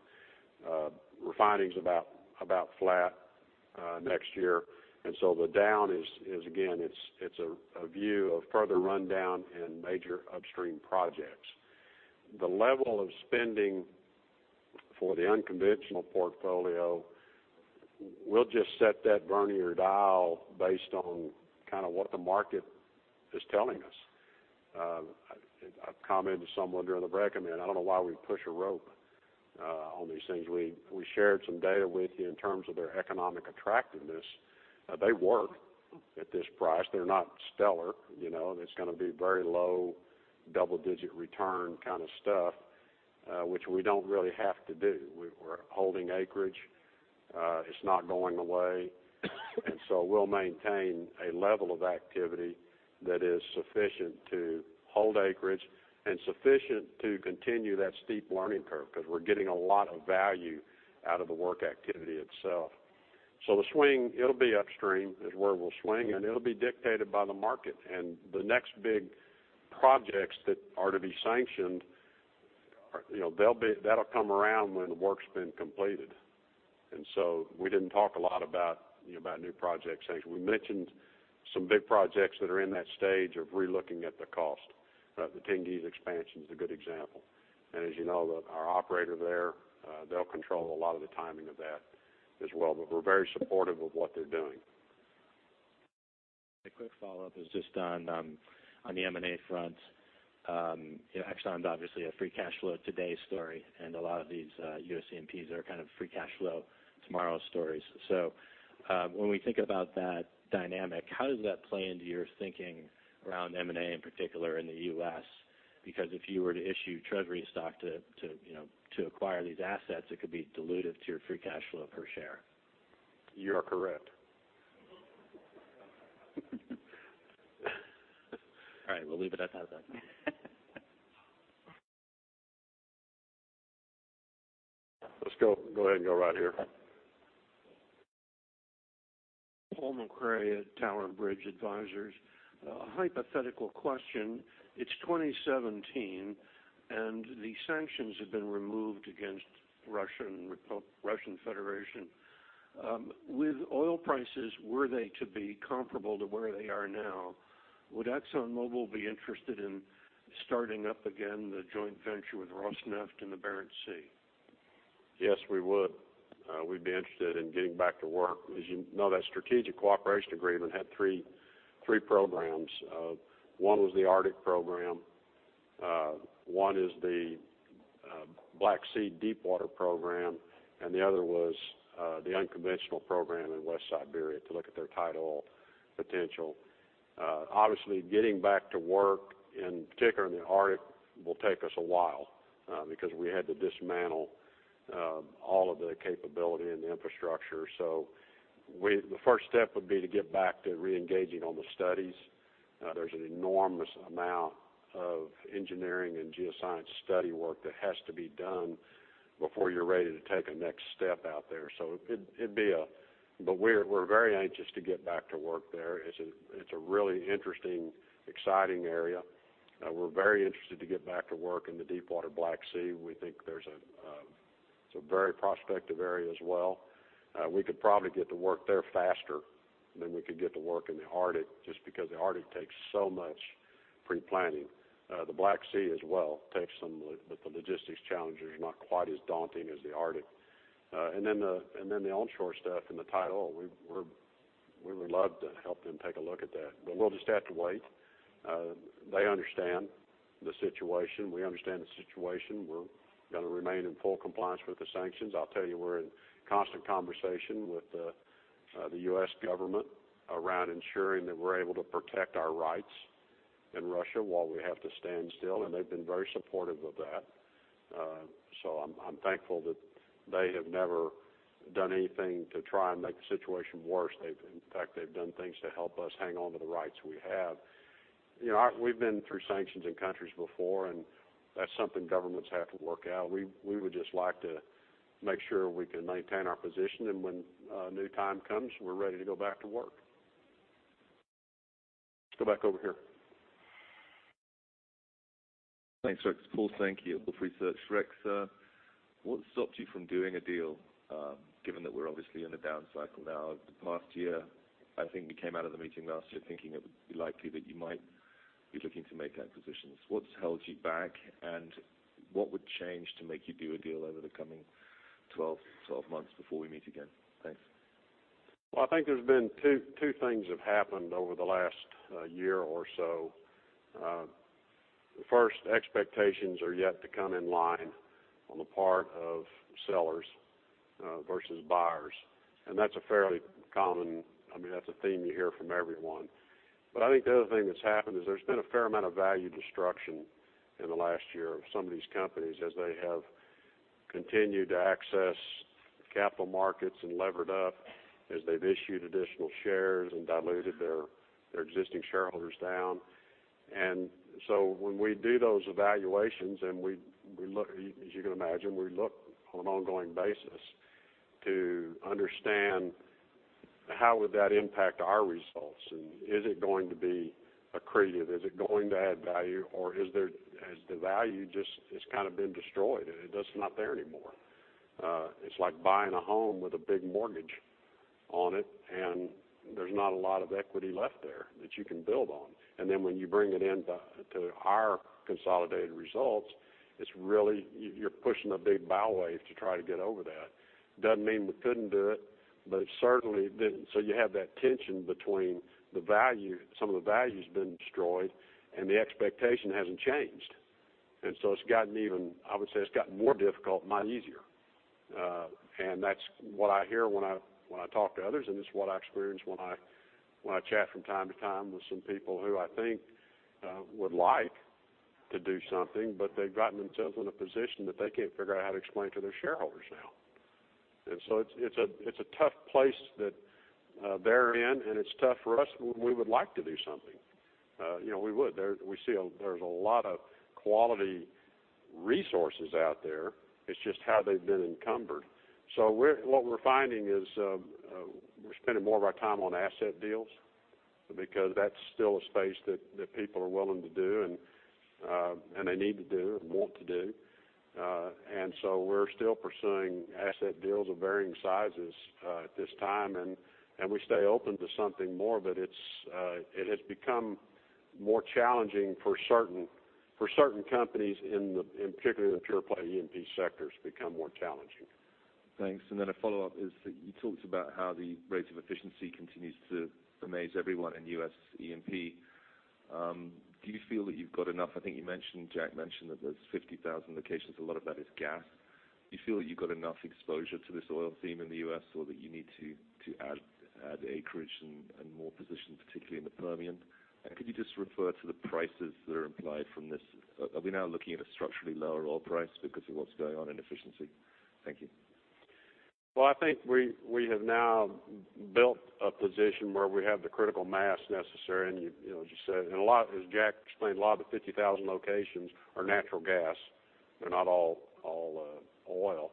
Refining's about flat next year. The down is again, it's a view of further rundown in major upstream projects. The level of spending for the unconventional portfolio, we'll just set that vernier dial based on what the market is telling us. I commented to someone during the break, I mean, I don't know why we push a rope on these things. We shared some data with you in terms of their economic attractiveness. They work at this price. They're not stellar. It's going to be very low double-digit return kind of stuff, which we don't really have to do. We're holding acreage. It's not going away. We'll maintain a level of activity that is sufficient to hold acreage and sufficient to continue that steep learning curve, because we're getting a lot of value out of the work activity itself. The swing, it'll be upstream is where we'll swing, and it'll be dictated by the market. The next big projects that are to be sanctioned, that'll come around when the work's been completed. We didn't talk a lot about new project sanctions. We mentioned some big projects that are in that stage of re-looking at the cost. The Tengiz expansion's a good example. As you know, our operator there, they'll control a lot of the timing of that as well, but we're very supportive of what they're doing. A quick follow-up is just on the M&A front. Exxon's obviously a free cash flow today story, and a lot of these U.S. E&Ps are kind of free cash flow tomorrow stories. When we think about that dynamic, how does that play into your thinking around M&A in particular in the U.S.? Because if you were to issue treasury stock to acquire these assets, it could be dilutive to your free cash flow per share. You are correct. All right. We'll leave it at that then. Let's go ahead and go right here. Paul McCray at TowerBridge Advisors. A hypothetical question. It's 2017. The sanctions have been removed against Russian Federation. With oil prices, were they to be comparable to where they are now, would ExxonMobil be interested in starting up again the joint venture with Rosneft in the Barents Sea? Yes, we would. We'd be interested in getting back to work. As you know, that strategic cooperation agreement had three programs. One was the Arctic program, one is the Black Sea deep water program, and the other was the unconventional program in West Siberia to look at their tight oil potential. Obviously, getting back to work, in particular in the Arctic, will take us a while because we had to dismantle all of the capability and the infrastructure. The first step would be to get back to reengaging on the studies. There's an enormous amount of engineering and geoscience study work that has to be done before you're ready to take a next step out there. We're very anxious to get back to work there. It's a really interesting, exciting area. We're very interested to get back to work in the deep water Black Sea. We think it's a very prospective area as well. We could probably get to work there faster than we could get to work in the Arctic, just because the Arctic takes so much pre-planning. The Black Sea as well takes some, but the logistics challenge there is not quite as daunting as the Arctic. Then the onshore stuff and the tight oil, we would love to help them take a look at that. We'll just have to wait. They understand the situation. We understand the situation. We're going to remain in full compliance with the sanctions. I'll tell you, we're in constant conversation with the U.S. government around ensuring that we're able to protect our rights in Russia while we have to stand still, and they've been very supportive of that. I'm thankful that they have never done anything to try and make the situation worse. In fact, they've done things to help us hang onto the rights we have. We've been through sanctions in countries before, that's something governments have to work out. We would just like to make sure we can maintain our position, when a new time comes, we're ready to go back to work. Let's go back over here. Thanks, Rex. Paul, thank you. Wolfe Research. Rex, what stopped you from doing a deal, given that we're obviously in a down cycle now? The past year, I think we came out of the meeting last year thinking it would be likely that you might be looking to make acquisitions. What's held you back, what would change to make you do a deal over the coming 12 months before we meet again? Thanks. Well, I think there's been two things have happened over the last year or so. First, expectations are yet to come in line on the part of sellers versus buyers. That's a fairly common theme you hear from everyone. I think the other thing that's happened is there's been a fair amount of value destruction in the last year of some of these companies as they have continued to access the capital markets and levered up, as they've issued additional shares and diluted their existing shareholders down. When we do those evaluations, as you can imagine, we look on an ongoing basis to understand how would that impact our results, is it going to be accretive? Is it going to add value, or has the value just been destroyed, and it's just not there anymore? It's like buying a home with a big mortgage on it, there's not a lot of equity left there that you can build on. When you bring it into our consolidated results, you're pushing a big bow wave to try to get over that. Doesn't mean we couldn't do it, but certainly, you have that tension between some of the value's been destroyed and the expectation hasn't changed. I would say it's gotten more difficult, not easier. That's what I hear when I talk to others, it's what I experience when I chat from time to time with some people who I think would like to do something, they've gotten themselves in a position that they can't figure out how to explain to their shareholders now. It's a tough place that they're in, it's tough for us. We would like to do something. We would. We see there's a lot of quality resources out there. It's just how they've been encumbered. What we're finding is we're spending more of our time on asset deals because that's still a space that people are willing to do and they need to do and want to do. We're still pursuing asset deals of varying sizes at this time, and we stay open to something more, but it has become more challenging for certain companies, in particular the pure-play E&P sectors become more challenging. Thanks. A follow-up is that you talked about how the rates of efficiency continues to amaze everyone in U.S. E&P. Do you feel that you've got enough? I think Jack mentioned that there's 50,000 locations. A lot of that is gas. Do you feel that you've got enough exposure to this oil theme in the U.S. or that you need to add acreage and more position, particularly in the Permian? Could you just refer to the prices that are implied from this? Are we now looking at a structurally lower oil price because of what's going on in efficiency? Thank you. I think we have now built a position where we have the critical mass necessary, and as Jack explained, a lot of the 50,000 locations are natural gas. They're not all oil.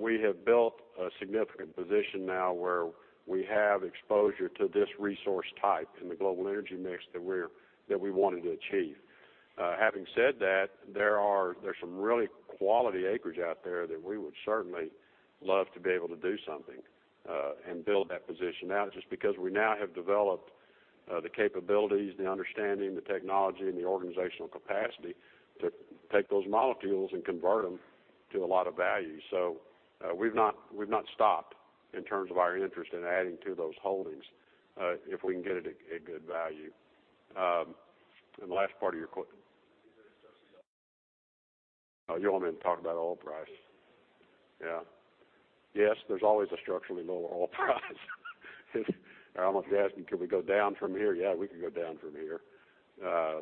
We have built a significant position now where we have exposure to this resource type in the global energy mix that we wanted to achieve. Having said that, there's some really quality acreage out there that we would certainly love to be able to do something and build that position out, just because we now have developed the capabilities, the understanding, the technology, and the organizational capacity to take those molecules and convert them to a lot of value. We've not stopped in terms of our interest in adding to those holdings if we can get it at good value. Is there a structural Oh, you want me to talk about oil price? Yes. Yeah. Yes, there's always a structurally lower oil price. You're almost asking, could we go down from here? Yeah, we could go down from here. I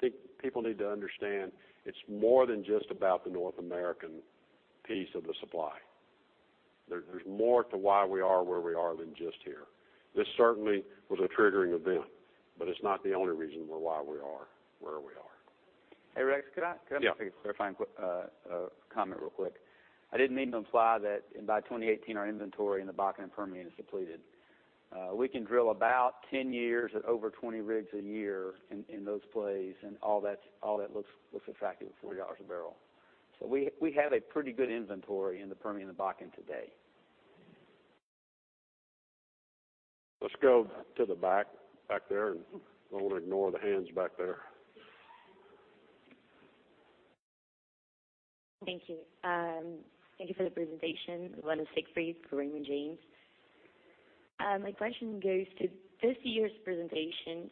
think people need to understand it's more than just about the North American piece of the supply. There's more to why we are where we are than just here. This certainly was a triggering event, but it's not the only reason why we are where we are. Hey, Rex, could I? Yeah. Could I make a clarifying comment real quick? I didn't mean to imply that by 2018 our inventory in the Bakken and Permian is depleted. We can drill about 10 years at over 20 rigs a year in those plays, and all that looks attractive at $40 a barrel. We have a pretty good inventory in the Permian and Bakken today. Let's go to the back there, I want to ignore the hands back there. Thank you. Thank you for the presentation. Lana Siegfried for Raymond James. My question goes to this year's presentation.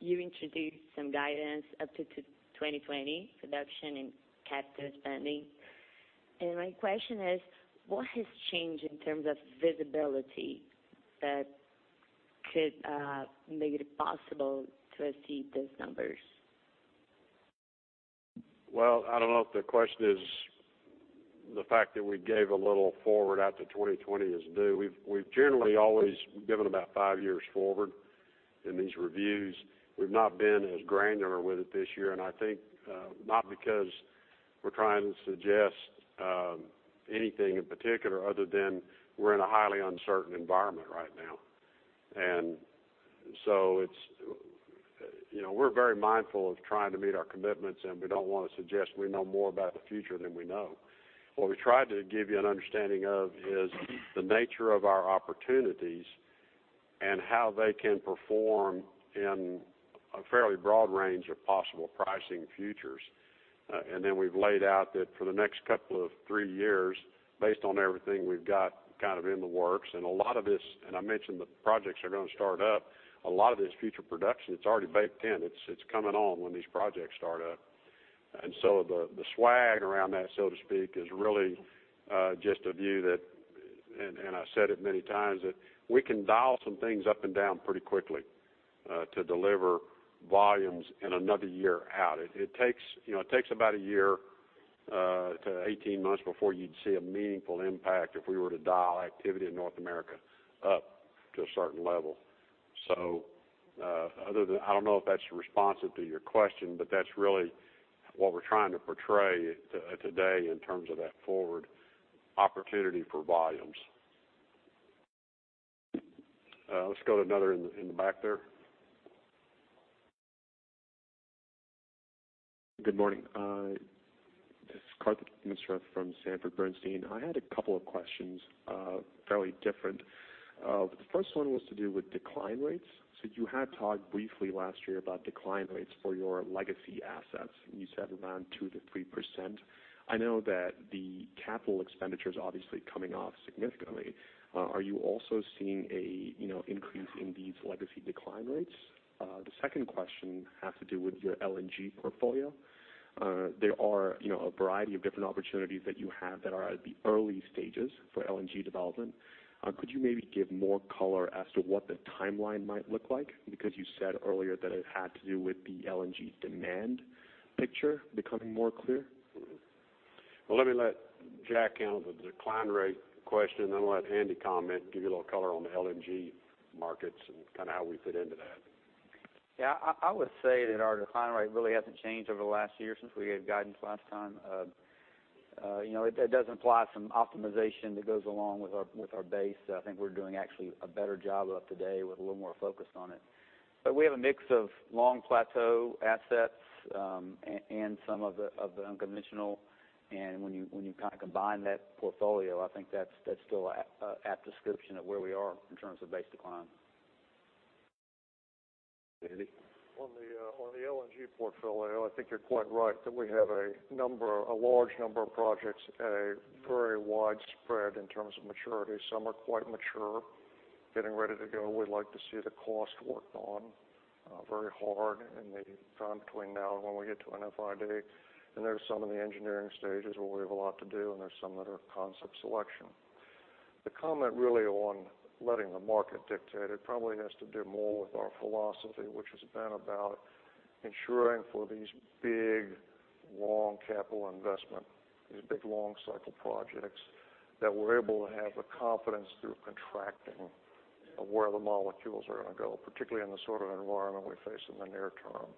You introduced some guidance up to 2020 production and capital spending. My question is, what has changed in terms of visibility that could make it possible to exceed those numbers? Well, I don't know if the question is the fact that we gave a little forward out to 2020 is new. We've generally always given about five years forward in these reviews. We've not been as granular with it this year, I think not because we're trying to suggest anything in particular other than we're in a highly uncertain environment right now. We're very mindful of trying to meet our commitments, and we don't want to suggest we know more about the future than we know. What we tried to give you an understanding of is the nature of our opportunities and how they can perform in a fairly broad range of possible pricing futures. Then we've laid out that for the next couple of three years, based on everything we've got in the works, and I mentioned the projects are going to start up, a lot of this future production, it's already baked in. It's coming on when these projects start up. The swag around that, so to speak, is really just a view that, and I said it many times, that we can dial some things up and down pretty quickly to deliver volumes in another year out. It takes about a year to 18 months before you'd see a meaningful impact if we were to dial activity in North America up to a certain level. I don't know if that's responsive to your question, but that's really what we're trying to portray today in terms of that forward opportunity for volumes. Let's go to another in the back there. Good morning. This is Kartikeya Misra from Sanford Bernstein. I had a couple of questions, fairly different. The first one was to do with decline rates. You had talked briefly last year about decline rates for your legacy assets, and you said around 2%-3%. I know that the capital expenditure's obviously coming off significantly. Are you also seeing an increase in these legacy decline rates? The second question has to do with your LNG portfolio. There are a variety of different opportunities that you have that are at the early stages for LNG development. Could you maybe give more color as to what the timeline might look like? You said earlier that it had to do with the LNG demand picture becoming more clear. Well, let me let Jack handle the decline rate question, I'll let Andy comment and give you a little color on the LNG markets and how we fit into that. Yeah, I would say that our decline rate really hasn't changed over the last year since we gave guidance last time. It does imply some optimization that goes along with our base. I think we're doing actually a better job of today with a little more focus on it. We have a mix of long plateau assets, and some of the unconventional. When you combine that portfolio, I think that's still an apt description of where we are in terms of base decline. Andy? On the LNG portfolio, I think you're quite right that we have a large number of projects, very widespread in terms of maturity. Some are quite mature, getting ready to go. We'd like to see the cost worked on very hard in the time between now and when we get to an FID. There's some in the engineering stages where we have a lot to do, and there's some that are concept selection. The comment really on letting the market dictate it probably has to do more with our philosophy, which has been about ensuring for these big, long capital investment, these big long cycle projects, that we're able to have the confidence through contracting of where the molecules are going to go, particularly in the sort of environment we face in the near term.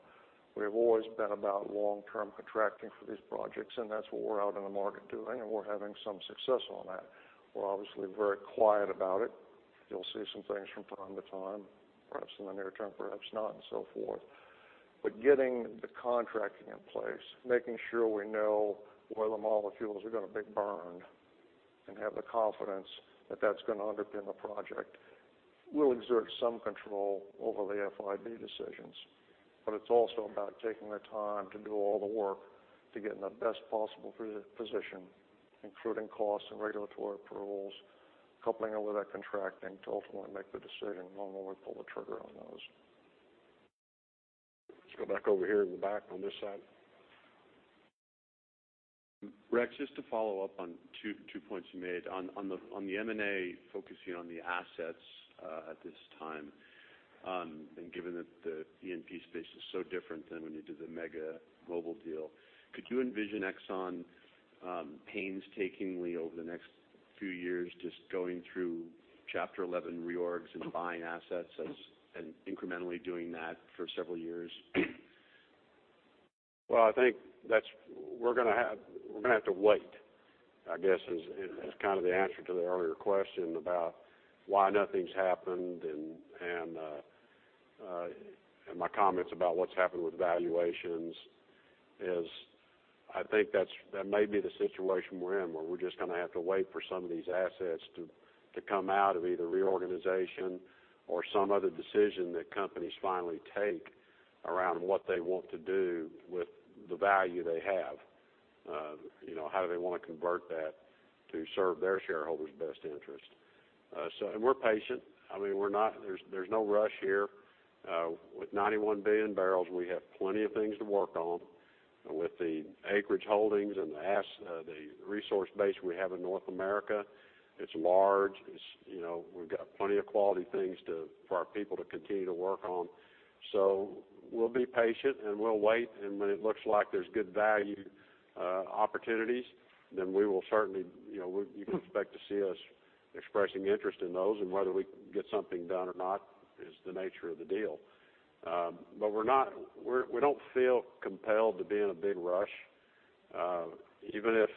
We have always been about long-term contracting for these projects, that's what we're out in the market doing, and we're having some success on that. We're obviously very quiet about it. You'll see some things from time to time, perhaps in the near term, perhaps not, and so forth. Getting the contracting in place, making sure we know where the molecules are going to be burned and have the confidence that that's going to underpin the project will exert some control over the FID decisions. It's also about taking the time to do all the work to get in the best possible position, including costs and regulatory approvals, coupling it with that contracting to ultimately make the decision on when we pull the trigger on those. Let's go back over here in the back on this side. Rex, just to follow up on two points you made. On the M&A focusing on the assets at this time, given that the E&P space is so different than when you did the mega Mobil deal, could you envision Exxon painstakingly over the next few years just going through Chapter 11 reorgs and buying assets and incrementally doing that for several years? I think we're going to have to wait, I guess, is kind of the answer to the earlier question about why nothing's happened and my comments about what's happened with valuations is I think that may be the situation we're in, where we're just going to have to wait for some of these assets to come out of either reorganization or some other decision that companies finally take around what they want to do with the value they have. How do they want to convert that to serve their shareholders' best interest? We're patient. There's no rush here. With 91 billion barrels, we have plenty of things to work on. With the acreage holdings and the resource base we have in North America, it's large. We've got plenty of quality things for our people to continue to work on. We'll be patient and we'll wait, when it looks like there's good value opportunities, you can expect to see us expressing interest in those, whether we get something done or not is the nature of the deal. We don't feel compelled to be in a big rush. Even if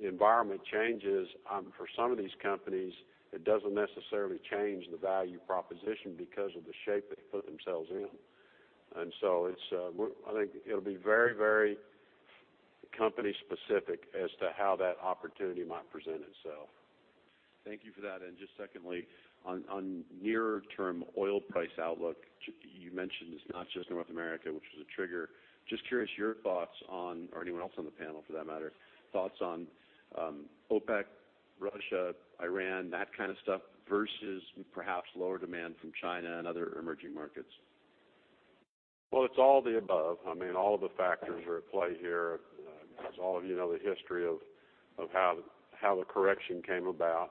the environment changes for some of these companies, it doesn't necessarily change the value proposition because of the shape they put themselves in. I think it'll be very company specific as to how that opportunity might present itself. Thank you for that. Just secondly, on nearer term oil price outlook, you mentioned it's not just North America, which is a trigger. Just curious, your thoughts on, or anyone else on the panel for that matter, thoughts on OPEC, Russia, Iran, that kind of stuff, versus perhaps lower demand from China and other emerging markets. It's all the above. All of the factors are at play here. As all of you know the history of how the correction came about.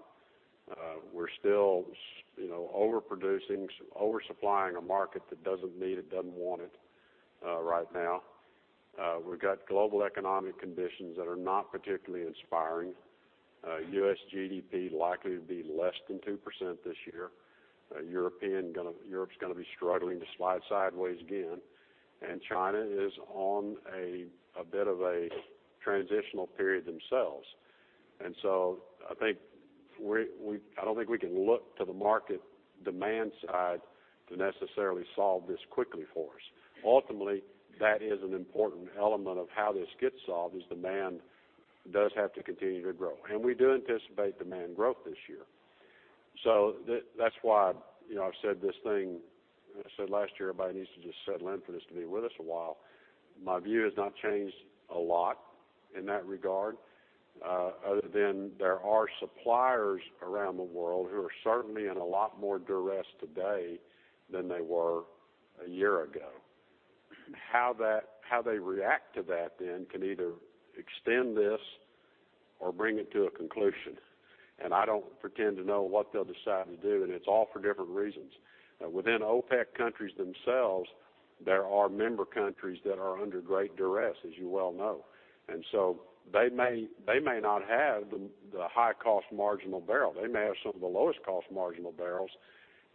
We're still overproducing, oversupplying a market that doesn't need it, doesn't want it right now. We've got global economic conditions that are not particularly inspiring. U.S. GDP likely to be less than 2% this year. Europe's going to be struggling to slide sideways again, China is on a bit of a transitional period themselves. I don't think we can look to the market demand side to necessarily solve this quickly for us. Ultimately, that is an important element of how this gets solved, is demand does have to continue to grow. We do anticipate demand growth this year. That's why I've said this thing, I said last year, everybody needs to just settle in for this to be with us a while. My view has not changed a lot in that regard, other than there are suppliers around the world who are certainly in a lot more duress today than they were a year ago. How they react to that then can either extend this or bring it to a conclusion, and I don't pretend to know what they'll decide to do, and it's all for different reasons. Within OPEC countries themselves, there are member countries that are under great duress, as you well know. They may not have the high cost marginal barrel. They may have some of the lowest cost marginal barrels,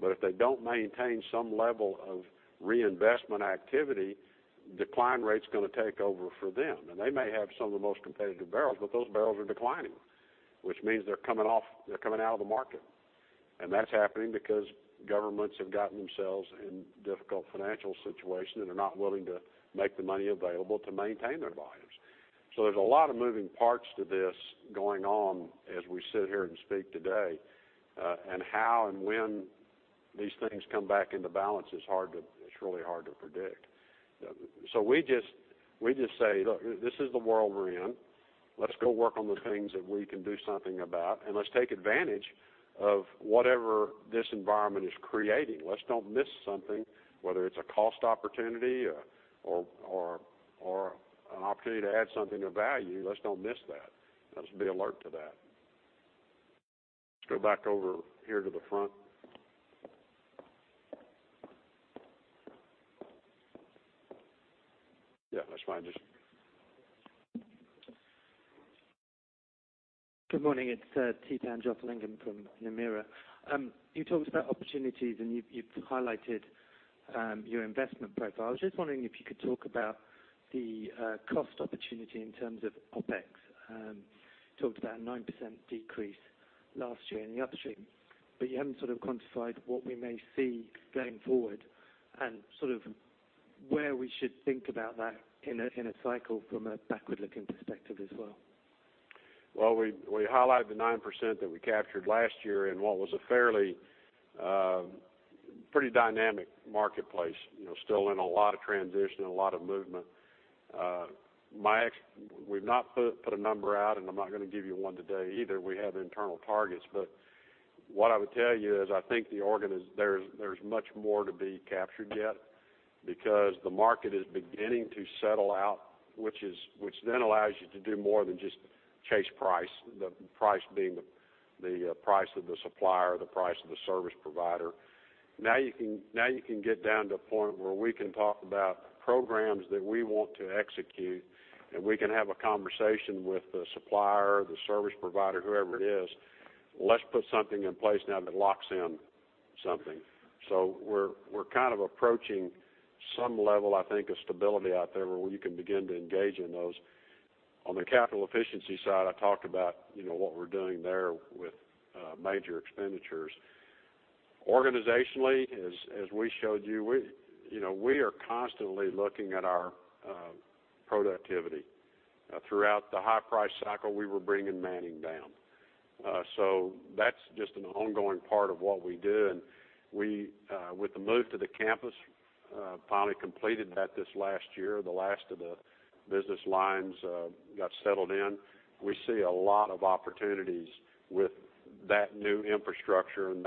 but if they don't maintain some level of reinvestment activity, decline rate's going to take over for them. They may have some of the most competitive barrels, but those barrels are declining, which means they're coming out of the market. That's happening because governments have gotten themselves in difficult financial situations and are not willing to make the money available to maintain their volumes. There's a lot of moving parts to this going on as we sit here and speak today. How and when these things come back into balance, it's really hard to predict. We just say, "Look, this is the world we're in. Let's go work on the things that we can do something about, and let's take advantage of whatever this environment is creating. Let's don't miss something, whether it's a cost opportunity or an opportunity to add something of value. Let's don't miss that. Let's be alert to that." Let's go back over here to the front. Yeah, that's fine. Good morning. It's Theepan Jothilingam from Nomura. You talked about opportunities and you've highlighted your investment profile. I was just wondering if you could talk about the cost opportunity in terms of OpEx. You talked about a 9% decrease last year in the upstream, but you haven't quantified what we may see going forward and where we should think about that in a cycle from a backward-looking perspective as well. We highlighted the 9% that we captured last year in what was a fairly dynamic marketplace. Still in a lot of transition, a lot of movement. We've not put a number out, and I'm not going to give you one today either. We have internal targets. What I would tell you is I think there's much more to be captured yet because the market is beginning to settle out, which then allows you to do more than just chase price, the price being the price of the supplier, the price of the service provider. You can get down to a point where we can talk about programs that we want to execute, and we can have a conversation with the supplier, the service provider, whoever it is. Let's put something in place now that locks in something. We're kind of approaching some level, I think, of stability out there where you can begin to engage in those. On the capital efficiency side, I talked about what we're doing there with major expenditures. Organizationally, as we showed you, we are constantly looking at our productivity. Throughout the high price cycle, we were bringing manning down. That's just an ongoing part of what we do, and with the move to the campus, finally completed that this last year. The last of the business lines got settled in. We see a lot of opportunities with that new infrastructure and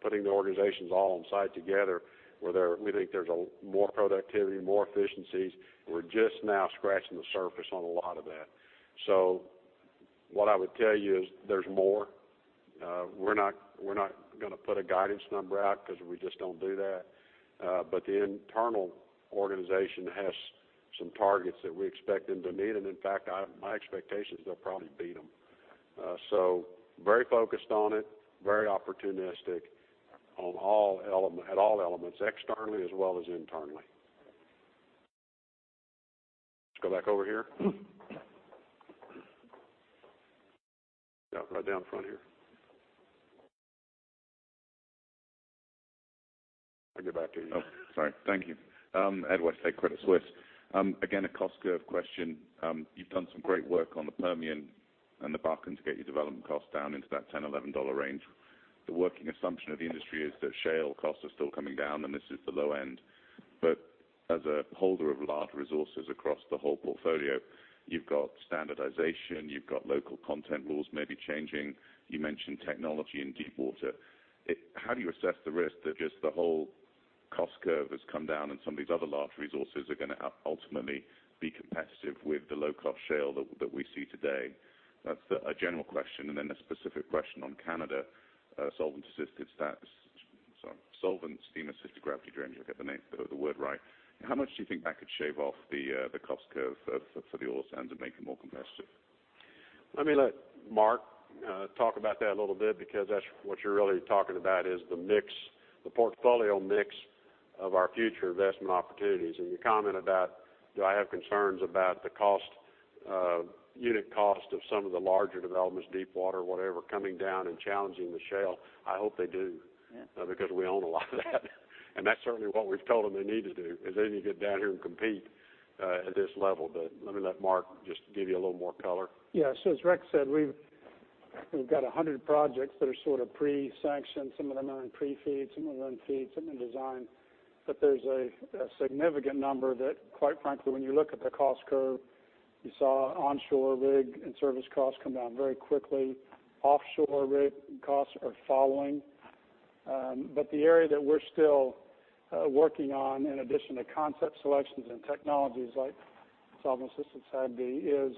putting the organizations all on site together, where we think there's more productivity, more efficiencies. We're just now scratching the surface on a lot of that. What I would tell you is there's more. We're not going to put a guidance number out because we just don't do that. The internal organization has some targets that we expect them to meet, and in fact, my expectation is they'll probably beat them. Very focused on it, very opportunistic at all elements, externally as well as internally. Let's go back over here. Yeah, right down front here. I'll get back to you. Oh, sorry. Thank you. Edward Westlake at Credit Suisse. Again, a cost curve question. You've done some great work on the Permian and the Bakken to get your development costs down into that $10, $11 range. The working assumption of the industry is that shale costs are still coming down, and this is the low end. As a holder of large resources across the whole portfolio, you've got standardization, you've got local content rules maybe changing. You mentioned technology in deep water. How do you assess the risk that just the whole cost curve has come down and some of these other large resources are going to ultimately be competitive with the low-cost shale that we see today? That's a general question, and then a specific question on Canada. Solvent steam-assisted gravity drainage, hope I get the word right. How much do you think that could shave off the cost curve for the oil sands and make it more competitive? Let me let Mark Albers talk about that a little bit, because what you're really talking about is the portfolio mix of our future investment opportunities. You comment about do I have concerns about the unit cost of some of the larger developments, deep water, whatever, coming down and challenging the shale. I hope they do. Yeah. We own a lot of that. That's certainly what we've told them they need to do, is they need to get down here and compete at this level. Let me let Mark Albers just give you a little more color. Yeah. As Rex Tillerson said, we've got 100 projects that are sort of pre-sanctioned. Some of them are in pre-FEED, some of them are in FEED, some in design. There's a significant number that, quite frankly, when you look at the cost curve, you saw onshore rig and service costs come down very quickly. Offshore rig costs are following. The area that we're still working on, in addition to concept selections and technologies like solvent-assisted SAGD, is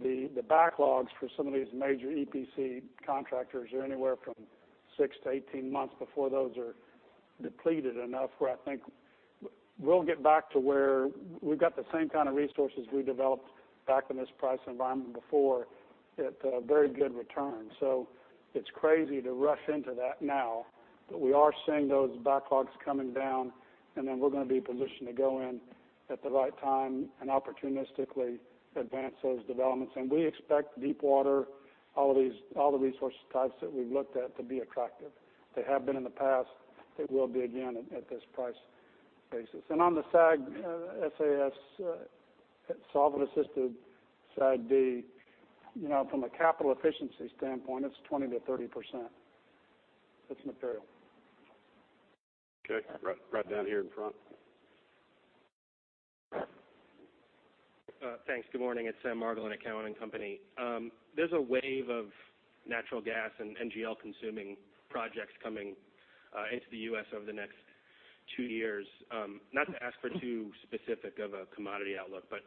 the backlogs for some of these major EPC contractors are anywhere from 6-18 months before those are depleted enough where I think we'll get back to where we've got the same kind of resources we developed back in this price environment before at very good returns. It's crazy to rush into that now, but we are seeing those backlogs coming down, we're going to be positioned to go in at the right time and opportunistically advance those developments. We expect deep water, all the resource types that we've looked at, to be attractive. They have been in the past. They will be again at this price basis. On the solvent-assisted SAGD, from a capital efficiency standpoint, it's 20%-30%. It's material. Okay. Right down here in front. Thanks. Good morning. It's Sam Margolin at Cowen and Company. There's a wave of natural gas and NGL-consuming projects coming into the U.S. over the next 2 years. Not to ask for too specific of a commodity outlook, but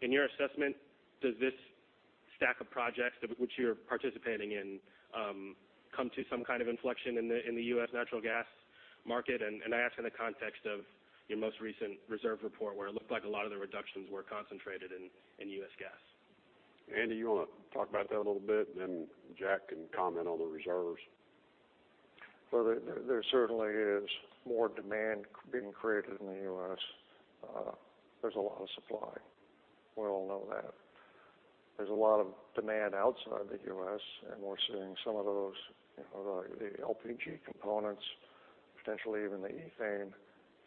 in your assessment, does this stack of projects, which you're participating in, come to some kind of inflection in the U.S. natural gas market? I ask in the context of your most recent reserve report, where it looked like a lot of the reductions were concentrated in U.S. gas. Andy, you want to talk about that a little bit? Then Jack can comment on the reserves. Well, there certainly is more demand being created in the U.S. There's a lot of supply. We all know that. There's a lot of demand outside the U.S., and we're seeing some of those, the LPG components, potentially even the ethane,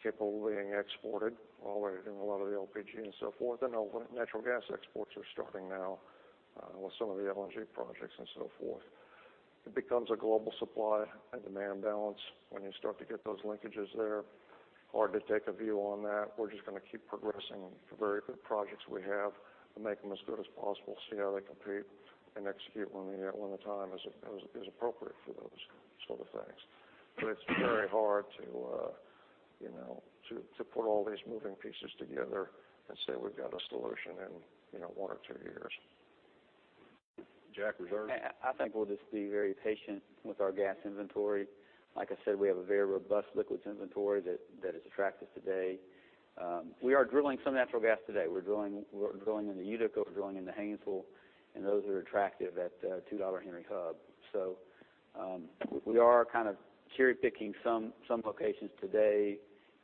capable of being exported, although we're doing a lot of the LPG and so forth. Natural gas exports are starting now with some of the LNG projects and so forth. It becomes a global supply and demand balance when you start to get those linkages there. Hard to take a view on that. We're just going to keep progressing the very good projects we have and make them as good as possible, see how they compete, and execute when the time is appropriate for those sort of things. It's very hard to put all these moving pieces together and say we've got a solution in one or two years. Jack, reserves? I think we'll just be very patient with our gas inventory. Like I said, we have a very robust liquids inventory that is attractive today. We are drilling some natural gas today. We're drilling in the Utica, we're drilling in the Haynesville, and those are attractive at $2 Henry Hub. We are kind of cherry-picking some locations today,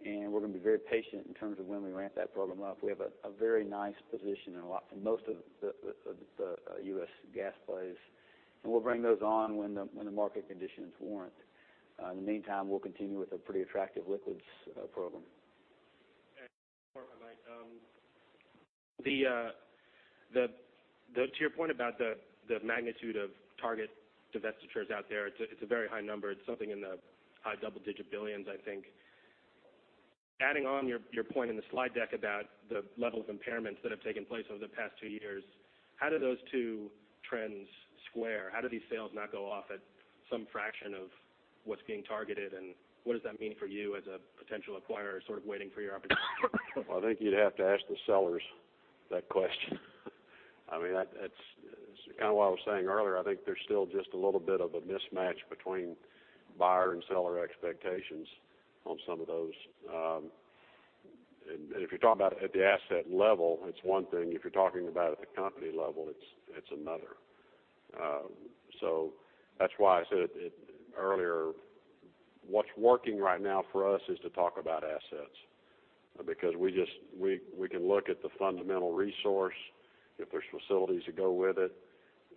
and we're going to be very patient in terms of when we ramp that program up. We have a very nice position in most of the U.S. gas plays, and we'll bring those on when the market conditions warrant. In the meantime, we'll continue with a pretty attractive liquids program. Mark, if I might. To your point about the magnitude of target divestitures out there, it's a very high number. It's something in the high double-digit billions, I think. Adding on your point in the slide deck about the level of impairments that have taken place over the past two years, how do those two trends square? How do these sales not go off at some fraction of what's being targeted, and what does that mean for you as a potential acquirer sort of waiting for your opportunity? I think you'd have to ask the sellers that question. It's kind of what I was saying earlier. I think there's still just a little bit of a mismatch between buyer and seller expectations on some of those. If you're talking about at the asset level, it's one thing. If you're talking about at the company level, it's another. That's why I said it earlier. What's working right now for us is to talk about assets because we can look at the fundamental resource, if there's facilities to go with it,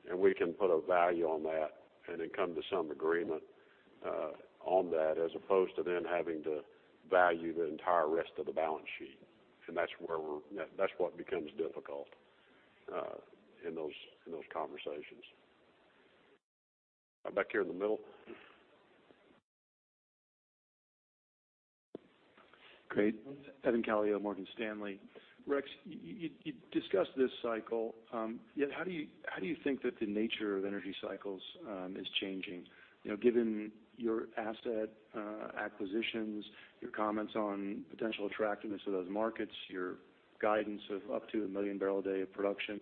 and we can put a value on that and then come to some agreement on that, as opposed to then having to value the entire rest of the balance sheet. That's what becomes difficult in those conversations. Back here in the middle. Great. Evan Calio, Morgan Stanley. Rex, you discussed this cycle, yet how do you think that the nature of energy cycles is changing? Given your asset acquisitions, your comments on potential attractiveness of those markets, your guidance of up to 1 million barrel a day of production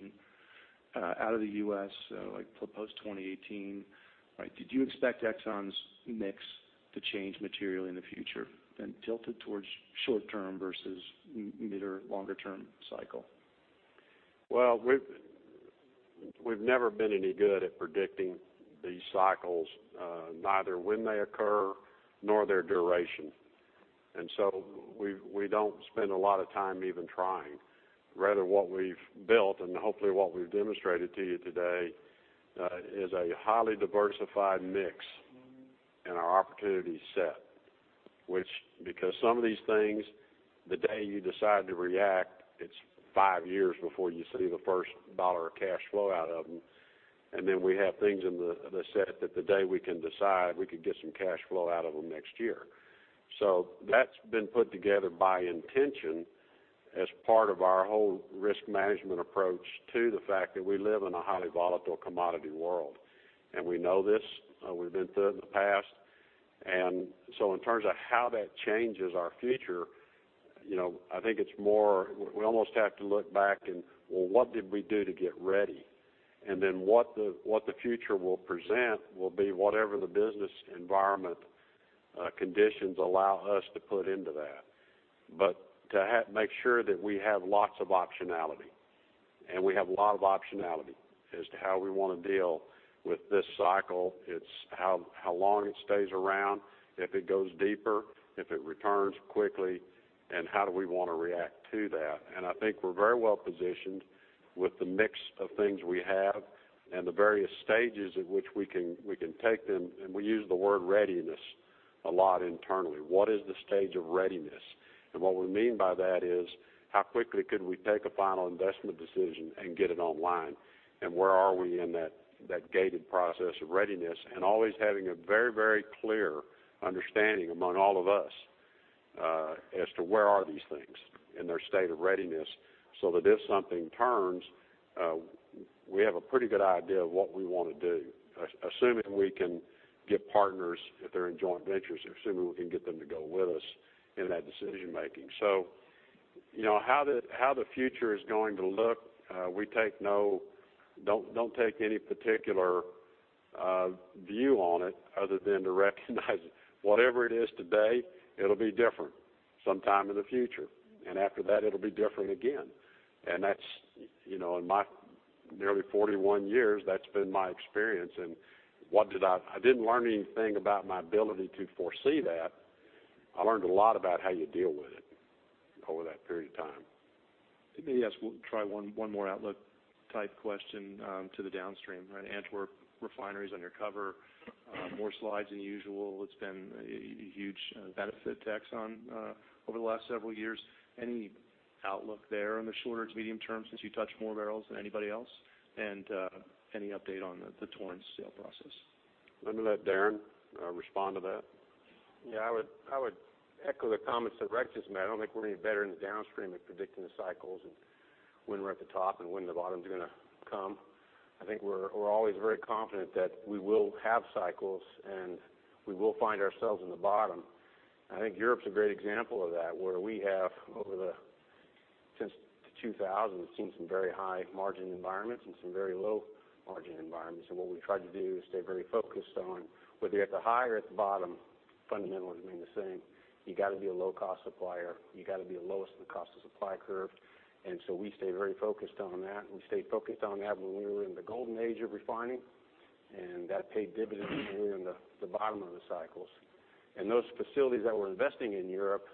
out of the U.S., like post 2018, did you expect ExxonMobil's mix to change materially in the future, then tilted towards short-term versus mid or longer-term cycle? We've never been any good at predicting these cycles, neither when they occur nor their duration. We don't spend a lot of time even trying, rather what we've built and hopefully what we've demonstrated to you today, is a highly diversified mix in our opportunity set. Which, because some of these things, the day you decide to react, it's five years before you see the first dollar of cash flow out of them. Then we have things in the set that the day we can decide, we could get some cash flow out of them next year. That's been put together by intention as part of our whole risk management approach to the fact that we live in a highly volatile commodity world. We know this, we've been through it in the past. In terms of how that changes our future, I think we almost have to look back and, well, what did we do to get ready? What the future will present will be whatever the business environment conditions allow us to put into that. To make sure that we have lots of optionality, and we have a lot of optionality as to how we want to deal with this cycle. It's how long it stays around, if it goes deeper, if it returns quickly, and how do we want to react to that. I think we're very well positioned with the mix of things we have and the various stages at which we can take them, and we use the word readiness a lot internally. What is the stage of readiness? What we mean by that is, how quickly could we take a Final Investment Decision and get it online? Where are we in that gated process of readiness? Always having a very clear understanding among all of us as to where are these things in their state of readiness, so that if something turns, we have a pretty good idea of what we want to do, assuming we can get partners if they're in joint ventures, assuming we can get them to go with us in that decision-making. How the future is going to look, we don't take any particular view on it other than to recognize whatever it is today, it'll be different sometime in the future. After that, it'll be different again. In my nearly 41 years, that's been my experience. I didn't learn anything about my ability to foresee that. I learned a lot about how you deal with it over that period of time. Let me ask, we'll try one more outlook type question to the downstream. Antwerp refinery is under cover more slides than usual. It's been a huge benefit to Exxon over the last several years. Any outlook there in the shorter to medium term since you touched more barrels than anybody else? Any update on the Torrance sale process? I'm going to let Darren respond to that. I would echo the comments that Rex just made. I don't think we're any better in the downstream at predicting the cycles and when we're at the top and when the bottom's going to come. I think we're always very confident that we will have cycles, and we will find ourselves in the bottom. I think Europe's a great example of that, where we have since 2000, seen some very high margin environments and some very low margin environments. What we try to do is stay very focused on whether you're at the high or at the bottom, fundamentals remain the same. You got to be a low-cost supplier. You got to be the lowest in the cost of supply curve. We stay very focused on that, and we stayed focused on that when we were in the golden age of refining, and that paid dividends when we were in the bottom of the cycles. Those facilities that we're investing in Europe,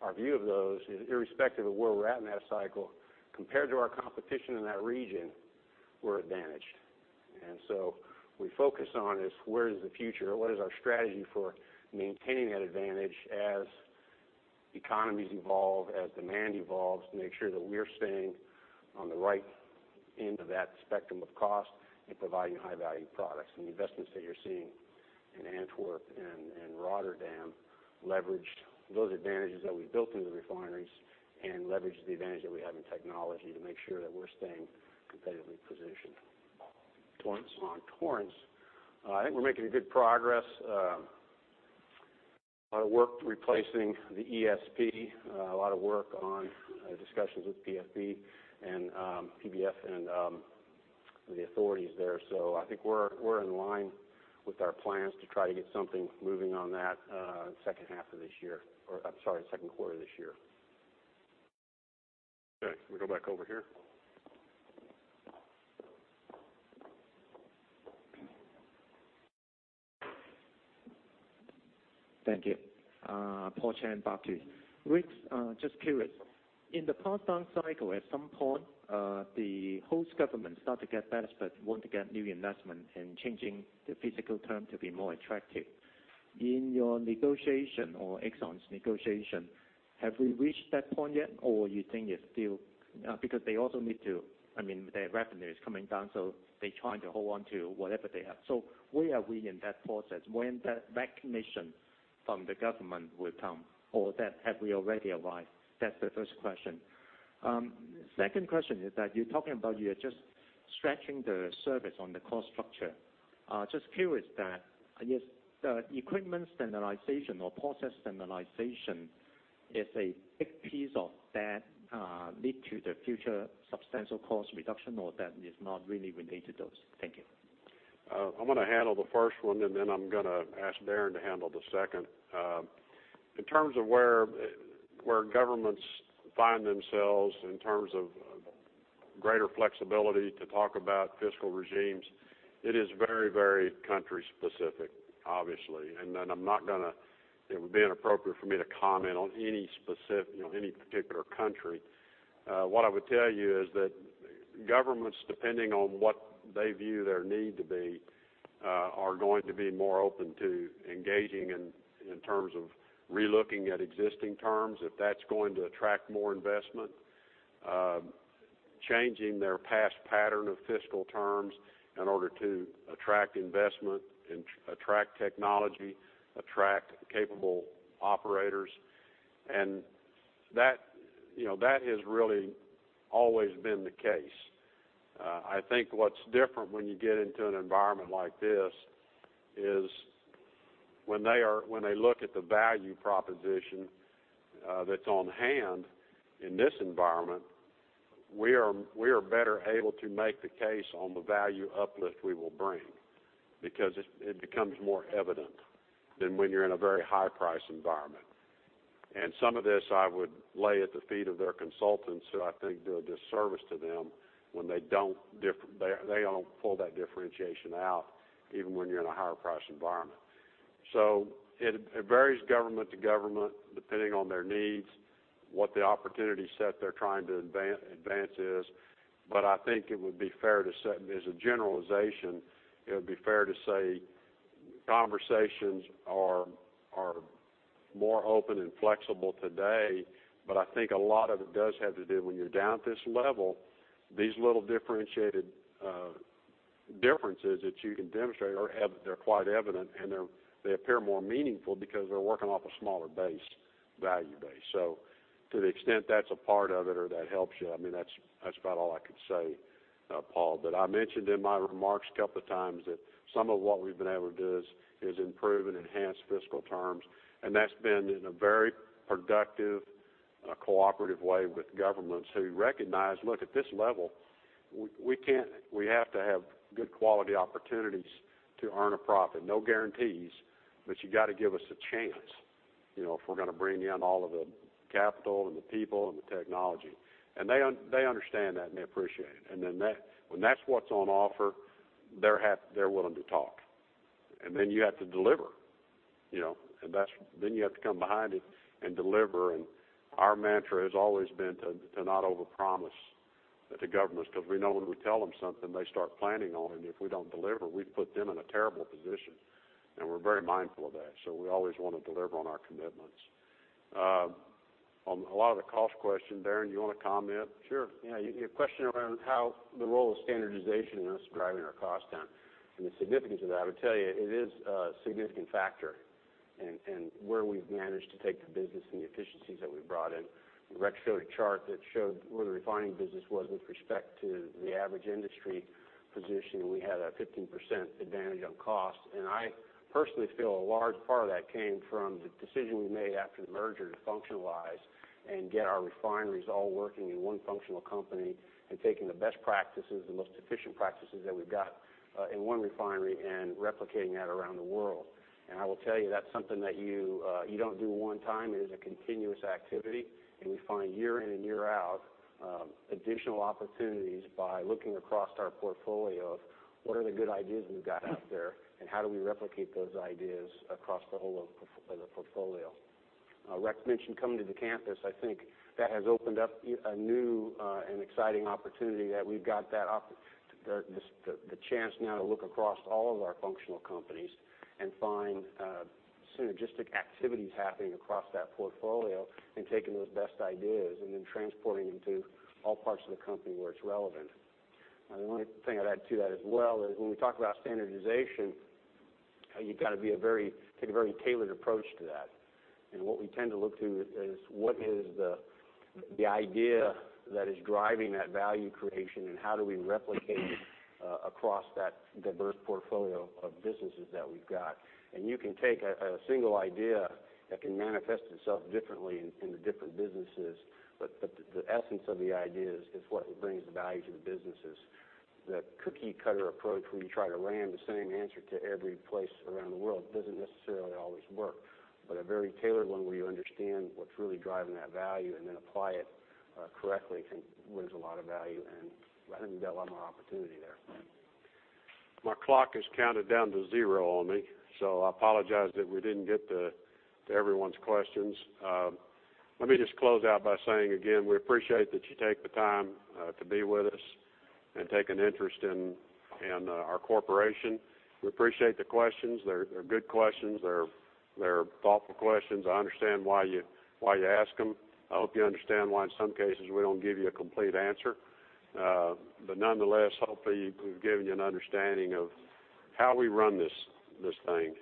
our view of those is irrespective of where we're at in that cycle, compared to our competition in that region, we're advantaged. We focus on is where is the future? What is our strategy for maintaining that advantage as economies evolve, as demand evolves, to make sure that we're staying on the right end of that spectrum of cost and providing high-value products. The investments that you're seeing in Antwerp and Rotterdam leveraged those advantages that we built in the refineries and leveraged the advantage that we have in technology to make sure that we're staying competitively positioned. Torrance? On Torrance, I think we're making a good progress. A lot of work replacing the ESP, a lot of work on discussions with PBF and the authorities there. I think we're in line with our plans to try to get something moving on that second quarter of this year. Okay. Can we go back over here? Thank you. Paul Cheng, Barclays. Rex, just curious, in the past down cycle, at some point, the host government start to get benefits, want to get new investment, and changing the fiscal term to be more attractive. In your negotiation or Exxon's negotiation, have we reached that point yet or you think it's still. Because they also need to. Their revenue is coming down, so they're trying to hold on to whatever they have. Where are we in that process? When that recognition from the government will come or have we already arrived? That's the first question. Second question is that you're talking about you're just scratching the surface on the cost structure. Just curious that, is the equipment standardization or process standardization is a big piece of that lead to the future substantial cost reduction or that is not really related to those? Thank you. I'm going to handle the first one, then I'm going to ask Darren to handle the second. In terms of where governments find themselves in terms of greater flexibility to talk about fiscal regimes, it is very country specific, obviously. It would be inappropriate for me to comment on any particular country. What I would tell you is that governments, depending on what they view their need to be, are going to be more open to engaging in terms of relooking at existing terms if that's going to attract more investment. Changing their past pattern of fiscal terms in order to attract investment and attract technology, attract capable operators, That has really always been the case. I think what's different when you get into an environment like this is when they look at the value proposition that's on hand in this environment, we are better able to make the case on the value uplift we will bring because it becomes more evident than when you're in a very high-price environment. Some of this I would lay at the feet of their consultants who I think do a disservice to them when they don't pull that differentiation out even when you're in a higher price environment. It varies government to government depending on their needs, what the opportunity set they're trying to advance is. I think it would be fair to say, as a generalization, it would be fair to say conversations are more open and flexible today. I think a lot of it does have to do when you're down at this level, these little differentiated differences that you can demonstrate are quite evident, and they appear more meaningful because they're working off a smaller base, value base. To the extent that's a part of it or that helps you, that's about all I could say, Paul. I mentioned in my remarks a couple of times that some of what we've been able to do is improve and enhance fiscal terms, and that's been in a very productive, cooperative way with governments who recognize, look, at this level, we have to have good quality opportunities to earn a profit. No guarantees, but you got to give us a chance if we're going to bring in all of the capital and the people and the technology. They understand that, and they appreciate it. When that's what's on offer, they're willing to talk. You have to deliver. You have to come behind it and deliver, and our mantra has always been to not overpromise to governments because we know when we tell them something, they start planning on it, and if we don't deliver, we put them in a terrible position. We're very mindful of that. We always want to deliver on our commitments. On a lot of the cost question, Darren, you want to comment? Sure. Your question around how the role of standardization in us driving our cost down and the significance of that, I would tell you it is a significant factor in where we've managed to take the business and the efficiencies that we've brought in. Rex showed a chart that showed where the refining business was with respect to the average industry position, and we had a 15% advantage on cost. I personally feel a large part of that came from the decision we made after the merger to functionalize and get our refineries all working in one functional company and taking the best practices, the most efficient practices that we've got in one refinery and replicating that around the world. I will tell you that's something that you don't do one time. It is a continuous activity, and we find year in and year out, additional opportunities by looking across our portfolio of what are the good ideas we've got out there and how do we replicate those ideas across the whole of the portfolio. Rex mentioned coming to the campus. I think that has opened up a new and exciting opportunity that we've got the chance now to look across all of our functional companies and find synergistic activities happening across that portfolio and taking those best ideas and then transporting them to all parts of the company where it's relevant. The only thing I'd add to that as well is when we talk about standardization, you got to take a very tailored approach to that. What we tend to look to is what is the idea that is driving that value creation and how do we replicate across that diverse portfolio of businesses that we've got. You can take a single idea that can manifest itself differently in the different businesses, but the essence of the idea is what brings the value to the businesses. The cookie-cutter approach where you try to land the same answer to every place around the world doesn't necessarily always work. A very tailored one where you understand what's really driving that value and then apply it correctly can raise a lot of value, and I think we've got a lot more opportunity there. My clock has counted down to zero on me, so I apologize that we didn't get to everyone's questions. Let me just close out by saying again, we appreciate that you take the time to be with us and take an interest in our corporation. We appreciate the questions. They're good questions. They're thoughtful questions. I understand why you ask them. I hope you understand why in some cases we don't give you a complete answer. Nonetheless, hopefully we've given you an understanding of how we run this thing.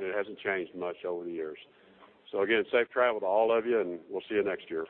It hasn't changed much over the years. Again, safe travel to all of you, and we'll see you next year.